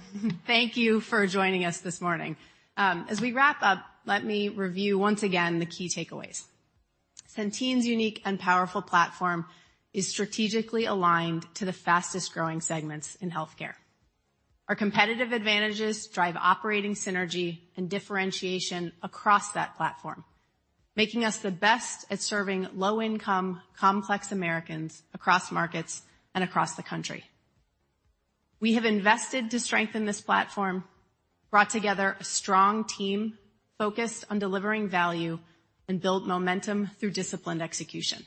thank you for joining us this morning. As we wrap up, let me review once again the key takeaways. Centene's unique and powerful platform is strategically aligned to the fastest-growing segments in healthcare. Our competitive advantages drive operating synergy and differentiation across that platform, making us the best at serving low-income, complex Americans across markets and across the country. We have invested to strengthen this platform, brought together a strong team focused on delivering value, and build momentum through disciplined execution.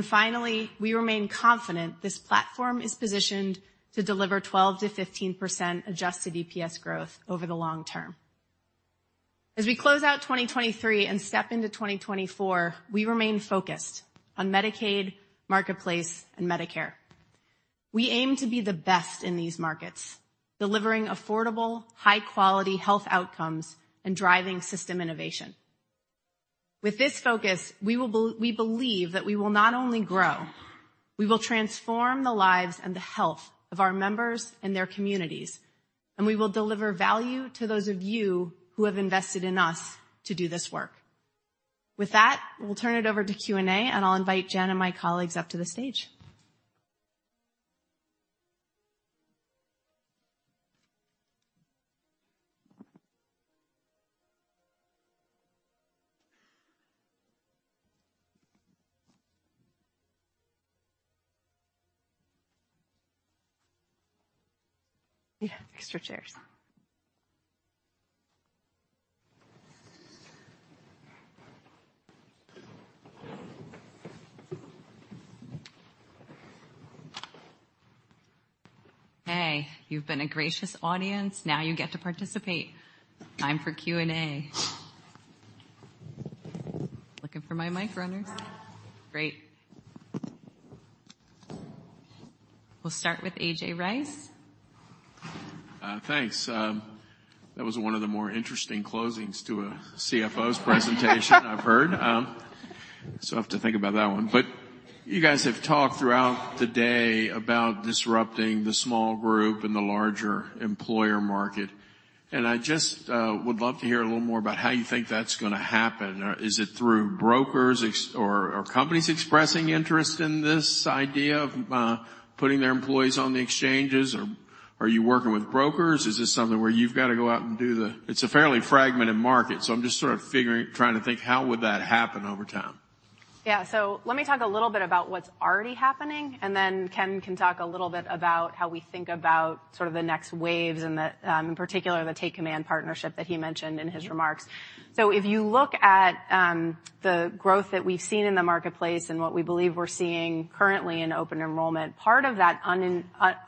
Finally, we remain confident this platform is positioned to deliver 12% to 15% adjusted EPS growth over the long term. As we close out 2023 and step into 2024, we remain focused on Medicaid, Marketplace, and Medicare. We aim to be the best in these markets, delivering affordable, high-quality health outcomes and driving system innovation. With this focus, we will, we believe that we will not only grow, we will transform the lives and the health of our members and their communities, and we will deliver value to those of you who have invested in us to do this work. With that, we'll turn it over to Q&A, and I'll invite Jen and my colleagues up to the stage. Yeah, extra chairs. Hey, you've been a gracious audience. Now you get to participate. Time for Q&A. Looking for my mic runners. Great. We'll start with AJ Rice. Thanks. That was one of the more interesting closings to a CFO's presentation I've heard. So I have to think about that one. But you guys have talked throughout the day about disrupting the small group and the larger employer market, and I just would love to hear a little more about how you think that's going to happen. Is it through brokers, or are companies expressing interest in this idea of putting their employees on the exchanges? Or are you working with brokers? Is this something where you've got to go out and It's a fairly fragmented market, so I'm just sort of figuring, trying to think, how would that happen over time? Yeah. So let me talk a little bit about what's already happening, and then Ken can talk a little bit about how we think about sort of the next waves and the, in particular, the Take Command partnership that he mentioned in his remarks. So if you look at the growth that we've seen in the Marketplace and what we believe we're seeing currently in open enrollment, part of that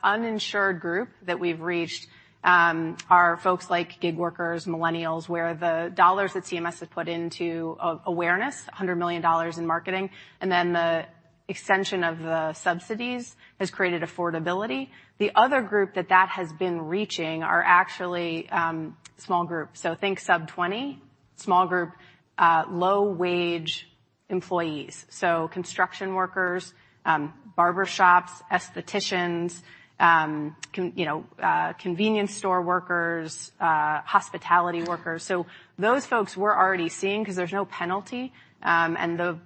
uninsured group that we've reached are folks like gig workers, millennials, where the dollars that CMS has put into awareness, $100 million in marketing, and then the extension of the subsidies has created affordability. The other group that that has been reaching are actually small group. So think sub-20, small group, low-wage employees. So construction workers, barber shops, aestheticians, you know, convenience store workers, hospitality workers. So those folks we're already seeing because there's no penalty, and the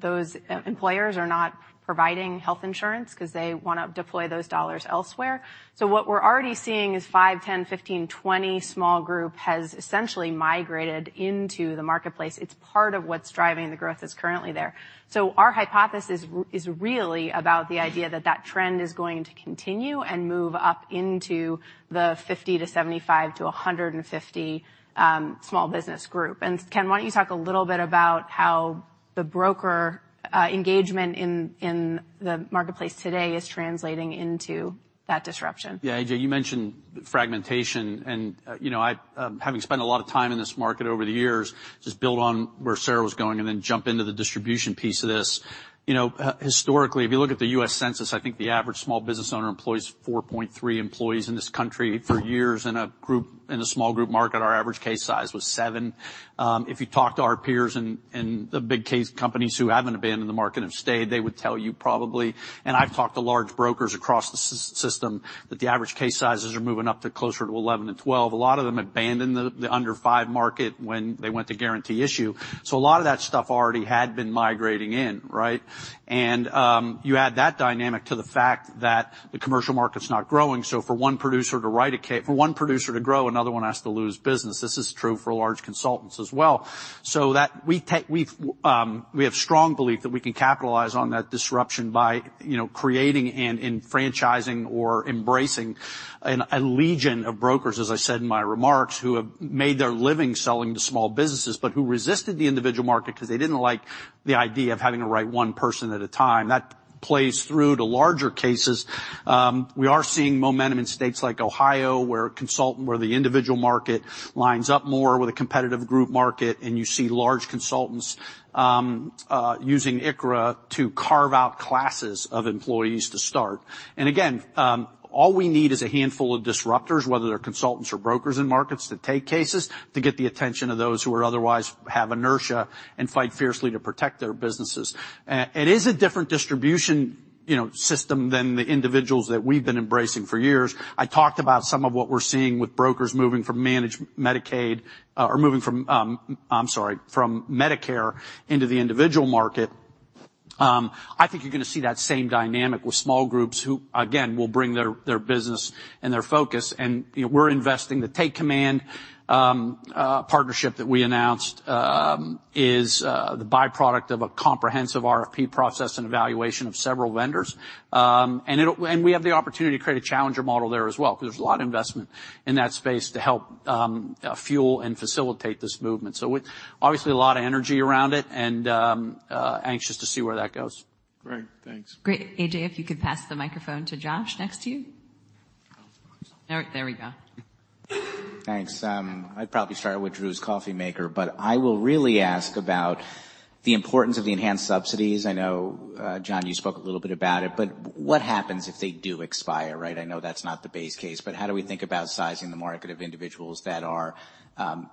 those employers are not providing health insurance because they wanna deploy those dollars elsewhere. So what we're already seeing is five, 10, 15, 20 small group has essentially migrated into the Marketplace. It's part of what's driving the growth that's currently there. So our hypothesis is really about the idea that that trend is going to continue and move up into the 50 to 75 to 150 small business group. And Ken, why don't you talk a little bit about how the broker engagement in the Marketplace today is translating into that disruption? Yeah, AJ, you mentioned fragmentation, and, you know, I, having spent a lot of time in this market over the years, just build on where Sarah was going and then jump into the distribution piece of this. You know, historically, if you look at the US Census, I think the average small business owner employs 4.3 employees in this country. For years, in a small group market, our average case size was seven. If you talk to our peers and the big case companies who haven't abandoned the market, have stayed, they would tell you probably, and I've talked to large brokers across the system, that the average case sizes are moving up to closer to 11 and 12. A lot of them abandoned the under five market when they went to guarantee issue, so a lot of that stuff already had been migrating in, right? And you add that dynamic to the fact that the commercial market's not growing, so for one producer to grow, another one has to lose business. This is true for large consultants as well. So we have strong belief that we can capitalize on that disruption by, you know, creating and franchising or embracing a legion of brokers, as I said in my remarks, who have made their living selling to small businesses, but who resisted the individual market because they didn't like the idea of having to write one person at a time. That plays through to larger cases. We are seeing momentum in states like Ohio, where the individual market lines up more with a competitive group market, and you see large consultants using ICHRA to carve out classes of employees to start. And again, all we need is a handful of disruptors, whether they're consultants or brokers in markets, to take cases to get the attention of those who are otherwise have inertia and fight fiercely to protect their businesses. It is a different distribution, you know, system than the individuals that we've been embracing for years. I talked about some of what we're seeing with brokers moving from managed Medicaid or from Medicare into the individual market. I think you're going to see that same dynamic with small groups who, again, will bring their business and their focus, and, you know, we're investing. The Take Command partnership that we announced is the byproduct of a comprehensive RFP process and evaluation of several vendors. And it'll, and we have the opportunity to create a challenger model there as well, because there's a lot of investment in that space to help fuel and facilitate this movement. So obviously, a lot of energy around it and anxious to see where that goes. Great. Thanks. Great. AJ, if you could pass the microphone to Josh next to you. All right, there we go. Thanks. I'd probably start with Drew's coffee maker, but I will really ask about the importance of the enhanced subsidies. I know, Jon, you spoke a little bit about it, but what happens if they do expire, right? I know that's not the base case, but how do we think about sizing the market of individuals that are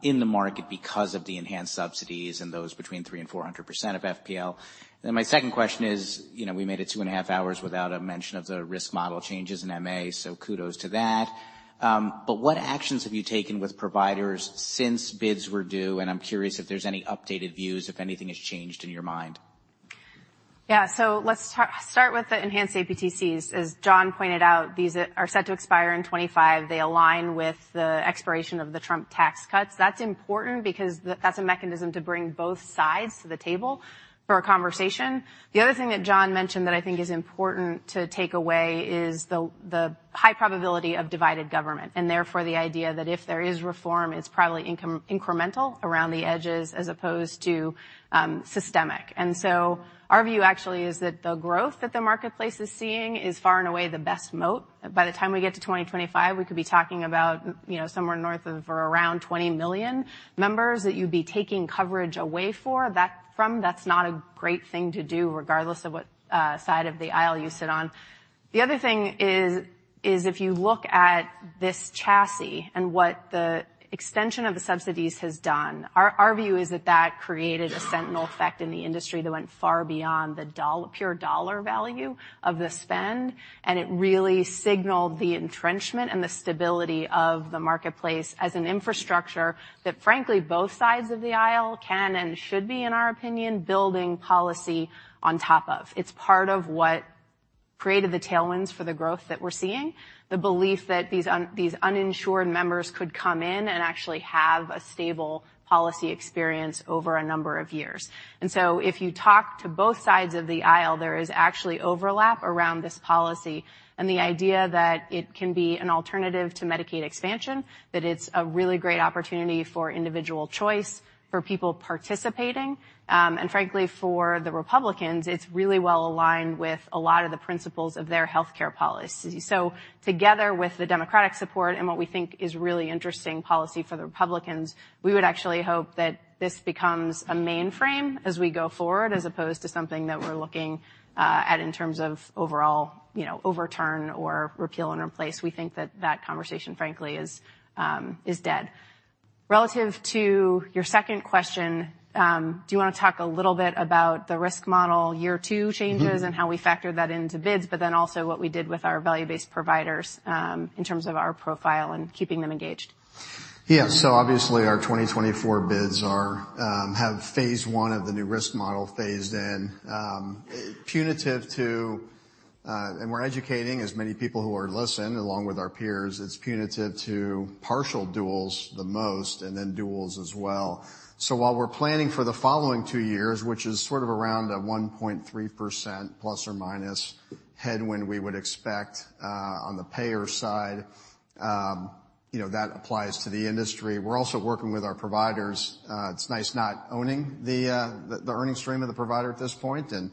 in the market because of the enhanced subsidies and those between 300% to 400% of FPL? And then my second question is, you know, we made it 2.5 hours without a mention of the risk model changes in MA, so kudos to that. But what actions have you taken with providers since bids were due? And I'm curious if there's any updated views, if anything has changed in your mind. Yeah, so let's start with the enhanced APTCs. As Jon pointed out, these are set to expire in 25. They align with the expiration of the Trump tax cuts. That's important because that's a mechanism to bring both sides to the table for a conversation. The other thing that Jon mentioned that I think is important to take away is the high probability of divided government, and therefore, the idea that if there is reform, it's probably incremental around the edges as opposed to systemic. And so our view actually is that the growth that the Marketplace is seeing is far and away the best moat. By the time we get to 2025, we could be talking about, you know, somewhere north of or around 20 million members that you'd be taking coverage away from. That's not a great thing to do, regardless of what side of the aisle you sit on. The other thing is if you look at this chassis and what the extension of the subsidies has done, our view is that that created a sentinel effect in the industry that went far beyond the pure dollar value of the spend, and it really signaled the entrenchment and the stability of the Marketplace as an infrastructure that, frankly, both sides of the aisle can and should be, in our opinion, building policy on top of. It's part of what created the tailwinds for the growth that we're seeing, the belief that these uninsured members could come in and actually have a stable policy experience over a number of years. And so if you talk to both sides of the aisle, there is actually overlap around this policy, and the idea that it can be an alternative to Medicaid expansion, that it's a really great opportunity for individual choice, for people participating, and frankly, for the Republicans, it's really well aligned with a lot of the principles of their healthcare policy. So together with the Democratic support and what we think is really interesting policy for the Republicans, we would actually hope that this becomes a mainstay as we go forward, as opposed to something that we're looking at in terms of overall, you know, overturn or repeal and replace. We think that that conversation, frankly, is dead.... Relative to your second question, do you want to talk a little bit about the risk model year two changes- Mm-hmm. -and how we factor that into bids, but then also what we did with our value-based providers, in terms of our profile and keeping them engaged? Yeah. So obviously, our 2024 bids are have phase one of the new risk model phased in. Punitive to and we're educating as many people who are listening, along with our peers, it's punitive to partial duals the most, and then duals as well. So while we're planning for the following two years, which is sort of around a 1.3% ± headwind we would expect on the payer side, you know, that applies to the industry. We're also working with our providers. It's nice not owning the earning stream of the provider at this point and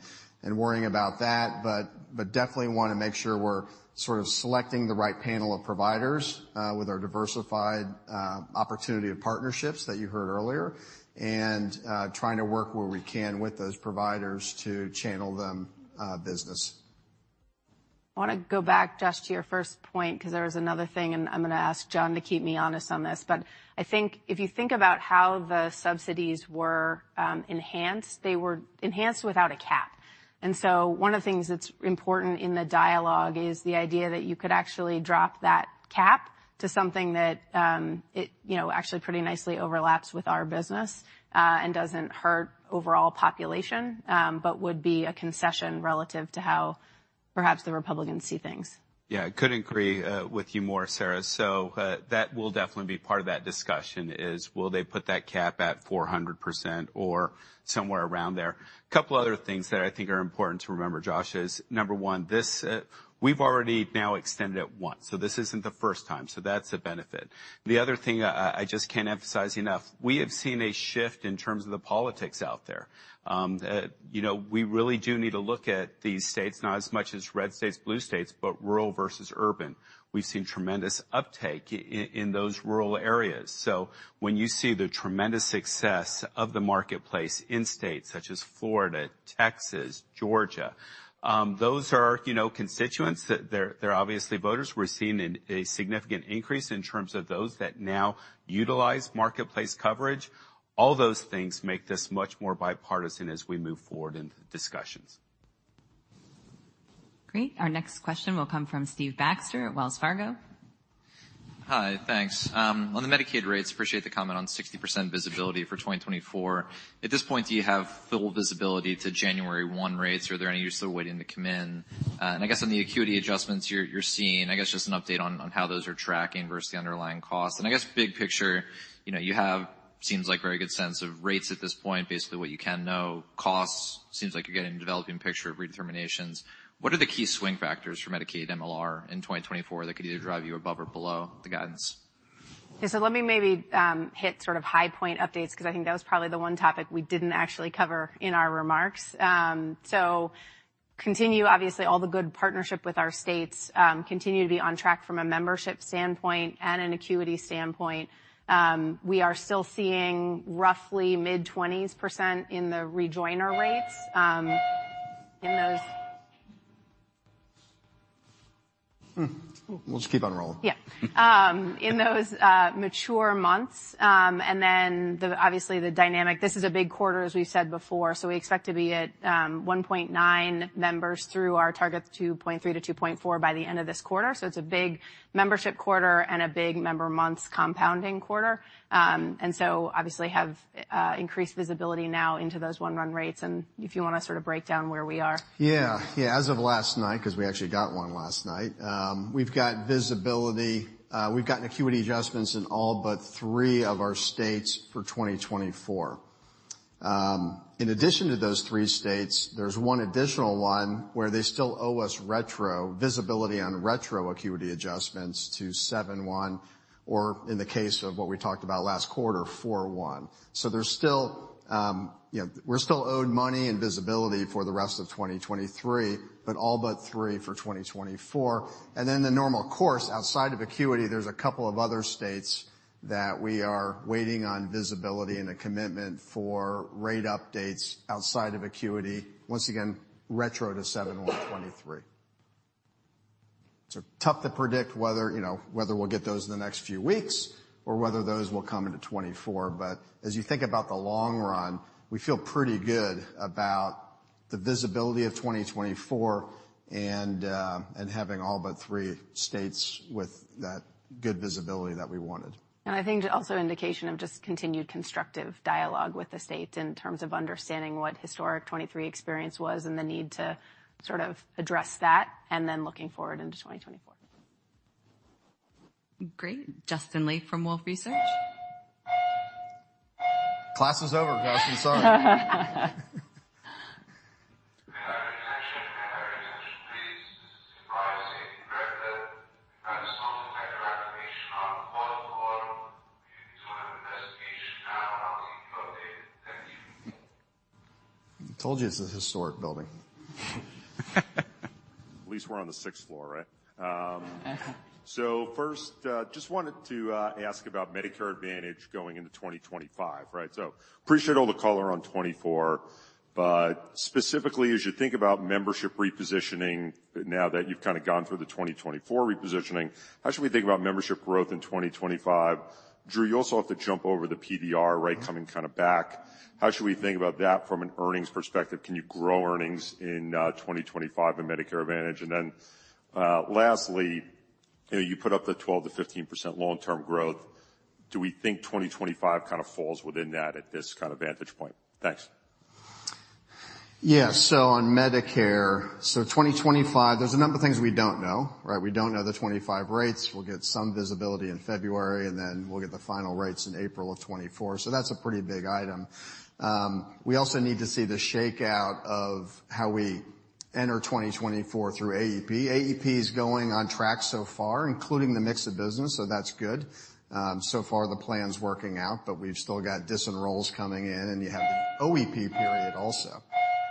worrying about that, but definitely wanna make sure we're sort of selecting the right panel of providers with our diversified opportunity of partnerships that you heard earlier, and trying to work where we can with those providers to channel them business. I wanna go back just to your first point, 'cause there was another thing, and I'm gonna ask Jon to keep me honest on this. But I think if you think about how the subsidies were enhanced, they were enhanced without a cap. And so one of the things that's important in the dialogue is the idea that you could actually drop that cap to something that, you know, actually pretty nicely overlaps with our business, and doesn't hurt overall population, but would be a concession relative to how perhaps the Republicans see things. Yeah, I couldn't agree with you more, Sarah. So, that will definitely be part of that discussion, is will they put that cap at 400% or somewhere around there? A couple other things that I think are important to remember, Josh, is number one, this, We've already now extended it once, so this isn't the first time, so that's a benefit. The other thing I just can't emphasize enough, we have seen a shift in terms of the politics out there. You know, we really do need to look at these states, not as much as red states, blue states, but rural versus urban. We've seen tremendous uptake in those rural areas. So when you see the tremendous success of the Marketplace in states such as Florida, Texas, Georgia, those are, you know, constituents, that they're obviously voters. We're seeing a significant increase in terms of those that now utilize Marketplace coverage. All those things make this much more bipartisan as we move forward in the discussions. Great. Our next question will come from Steve Baxter at Wells Fargo. Hi, thanks. On the Medicaid rates, appreciate the comment on 60% visibility for 2024. At this point, do you have full visibility to January 1 rates, or are there any you're still waiting to come in? And I guess on the acuity adjustments you're seeing, I guess just an update on how those are tracking versus the underlying costs. And I guess big picture, you know, you have, seems like very good sense of rates at this point, based on what you can know. Costs, seems like you're getting a developing picture of redeterminations. What are the key swing factors for Medicaid MLR in 2024 that could either drive you above or below the guidance? Yeah, so let me maybe hit sort of high-point updates, 'cause I think that was probably the one topic we didn't actually cover in our remarks. So continue, obviously, all the good partnership with our states, continue to be on track from a membership standpoint and an acuity standpoint. We are still seeing roughly mid-20s% in the rejoiner rates, in those- Hmm, we'll just keep on rolling. Yeah. In those mature months, and then obviously the dynamic. This is a big quarter, as we've said before, so we expect to be at 1.9 members through our targets, 2.3 to 2.4 by the end of this quarter. So it's a big membership quarter and a big member months compounding quarter. And so obviously have increased visibility now into those run rates, and if you wanna sort of break down where we are. Yeah. Yeah, as of last night, 'cause we actually got one last night, we've got visibility, we've gotten acuity adjustments in all but three of our states for 2024. In addition to those three states, there's one additional one where they still owe us retro, visibility on retro acuity adjustments to July 1, or in the case of what we talked about last quarter, April 1. So there's still, you know, we're still owed money and visibility for the rest of 2023, but all but three for 2024. And then the normal course, outside of acuity, there's a couple of other states that we are waiting on visibility and a commitment for rate updates outside of acuity. Once again, retro to July 1, 2023. So tough to predict whether, you know, whether we'll get those in the next few weeks or whether those will come into 2024. But as you think about the long run, we feel pretty good about the visibility of 2024 and having all but three states with that good visibility that we wanted. I think also indication of just continued constructive dialogue with the state in terms of understanding what historic 2023 experience was and the need to sort of address that, and then looking forward into 2024. Great. Justin Lake from Wolfe Research. Class is over, Justin, sorry. May I have your attention, may I have your attention, please? This is your safety director. We've had a smoke detector activation on the fourth floor. We will be doing an investigation now, and I'll keep you updated. Thank you. I told you it's a historic building. At least we're on the sixth floor, right? So first, just wanted to ask about Medicare Advantage going into 2025, right? So appreciate all the color on 2024, but specifically, as you think about membership repositioning now that you've kind of gone through the 2024 repositioning, how should we think about membership growth in 2025? Drew, you also have to jump over the PDR, right, coming kind of back. How should we think about that from an earnings perspective? Can you grow earnings in 2025 in Medicare Advantage? And then, lastly, you know, you put up the 12% to 15% long-term growth. Do we think 2025 kind of falls within that at this kind of vantage point? Thanks. Yes. So on Medicare, so 2025, there's a number of things we don't know, right? We don't know the 25 rates. We'll get some visibility in February, and then we'll get the final rates in April of 2024. So that's a pretty big item. We also need to see the shakeout of how we enter 2024 through AEP. AEP is going on track so far, including the mix of business, so that's good. So far, the plan's working out, but we've still got disenrolls coming in, and you have the OEP period also.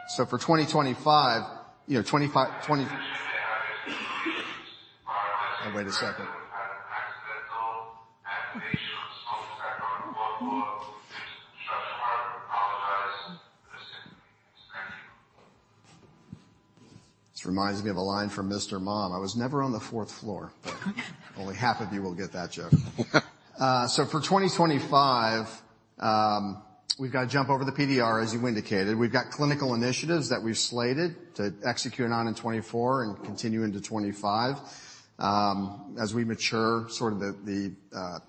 So for 2025, you know, 25... Wait a second. We've had an accidental activation of the smoke detector on the fourth floor. Just apologize for the inconvenience. Thank you. This reminds me of a line from Mr. Mom: "I was never on the fourth floor." Only half of you will get that joke. So for 2025, we've got to jump over the PDR, as you indicated. We've got clinical initiatives that we've slated to execute on in 2024 and continue into 2025. As we mature, sort of the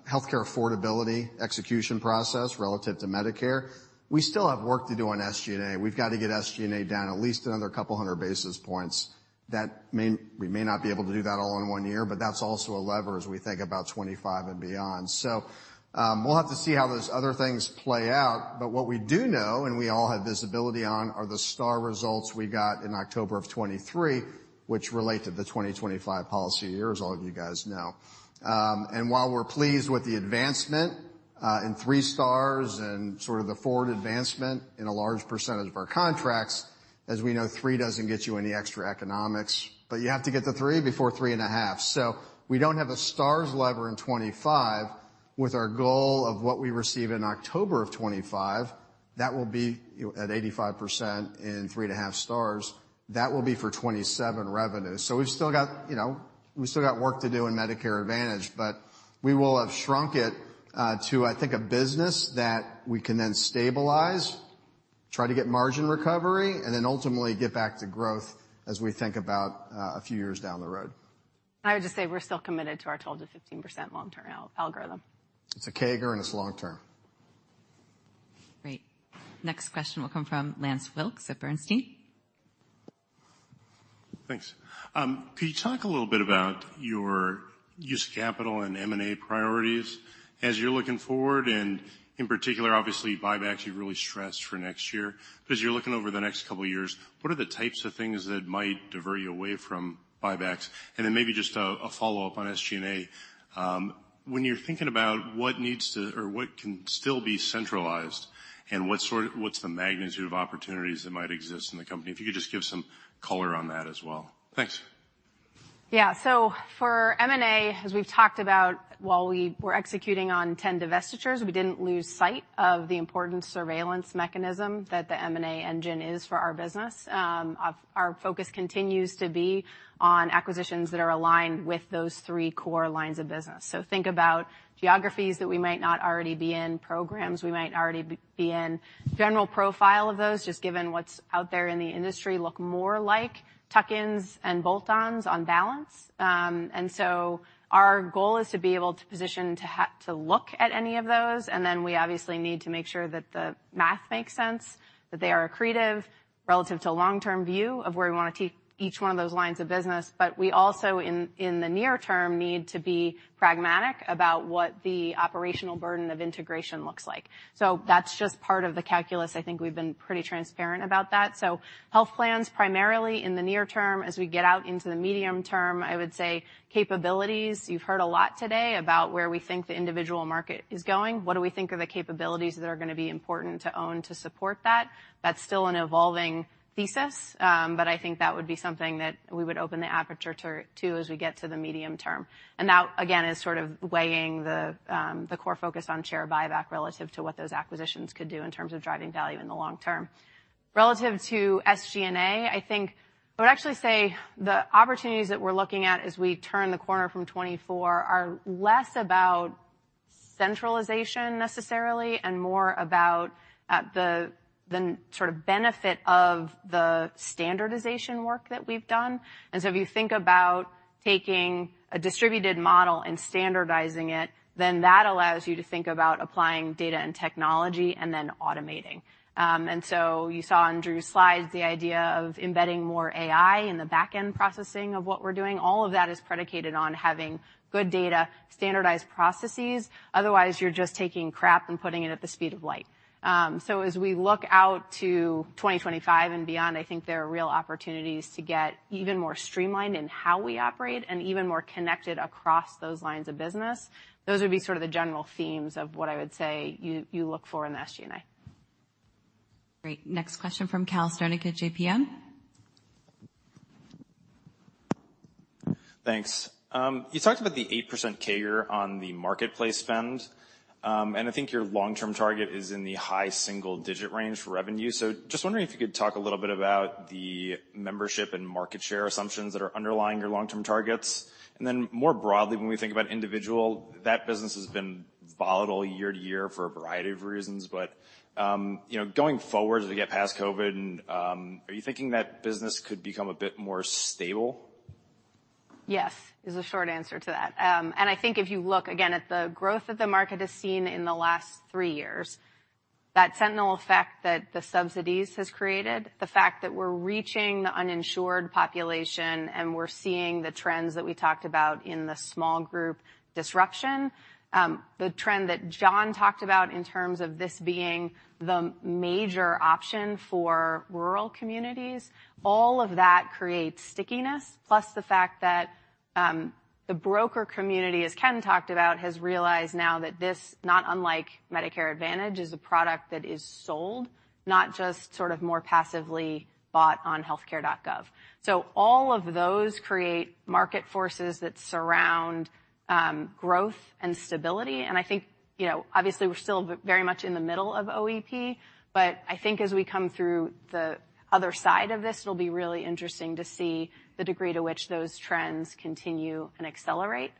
healthcare affordability execution process relative to Medicare, we still have work to do on SG&A. We've got to get SG&A down at least another couple hundred basis points. That may - we may not be able to do that all in one year, but that's also a lever as we think about 2025 and beyond. So, we'll have to see how those other things play out. But what we do know, and we all have visibility on, are the Stars results we got in October of 2023, which relate to the 2025 policy year, as all of you guys know. While we're pleased with the advancement in three Stars and sort of the forward advancement in a large percentage of our contracts, as we know, three doesn't get you any extra economics, but you have to get to three before 3.5. We don't have a Stars lever in 2025 with our goal of what we receive in October of 2025. That will be at 85% in 3.5 Stars. That will be for 2027 revenue. So we've still got, you know, we still got work to do in Medicare Advantage, but we will have shrunk it to, I think, a business that we can then stabilize, try to get margin recovery, and then ultimately get back to growth as we think about a few years down the road. I would just say we're still committed to our 12% to 15% long-term algorithm. It's a CAGR, and it's long term. Great. Next question will come from Lance Wilkes at Bernstein. Thanks. Could you talk a little bit about your use of capital and M&A priorities as you're looking forward, and in particular, obviously, buybacks you've really stressed for next year? But as you're looking over the next couple of years, what are the types of things that might divert you away from buybacks? And then maybe just a follow-up on SG&A. When you're thinking about what needs to or what can still be centralized and what's the magnitude of opportunities that might exist in the company, if you could just give some color on that as well. Thanks. Yeah. So for M&A, as we've talked about, while we were executing on 10 divestitures, we didn't lose sight of the important surveillance mechanism that the M&A engine is for our business. Our focus continues to be on acquisitions that are aligned with those three core lines of business. So think about geographies that we might not already be in, programs we might not already be in. General profile of those, just given what's out there in the industry, look more like tuck-ins and bolt-ons on balance. And so our goal is to be able to position to look at any of those, and then we obviously need to make sure that the math makes sense, that they are accretive relative to a long-term view of where we want to take each one of those lines of business. But we also, in the near term, need to be pragmatic about what the operational burden of integration looks like. So that's just part of the calculus. I think we've been pretty transparent about that. So health plans, primarily in the near term, as we get out into the medium term, I would say capabilities. You've heard a lot today about where we think the individual market is going. What do we think are the capabilities that are gonna be important to own to support that? That's still an evolving thesis, but I think that would be something that we would open the aperture to, as we get to the medium term. And that, again, is sort of weighing the core focus on share buyback relative to what those acquisitions could do in terms of driving value in the long term. Relative to SG&A, I think I would actually say the opportunities that we're looking at as we turn the corner from 2024 are less about centralization necessarily, and more about the sort of benefit of the standardization work that we've done. And so if you think about taking a distributed model and standardizing it, then that allows you to think about applying data and technology and then automating. And so you saw in Drew's slides the idea of embedding more AI in the back-end processing of what we're doing. All of that is predicated on having good data, standardized processes. Otherwise, you're just taking crap and putting it at the speed of light. So as we look out to 2025 and beyond, I think there are real opportunities to get even more streamlined in how we operate and even more connected across those lines of business. Those would be sort of the general themes of what I would say you look for in the SG&A. Great. Next question from Cal Sternick at JPM.... Thanks. You talked about the 8% CAGR on the Marketplace spend, and I think your long-term target is in the high single-digit range for revenue. So just wondering if you could talk a little bit about the membership and market share assumptions that are underlying your long-term targets. And then, more broadly, when we think about individual, that business has been volatile year to year for a variety of reasons, but, you know, going forward, as we get past COVID, and, are you thinking that business could become a bit more stable? Yes, is the short answer to that. And I think if you look again at the growth that the market has seen in the last three years, that sentinel effect that the subsidies has created, the fact that we're reaching the uninsured population, and we're seeing the trends that we talked about in the small group disruption, the trend that Jon talked about in terms of this being the major option for rural communities, all of that creates stickiness. Plus, the fact that, the broker community, as Ken talked about, has realized now that this, not unlike Medicare Advantage, is a product that is sold, not just sort of more passively bought on HealthCare.gov. So all of those create market forces that surround growth and stability, and I think, you know, obviously, we're still very much in the middle of OEP, but I think as we come through the other side of this, it'll be really interesting to see the degree to which those trends continue and accelerate.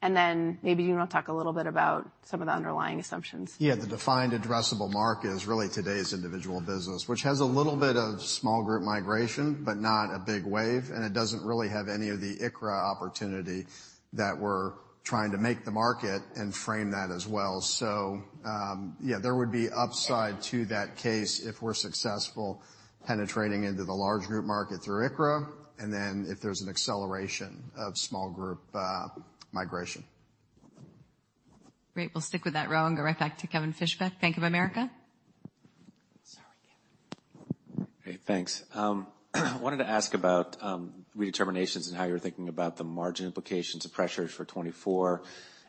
And then maybe, Drew, talk a little bit about some of the underlying assumptions. Yeah, the defined addressable market is really today's individual business, which has a little bit of small group migration, but not a big wave, and it doesn't really have any of the ICHRA opportunity that we're trying to make the market and frame that as well. So, yeah, there would be upside to that case if we're successful penetrating into the large group market through ICHRA, and then if there's an acceleration of small group migration. Great. We'll stick with that row and go right back to Kevin Fischbeck, Bank of America. Sorry. Hey, thanks. I wanted to ask about redeterminations and how you're thinking about the margin implications of pressures for 2024,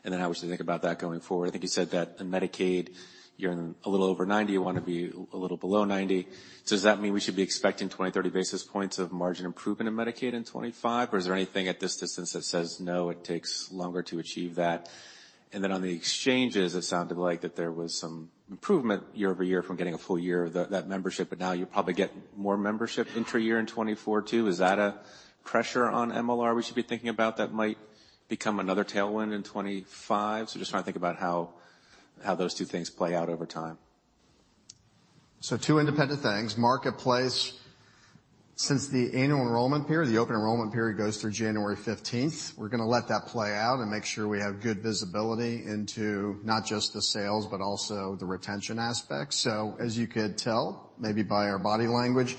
and then how we should think about that going forward. I think you said that in Medicaid, you're in a little over 90, you want to be a little below 90. So does that mean we should be expecting 20, 30 basis points of margin improvement in Medicaid in 2025, or is there anything at this distance that says, "No, it takes longer to achieve that?" And then on the exchanges, it sounded like that there was some improvement year-over-year from getting a full year of that, that membership, but now you'll probably get more membership intra-year in 2024, too. Is that a pressure on MLR we should be thinking about that might become another tailwind in 2025? So just trying to think about how those two things play out over time. So two independent things. Marketplace, since the annual enrollment period, the open enrollment period goes through January 15th, we're going to let that play out and make sure we have good visibility into not just the sales, but also the retention aspect. So as you could tell, maybe by our body language,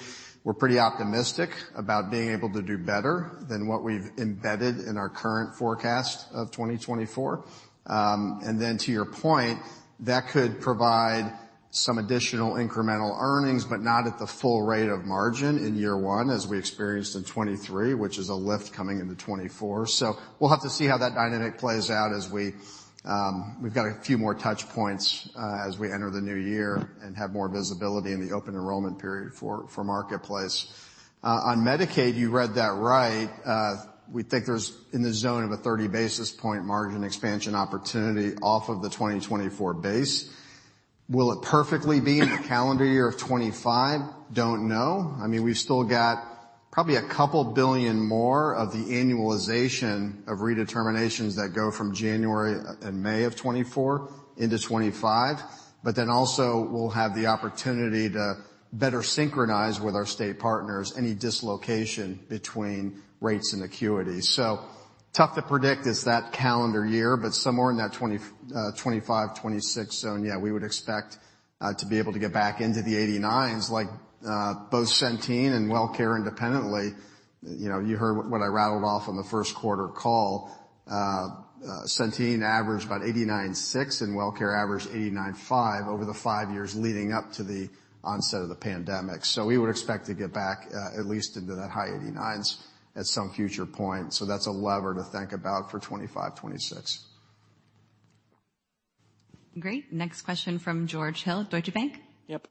we're pretty optimistic about being able to do better than what we've embedded in our current forecast of 2024. And then to your point, that could provide some additional incremental earnings, but not at the full rate of margin in year one, as we experienced in 2023, which is a lift coming into 2024. So we'll have to see how that dynamic plays out as we, we've got a few more touch points, as we enter the new year and have more visibility in the open enrollment period for, for Marketplace. On Medicaid, you read that right. We think there's in the zone of a 30 basis points margin expansion opportunity off of the 2024 base. Will it perfectly be in the calendar year of 2025? Don't know. I mean, we've still got probably $2 billion more of the annualization of redeterminations that go from January and May of 2024 into 2025, but then also, we'll have the opportunity to better synchronize with our state partners any dislocation between rates and acuity. So tough to predict is that calendar year, but somewhere in that 2025 to 2026 zone, yeah, we would expect to be able to get back into the 89s, like both Centene and WellCare independently. You know, you heard what I rattled off on the first quarter call. Centene averaged about 89.6, and WellCare averaged 89.5 over the five years leading up to the onset of the pandemic. So we would expect to get back, at least into the high eighty-nines at some future point. So that's a lever to think about for 2025, 2026. Great. Next question from George Hill, Deutsche Bank. Yep.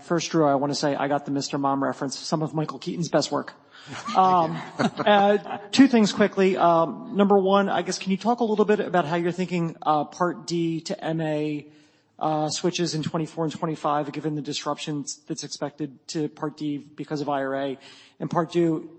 First, Drew, I want to say I got the Mr. Mom reference, some of Michael Keaton's best work. Two things quickly. Number one, I guess, can you talk a little bit about how you're thinking, Part D to MA, switches in 2024 and 2025, given the disruptions that's expected to Part D because of IRA? And part two,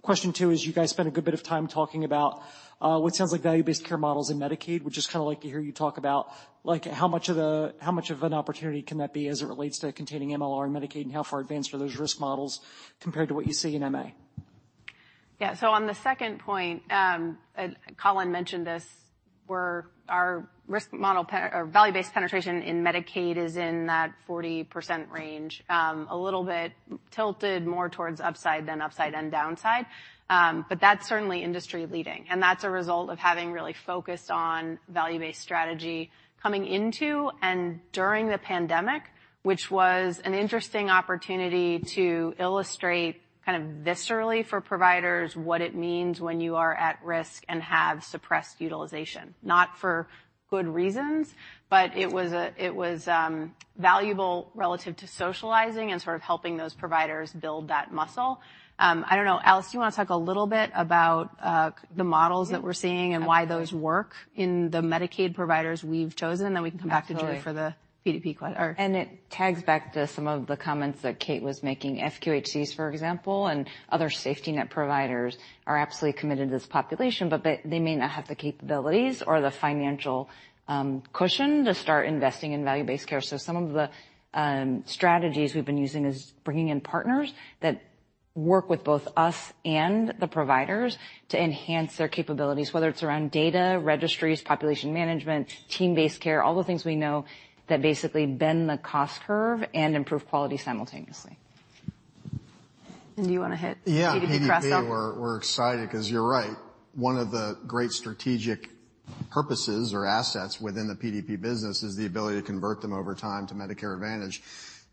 question two is, you guys spent a good bit of time talking about, what sounds like value-based care models in Medicaid, which is kind of like to hear you talk about, like, how much of an opportunity can that be as it relates to containing MLR and Medicaid, and how far advanced are those risk models compared to what you see in MA? Yeah. So on the second point, and Colin mentioned this, we're our risk model penetration or value-based penetration in Medicaid is in that 40% range, a little bit tilted more towards upside than upside and downside. But that's certainly industry leading, and that's a result of having really focused on value-based strategy coming into and during the pandemic, which was an interesting opportunity to illustrate kind of viscerally for providers, what it means when you are at risk and have suppressed utilization. Not for good reasons, but it was a, it was, valuable relative to socializing and sort of helping those providers build that muscle. I don't know. Alice, do you want to talk a little bit about the models that we're seeing and why those work in the Medicaid providers we've chosen? Then we can come back to Drew for the PDP question or- It tags back to some of the comments that Kate was making. FQHCs, for example, and other safety net providers, are absolutely committed to this population, but they, they may not have the capabilities or the financial cushion to start investing in value-based care. So some of the strategies we've been using is bringing in partners that work with both us and the providers to enhance their capabilities, whether it's around data, registries, population management, team-based care, all the things we know that basically bend the cost curve and improve quality simultaneously. Do you want to hit- Yeah. PDP question? PDP, we're excited because you're right. One of the great strategic purposes or assets within the PDP business is the ability to convert them over time to Medicare Advantage,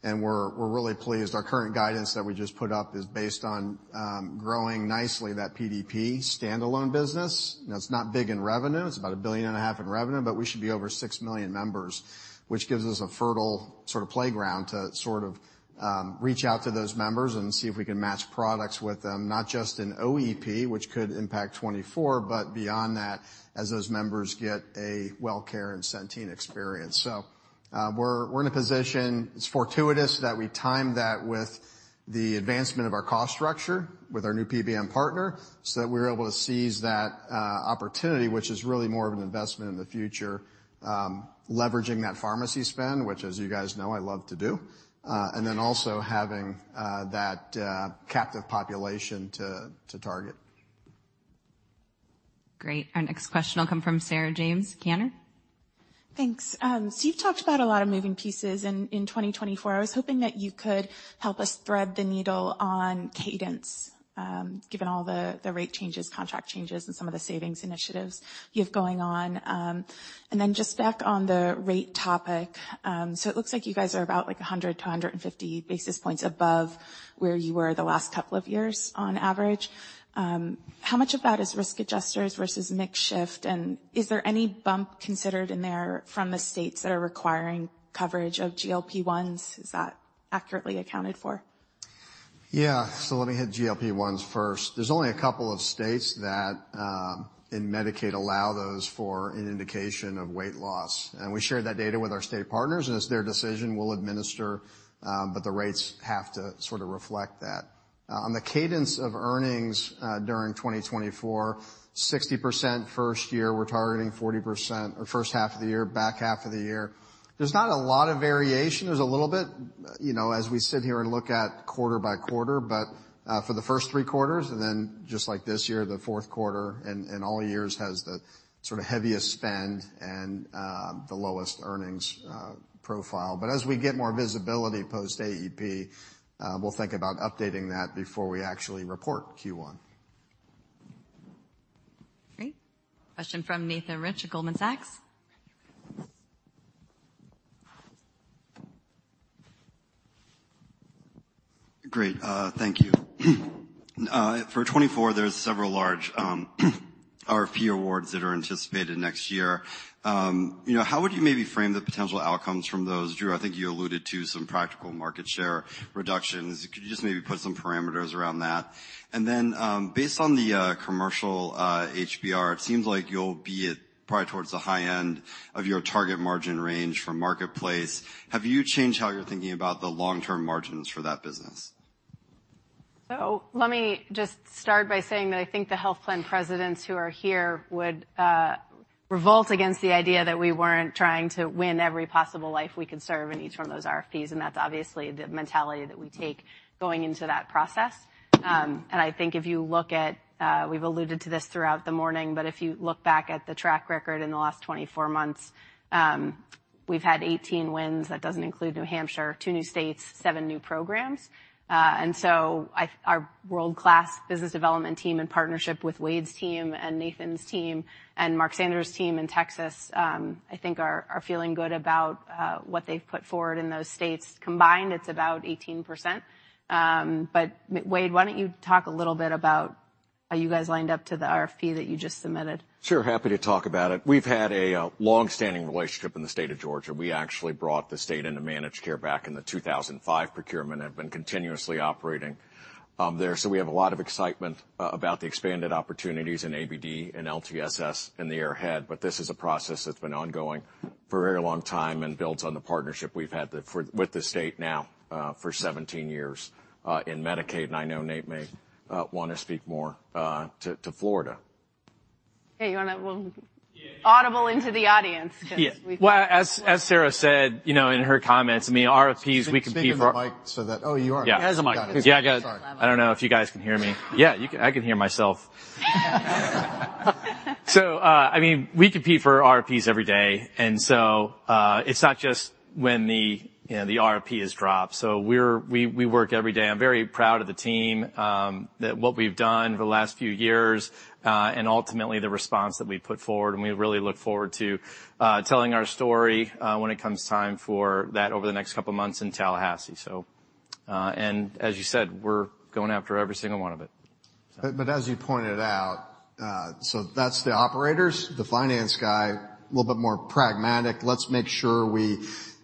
and we're really pleased. Our current guidance that we just put up is based on growing nicely that PDP standalone business. Now, it's not big in revenue. It's about $1.5 billion in revenue, but we should be over 6 million members, which gives us a fertile sort of playground to sort of reach out to those members and see if we can match products with them, not just in OEP, which could impact 2024, but beyond that, as those members get a WellCare incentive experience. So, we're in a position. It's fortuitous that we timed that with the advancement of our cost structure, with our new PBM partner, so that we're able to seize that opportunity, which is really more of an investment in the future, leveraging that pharmacy spend, which, as you guys know, I love to do. And then also having that captive population to target. Great. Our next question will come from Sarah James, Cantor. Thanks. So you've talked about a lot of moving pieces in 2024. I was hoping that you could help us thread the needle on cadence, given all the rate changes, contract changes, and some of the savings initiatives you have going on. And then just back on the rate topic, so it looks like you guys are about, like, 100 to 150 basis points above where you were the last couple of years on average. How much of that is risk adjusters versus mix shift? And is there any bump considered in there from the states that are requiring coverage of GLP-1s? Is that accurately accounted for? Yeah. So let me hit GLP-1s first. There's only a couple of states that in Medicaid allow those for an indication of weight loss, and we share that data with our state partners, and it's their decision we'll administer, but the rates have to sort of reflect that. On the cadence of earnings during 2024, 60% first year, we're targeting 40% or first half of the year, back half of the year. There's not a lot of variation. There's a little bit, you know, as we sit here and look at quarter by quarter, but for the first three quarters, and then just like this year, the fourth quarter, and all years has the sort of heaviest spend and the lowest earnings profile. But as we get more visibility post AEP, we'll think about updating that before we actually report Q1. Great. Question from Nathan Rich, at Goldman Sachs. Great. Thank you. For 2024, there's several large RFP awards that are anticipated next year. You know, how would you maybe frame the potential outcomes from those? Drew, I think you alluded to some practical market share reductions. Could you just maybe put some parameters around that? And then, based on the commercial HBR, it seems like you'll be at probably towards the high end of your target margin range from Marketplace. Have you changed how you're thinking about the long-term margins for that business? So let me just start by saying that I think the health plan presidents who are here would revolt against the idea that we weren't trying to win every possible life we could serve in each one of those RFPs, and that's obviously the mentality that we take going into that process. And I think if you look at, we've alluded to this throughout the morning, but if you look back at the track record in the last 24 months, we've had 18 wins. That doesn't include New Hampshire, two new states, seven new programs. And so our world-class business development team, in partnership with Wade's team and Nathan's team and Mark Sanders' team in Texas, I think are feeling good about what they've put forward in those states. Combined, it's about 18%. Wade, why don't you talk a little bit about how you guys lined up to the RFP that you just submitted? Sure, happy to talk about it. We've had a long-standing relationship in the state of Georgia. We actually brought the state into managed care back in the 2005 procurement, and have been continuously operating there. So we have a lot of excitement about the expanded opportunities in ABD and LTSS in the year ahead. But this is a process that's been ongoing for a very long time and builds on the partnership we've had with the state now for 17 years in Medicaid, and I know Nate may want to speak more to Florida. Hey, you wanna well- Yeah. Audible into the audience? Yeah. Well, as Sarah said, you know, in her comments, I mean, RFPs, we can be- Speak in the mic so that... Oh, you are. He has a mic. Yeah, I got it. Sorry. I don't know if you guys can hear me. Yeah, you can. I can hear myself.... So, I mean, we compete for RFPs every day, and so, it's not just when the, you know, the RFP is dropped. So we're—we work every day. I'm very proud of the team, that what we've done over the last few years, and ultimately, the response that we put forward, and we really look forward to, telling our story, when it comes time for that over the next couple of months in Tallahassee. So... And as you said, we're going after every single one of it. But as you pointed out, so that's the operators, the finance guy, a little bit more pragmatic. Let's make sure we,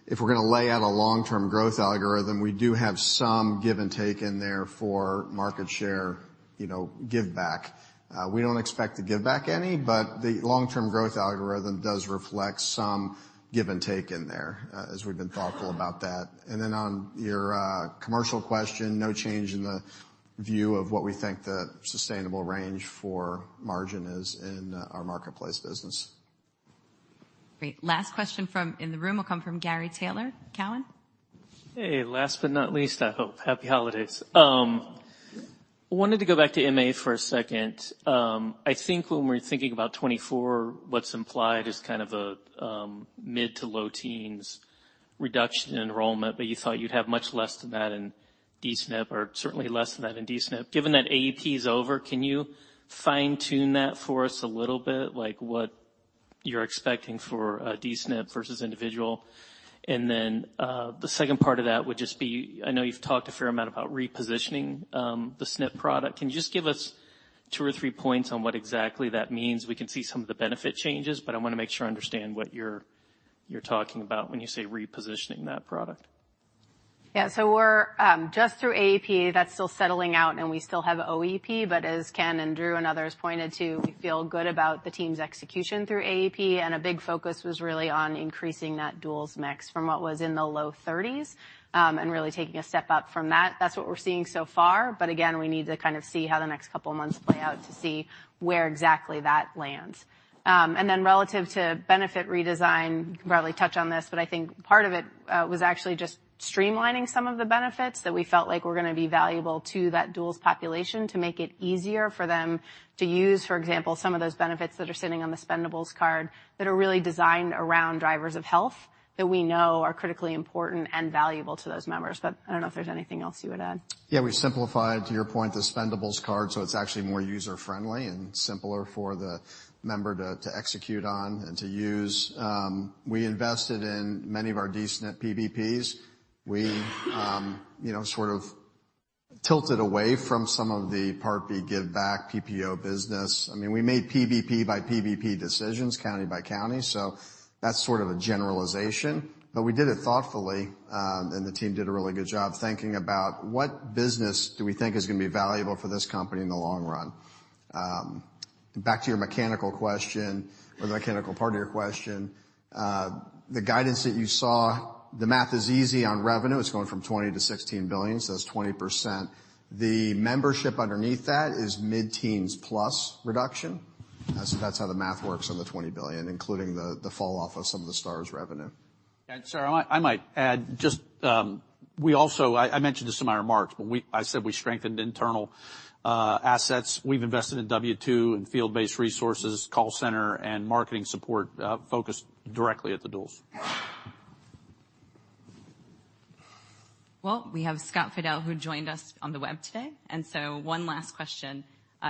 if we're gonna lay out a long-term growth algorithm, we do have some give and take in there for market share, you know, give back. We don't expect to give back any, but the long-term growth algorithm does reflect some give and take in there, as we've been thoughtful about that. And then, on your commercial question, no change in the view of what we think the sustainable range for margin is in our Marketplace business. Great. Last question from in the room will come from Gary Taylor, Cowen? Hey, last but not least, I hope. Happy holidays. I wanted to go back to MA for a second. I think when we're thinking about 2024, what's implied is kind of a mid- to low-teens reduction in enrollment, but you thought you'd have much less than that in D-SNP or certainly less than that in D-SNP. Given that AP is over, can you fine-tune that for us a little bit? Like, what you're expecting for D-SNP versus individual. And then, the second part of that would just be, I know you've talked a fair amount about repositioning the SNP product. Can you just give us two or three points on what exactly that means? We can see some of the benefit changes, but I wanna make sure I understand what you're, you're talking about when you say repositioning that product. Yeah, so we're just through AEP, that's still settling out, and we still have OEP, but as Ken and Drew and others pointed to, we feel good about the team's execution through AEP, and a big focus was really on increasing that duals mix from what was in the low 30s, and really taking a step up from that. That's what we're seeing so far. But again, we need to kind of see how the next couple of months play out to see where exactly that lands. And then relative to benefit redesign, you can probably touch on this, but I think part of it was actually just streamlining some of the benefits that we felt like were gonna be valuable to that duals population to make it easier for them to use, for example, some of those benefits that are sitting on the Spendables card that are really designed around drivers of health that we know are critically important and valuable to those members. But I don't know if there's anything else you would add? Yeah, we simplified, to your point, the Spendables card, so it's actually more user-friendly and simpler for the member to, to execute on and to use. We invested in many of our D-SNP PBPs. We, you know, sort of tilted away from some of the Part B giveback PPO business. I mean, we made PBP by PBP decisions, county by county, so that's sort of a generalization, but we did it thoughtfully, and the team did a really good job thinking about what business do we think is gonna be valuable for this company in the long run. Back to your mechanical question or the mechanical part of your question, the guidance that you saw, the math is easy on revenue. It's going from $20 billion to $16 billion, so that's 20%. The membership underneath that is mid-teens + reduction. That's how the math works on the $20 billion, including the falloff of some of the Stars revenue. Sarah, I might add just, we also. I mentioned this in my remarks, but I said we strengthened internal assets. We've invested in W-2 and field-based resources, call center, and marketing support, focused directly at the duals. Well, we have Scott Fidel, who joined us on the web today, and so one last question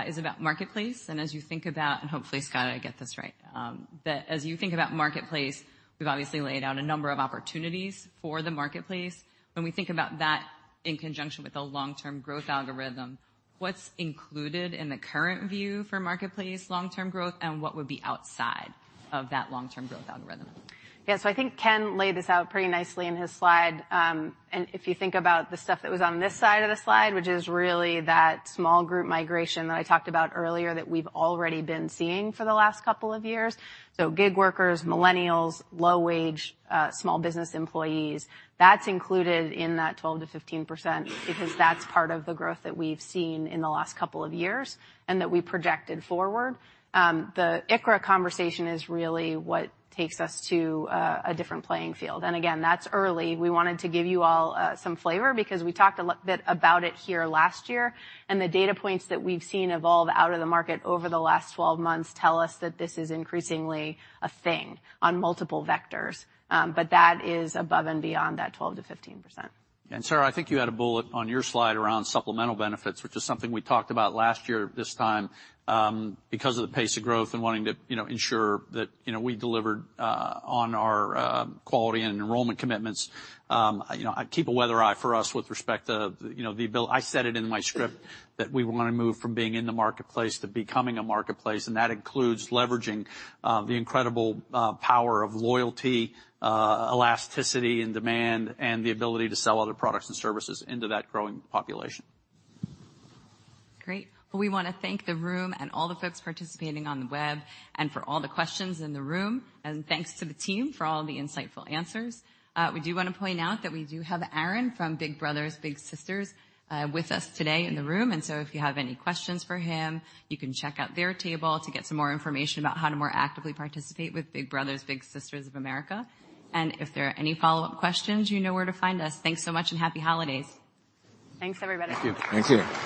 is about Marketplace. And as you think about, and hopefully, Scott, I get this right, but as you think about Marketplace, we've obviously laid out a number of opportunities for the Marketplace. When we think about that in conjunction with the long-term growth algorithm, what's included in the current view for Marketplace long-term growth, and what would be outside of that long-term growth algorithm? Yeah, so I think Ken laid this out pretty nicely in his slide. And if you think about the stuff that was on this side of the slide, which is really that small group migration that I talked about earlier, that we've already been seeing for the last couple of years, so gig workers, millennials, low-wage, small business employees, that's included in that 12% to 15%, because that's part of the growth that we've seen in the last couple of years and that we projected forward. The ICHRA conversation is really what takes us to a different playing field, and again, that's early. We wanted to give you all some flavor because we talked a lot about it here last year, and the data points that we've seen evolve out of the market over the last 12 months tell us that this is increasingly a thing on multiple vectors, but that is above and beyond that 12% to 15%. And, Sarah, I think you had a bullet on your slide around supplemental benefits, which is something we talked about last year at this time, because of the pace of growth and wanting to, you know, ensure that, you know, we delivered, on our, quality and enrollment commitments. You know, I keep a weather eye for us with respect to, you know, the ability... I said it in my script, that we wanna move from being in the Marketplace to becoming a Marketplace, and that includes leveraging, the incredible, power of loyalty, elasticity, and demand, and the ability to sell other products and services into that growing population. Great. Well, we wanna thank the room and all the folks participating on the web, and for all the questions in the room, and thanks to the team for all the insightful answers. We do wanna point out that we do have Aaron from Big Brothers Big Sisters with us today in the room, and so if you have any questions for him, you can check out their table to get some more information about how to more actively participate with Big Brothers Big Sisters of America. And if there are any follow-up questions, you know where to find us. Thanks so much, and happy holidays. Thanks, everybody. Thank you. Thank you.